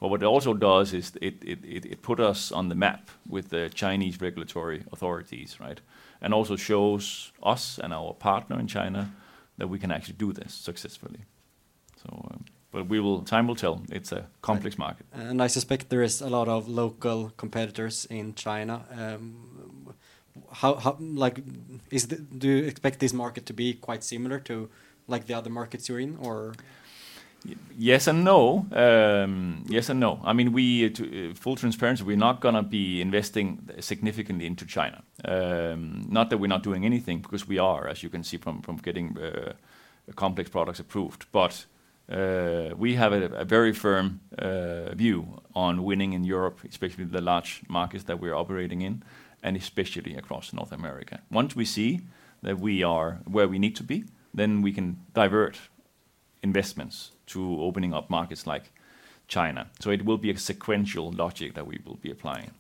But what it also does is it put us on the map with the Chinese regulatory authorities, and also shows us and our partner in China that we can actually do this successfully. But time will tell. It's a complex market. And I suspect there is a lot of local competitors in China. Do you expect this market to be quite similar to the other markets you're in, or? Yes and no. Yes and no. I mean, full transparency, we're not going to be investing significantly into China. Not that we're not doing anything because we are, as you can see from getting complex products approved. But we have a very firm view on winning in Europe, especially the large markets that we're operating in, and especially across North America. Once we see that we are where we need to be, then we can divert investments to opening up markets like China. So it will be a sequential logic that we will be applying.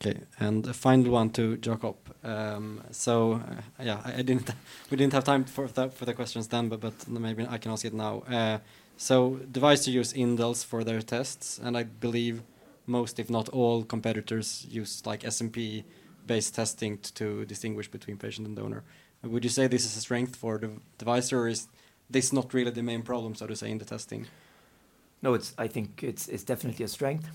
Okay. And the final one too, Jakob. So yeah, we didn't have time for the questions then, but maybe I can ask it now. So Devyser uses indels for their tests. And I believe most, if not all, competitors use SNP-based testing to distinguish between patient and donor. Would you say this is a strength for Devyser, or is this not really the main problem, so to say, in the testing? No, I think it's definitely a strength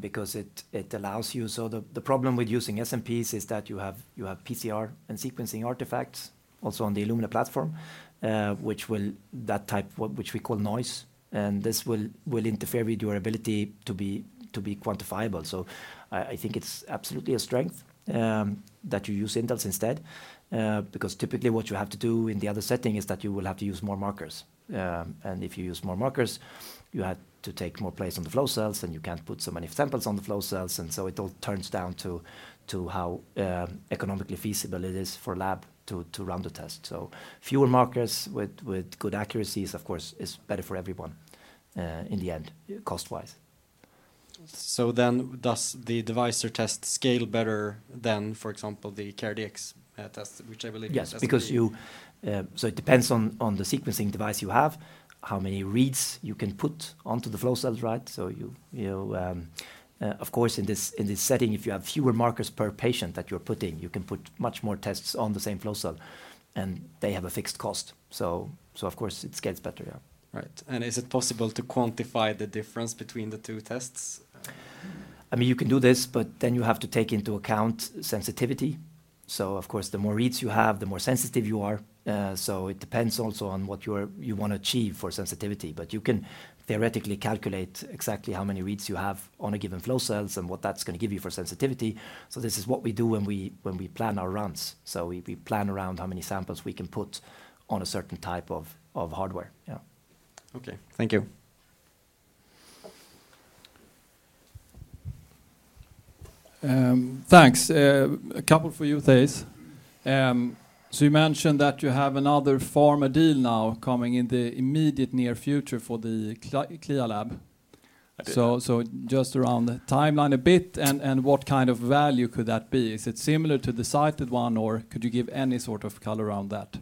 because it allows you so the problem with using SNPs is that you have PCR and sequencing artifacts, also on the Illumina platform, which will that type which we call noise. This will interfere with your ability to be quantifiable. I think it's absolutely a strength that you use indels instead because typically what you have to do in the other setting is that you will have to use more markers. If you use more markers, you have to take more space on the flow cells, and you can't put so many samples on the flow cells. It all turns down to how economically feasible it is for lab to run the test. Fewer markers with good accuracies, of course, is better for everyone in the end, cost-wise. Does the device or test scale better than, for example, the CareDx test, which I believe is? Yes, because it depends on the sequencing device you have, how many reads you can put onto the flow cells, right? So of course, in this setting, if you have fewer markers per patient that you're putting, you can put much more tests on the same flow cell, and they have a fixed cost. So of course, it scales better, yeah. Right. And is it possible to quantify the difference between the two tests? I mean, you can do this, but then you have to take into account sensitivity. So of course, the more reads you have, the more sensitive you are. So it depends also on what you want to achieve for sensitivity. But you can theoretically calculate exactly how many reads you have on a given flow cells and what that's going to give you for sensitivity. So this is what we do when we plan our runs. So we plan around how many samples we can put on a certain type of hardware. Yeah. Okay. Thank you. Thanks. A couple for you, Theis. So you mentioned that you have another pharma deal now coming in the immediate near future for the CLIA lab. So just around the timeline a bit, and what kind of value could that be? Is it similar to the Cyted one, or could you give any sort of color around that?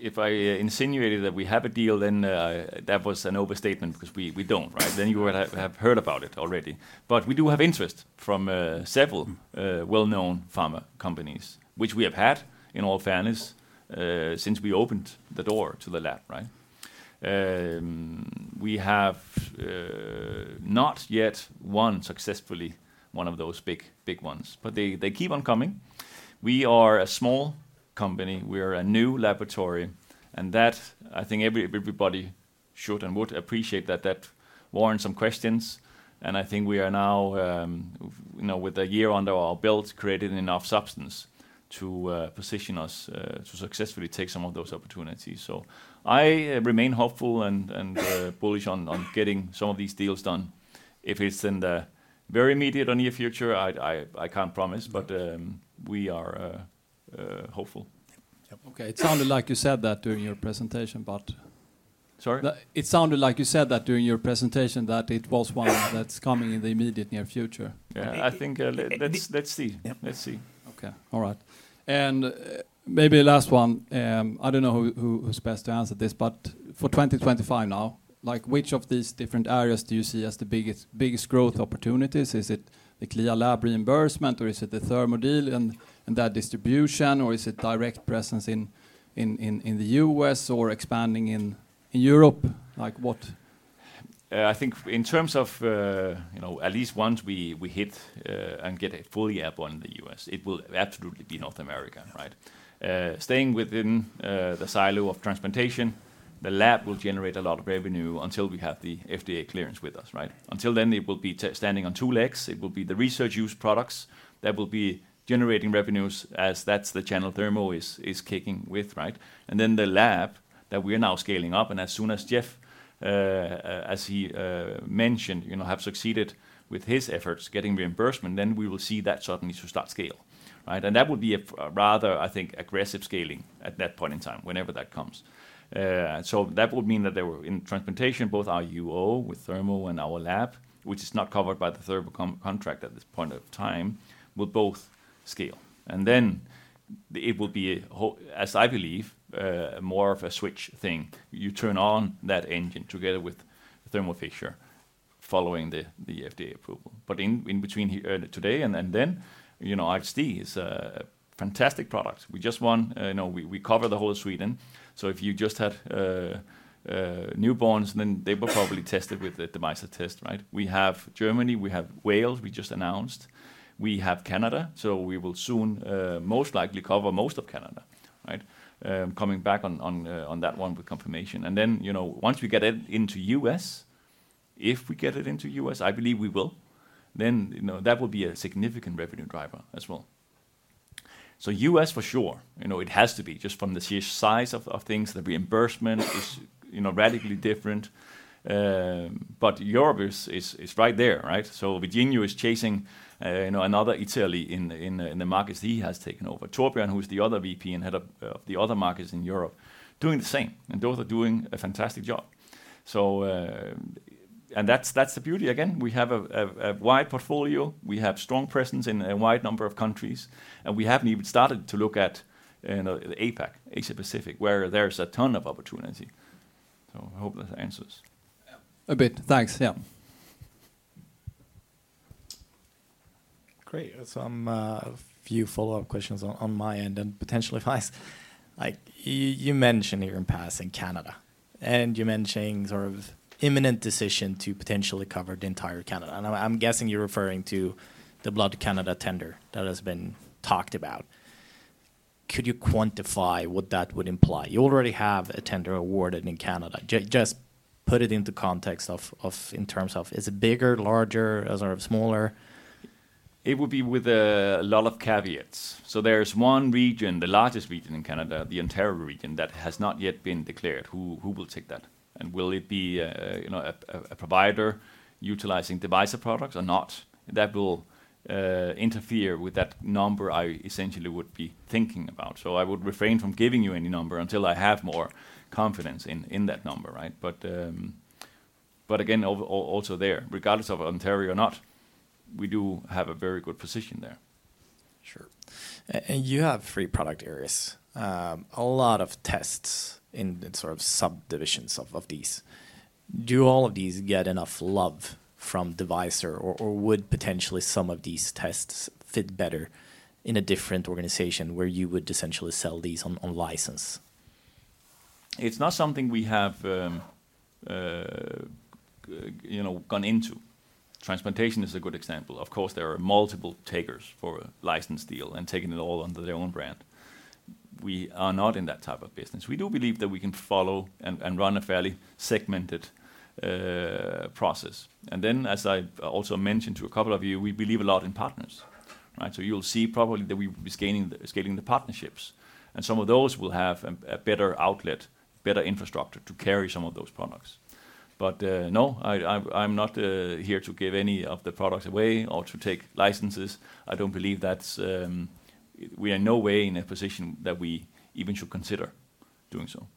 If I insinuated that we have a deal, then that was an overstatement because we don't, right? Then you would have heard about it already. But we do have interest from several well-known pharma companies, which we have had in all fairness since we opened the door to the lab, right? We are a small company. We are a new laboratory. And that, I think everybody should and would appreciate that that warrants some questions. I think we are now, with a year under our belt, creating enough substance to position us to successfully take some of those opportunities. So I remain hopeful and bullish on getting some of these deals done. If it's in the very immediate or near future, I can't promise, but we are hopeful. Okay. It sounded like you said that during your presentation, but. Sorry? It sounded like you said that during your presentation that it was one that's coming in the immediate near future. Yeah, I think let's see. Okay. All right. And maybe last one. I don't know who's best to answer this, but for 2025 now, which of these different areas do you see as the biggest growth opportunities? Is it the CLIA lab reimbursement, or is it the Thermo deal and that distribution, or is it direct presence in the U.S. or expanding in Europe? I think in terms of at least once we hit and get a full grasp on the U.S., it will absolutely be North America, right? Staying within the silo of transplantation, the lab will generate a lot of revenue until we have the FDA clearance with us, right? Until then, it will be standing on two legs. It will be the research-used products that will be generating revenues as that's the channel Thermo is kicking with, right? And then the lab that we are now scaling up, and as soon as Jeff, as he mentioned, have succeeded with his efforts getting reimbursement, then we will see that suddenly to start scale, right? That would be a rather, I think, aggressive scaling at that point in time, whenever that comes. So that would mean that in transplantation, both our deal with Thermo and our lab, which is not covered by the Thermo contract at this point of time, will both scale. And then it will be, as I believe, more of a switch thing. You turn on that engine together with Thermo Fisher following the FDA approval. But in between today and then, RHD is a fantastic product. We just won, we cover the whole of Sweden. So if you just had newborns, then they were probably tested with the Devyser test, right? We have Germany, we have Wales, we just announced. We have Canada, so we will soon most likely cover most of Canada, right? Coming back on that one with confirmation. And then once we get it into U.S., if we get it into U.S., I believe we will, then that will be a significant revenue driver as well. So U.S. for sure, it has to be just from the size of things. The reimbursement is radically different. But Europe is right there, right? So Virginio is chasing another Italy in the markets he has taken over. Torbjörn, who is the other VP and head of the other markets in Europe, doing the same. And those are doing a fantastic job. And that's the beauty again. We have a wide portfolio. We have strong presence in a wide number of countries. And we haven't even started to look at APAC, Asia-Pacific, where there's a ton of opportunity. So I hope that answers. A bit. Thanks. Yeah. Great. Some few follow-up questions on my end and potential advice. You mentioned here in passing Canada, and you mentioned sort of imminent decision to potentially cover the entire Canada. And I'm guessing you're referring to the Blood Canada tender that has been talked about. Could you quantify what that would imply? You already have a tender awarded in Canada. Just put it into context in terms of, is it bigger, larger, or smaller? It would be with a lot of caveats. So there's one region, the largest region in Canada, the entire region that has not yet been declared. Who will take that? And will it be a provider utilizing Devyser products or not? That will influence that number I essentially would be thinking about. So I would refrain from giving you any number until I have more confidence in that number, right? But again, also there, regardless of Ontario or not, we do have a very good position there. Sure. And you have three product areas, a lot of tests in sort of subdivisions of these. Do all of these get enough love from Devyser, or would potentially some of these tests fit better in a different organization where you would essentially sell these on license? It's not something we have gone into. Transplantation is a good example. Of course, there are multiple takers for a license deal and taking it all under their own brand. We are not in that type of business. We do believe that we can follow and run a fairly segmented process. And then, as I also mentioned to a couple of you, we believe a lot in partners, right? So you'll see probably that we're scaling the partnerships. And some of those will have a better outlet, better infrastructure to carry some of those products. But no, I'm not here to give any of the products away or to take licenses. I don't believe that we are in no way in a position that we even should consider doing so.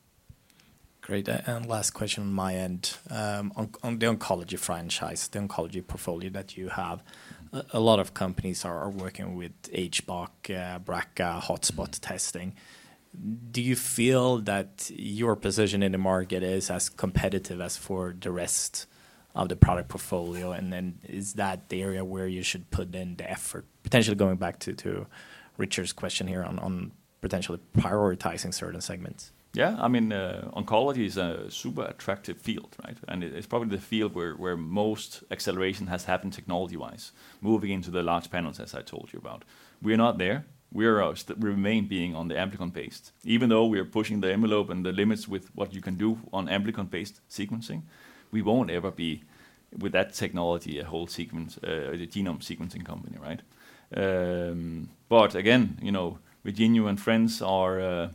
Great. And last question on my end. On the oncology franchise, the oncology portfolio that you have, a lot of companies are working with HBOC, BRCA, hotspot testing. Do you feel that your position in the market is as competitive as for the rest of the product portfolio? And then is that the area where you should put in the effort, potentially going back to Rickard's question here on potentially prioritizing certain segments? Yeah. I mean, oncology is a super attractive field, right? It's probably the field where most acceleration has happened technology-wise, moving into the large panels, as I told you about. We are not there. We remain being on the amplicon-based. Even though we are pushing the envelope and the limits with what you can do on amplicon-based sequencing, we won't ever be with that technology a whole genome sequencing company, right? But again, Virginio and friends are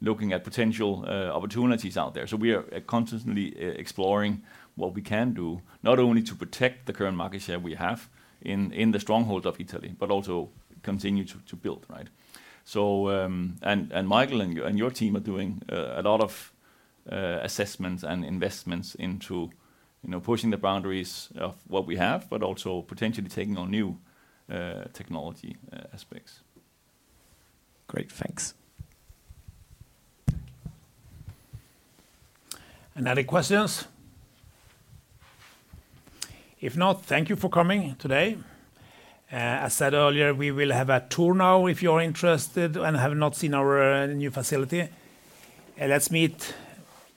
looking at potential opportunities out there. So we are constantly exploring what we can do, not only to protect the current market share we have in the stronghold of Italy, but also continue to build, right? And Michael and your team are doing a lot of assessments and investments into pushing the boundaries of what we have, but also potentially taking on new technology aspects. Great. Thanks. Thank you. Any questions? If not, thank you for coming today. As said earlier, we will have a tour now if you're interested and have not seen our new facility. Let's meet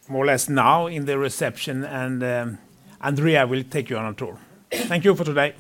more or less now in the reception, and Andrea will take you on a tour. Thank you for today.